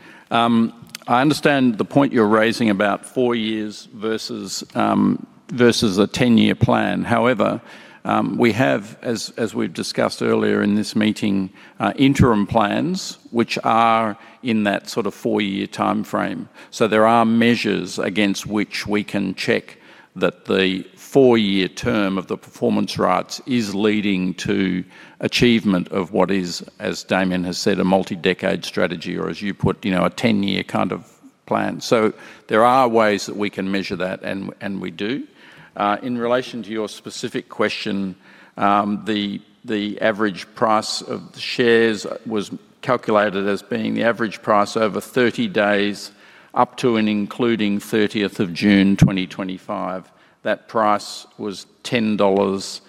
I understand the point you're raising about four years versus a 10-year plan. However, we have, as we discussed earlier in this meeting, interim plans which are in that sort of four-year timeframe. There are measures against which we can check that the four-year term of the performance rights is leading to achievement of what is, as Damien has said, a multi-decade strategy, or as you put, you know, a 10-year kind of plan. There are ways that we can measure that, and we do. In relation to your specific question, the average price of the shares was calculated as being the average price over 30 days up to and including 30th of June, 2025. That price was 10.16 dollars.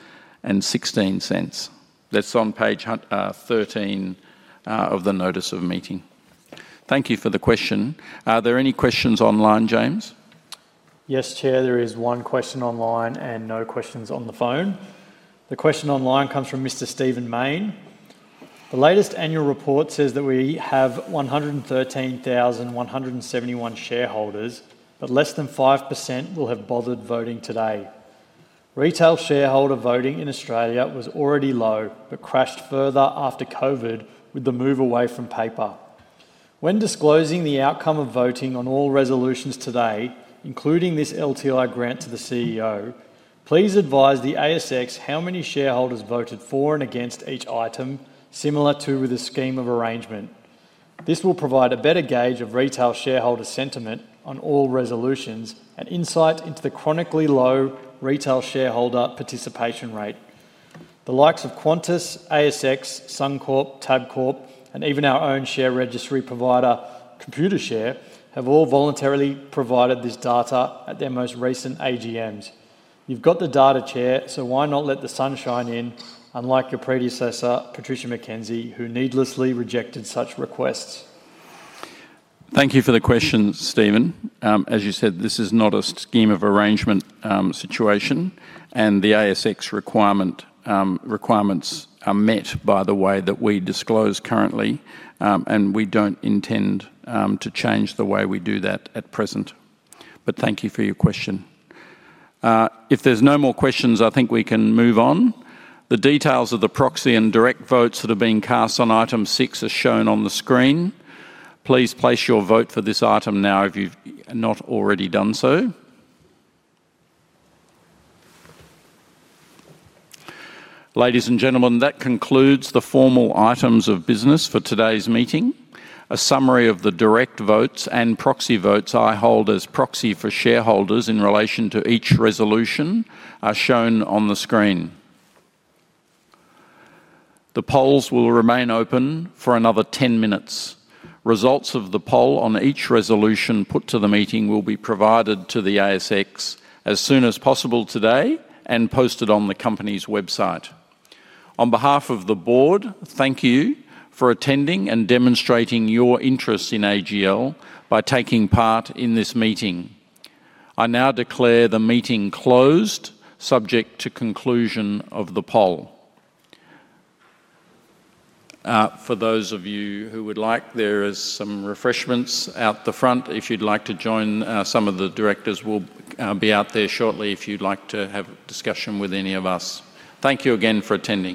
That's on page 13 of the notice of meeting. Thank you for the question. Are there any questions online, James? Yes, Chair, there is one question online and no questions on the phone. The question online comes from Mr. Stephen Main. The latest annual report says that we have 113,171 shareholders, but less than 5% will have bothered voting today. Retail shareholder voting in Australia was already low, but crashed further after COVID with the move away from paper. When disclosing the outcome of voting on all resolutions today, including this LTI grant to the CEO, please advise the ASX how many shareholders voted for and against each item, similar to with a scheme of arrangement. This will provide a better gauge of retail shareholder sentiment on all resolutions and insight into the chronically low retail shareholder participation rate. The likes of Qantas, ASX, Suncorp, Tabcorp, and even our own share registry provider, Computershare, have all voluntarily provided this data at their most recent AGMs. You've got the data, Chair, so why not let the sun shine in, unlike your predecessor, Patricia McKenzie, who needlessly rejected such requests? Thank you for the question, Stephen. As you said, this is not a scheme of arrangement situation, and the ASX requirements are met by the way that we disclose currently, and we don't intend to change the way we do that at present. Thank you for your question. If there's no more questions, I think we can move on. The details of the proxy and direct votes that have been cast on item six are shown on the screen. Please place your vote for this item now if you've not already done so. Ladies and gentlemen, that concludes the formal items of business for today's meeting. A summary of the direct votes and proxy votes I hold as proxy for shareholders in relation to each resolution are shown on the screen. The polls will remain open for another 10 minutes. Results of the poll on each resolution put to the meeting will be provided to the ASX as soon as possible today and posted on the company's website. On behalf of the board, thank you for attending and demonstrating your interest in AGL by taking part in this meeting. I now declare the meeting closed, subject to conclusion of the poll. For those of you who would like, there are some refreshments out the front. If you'd like to join, some of the directors will be out there shortly if you'd like to have a discussion with any of us. Thank you again for attending.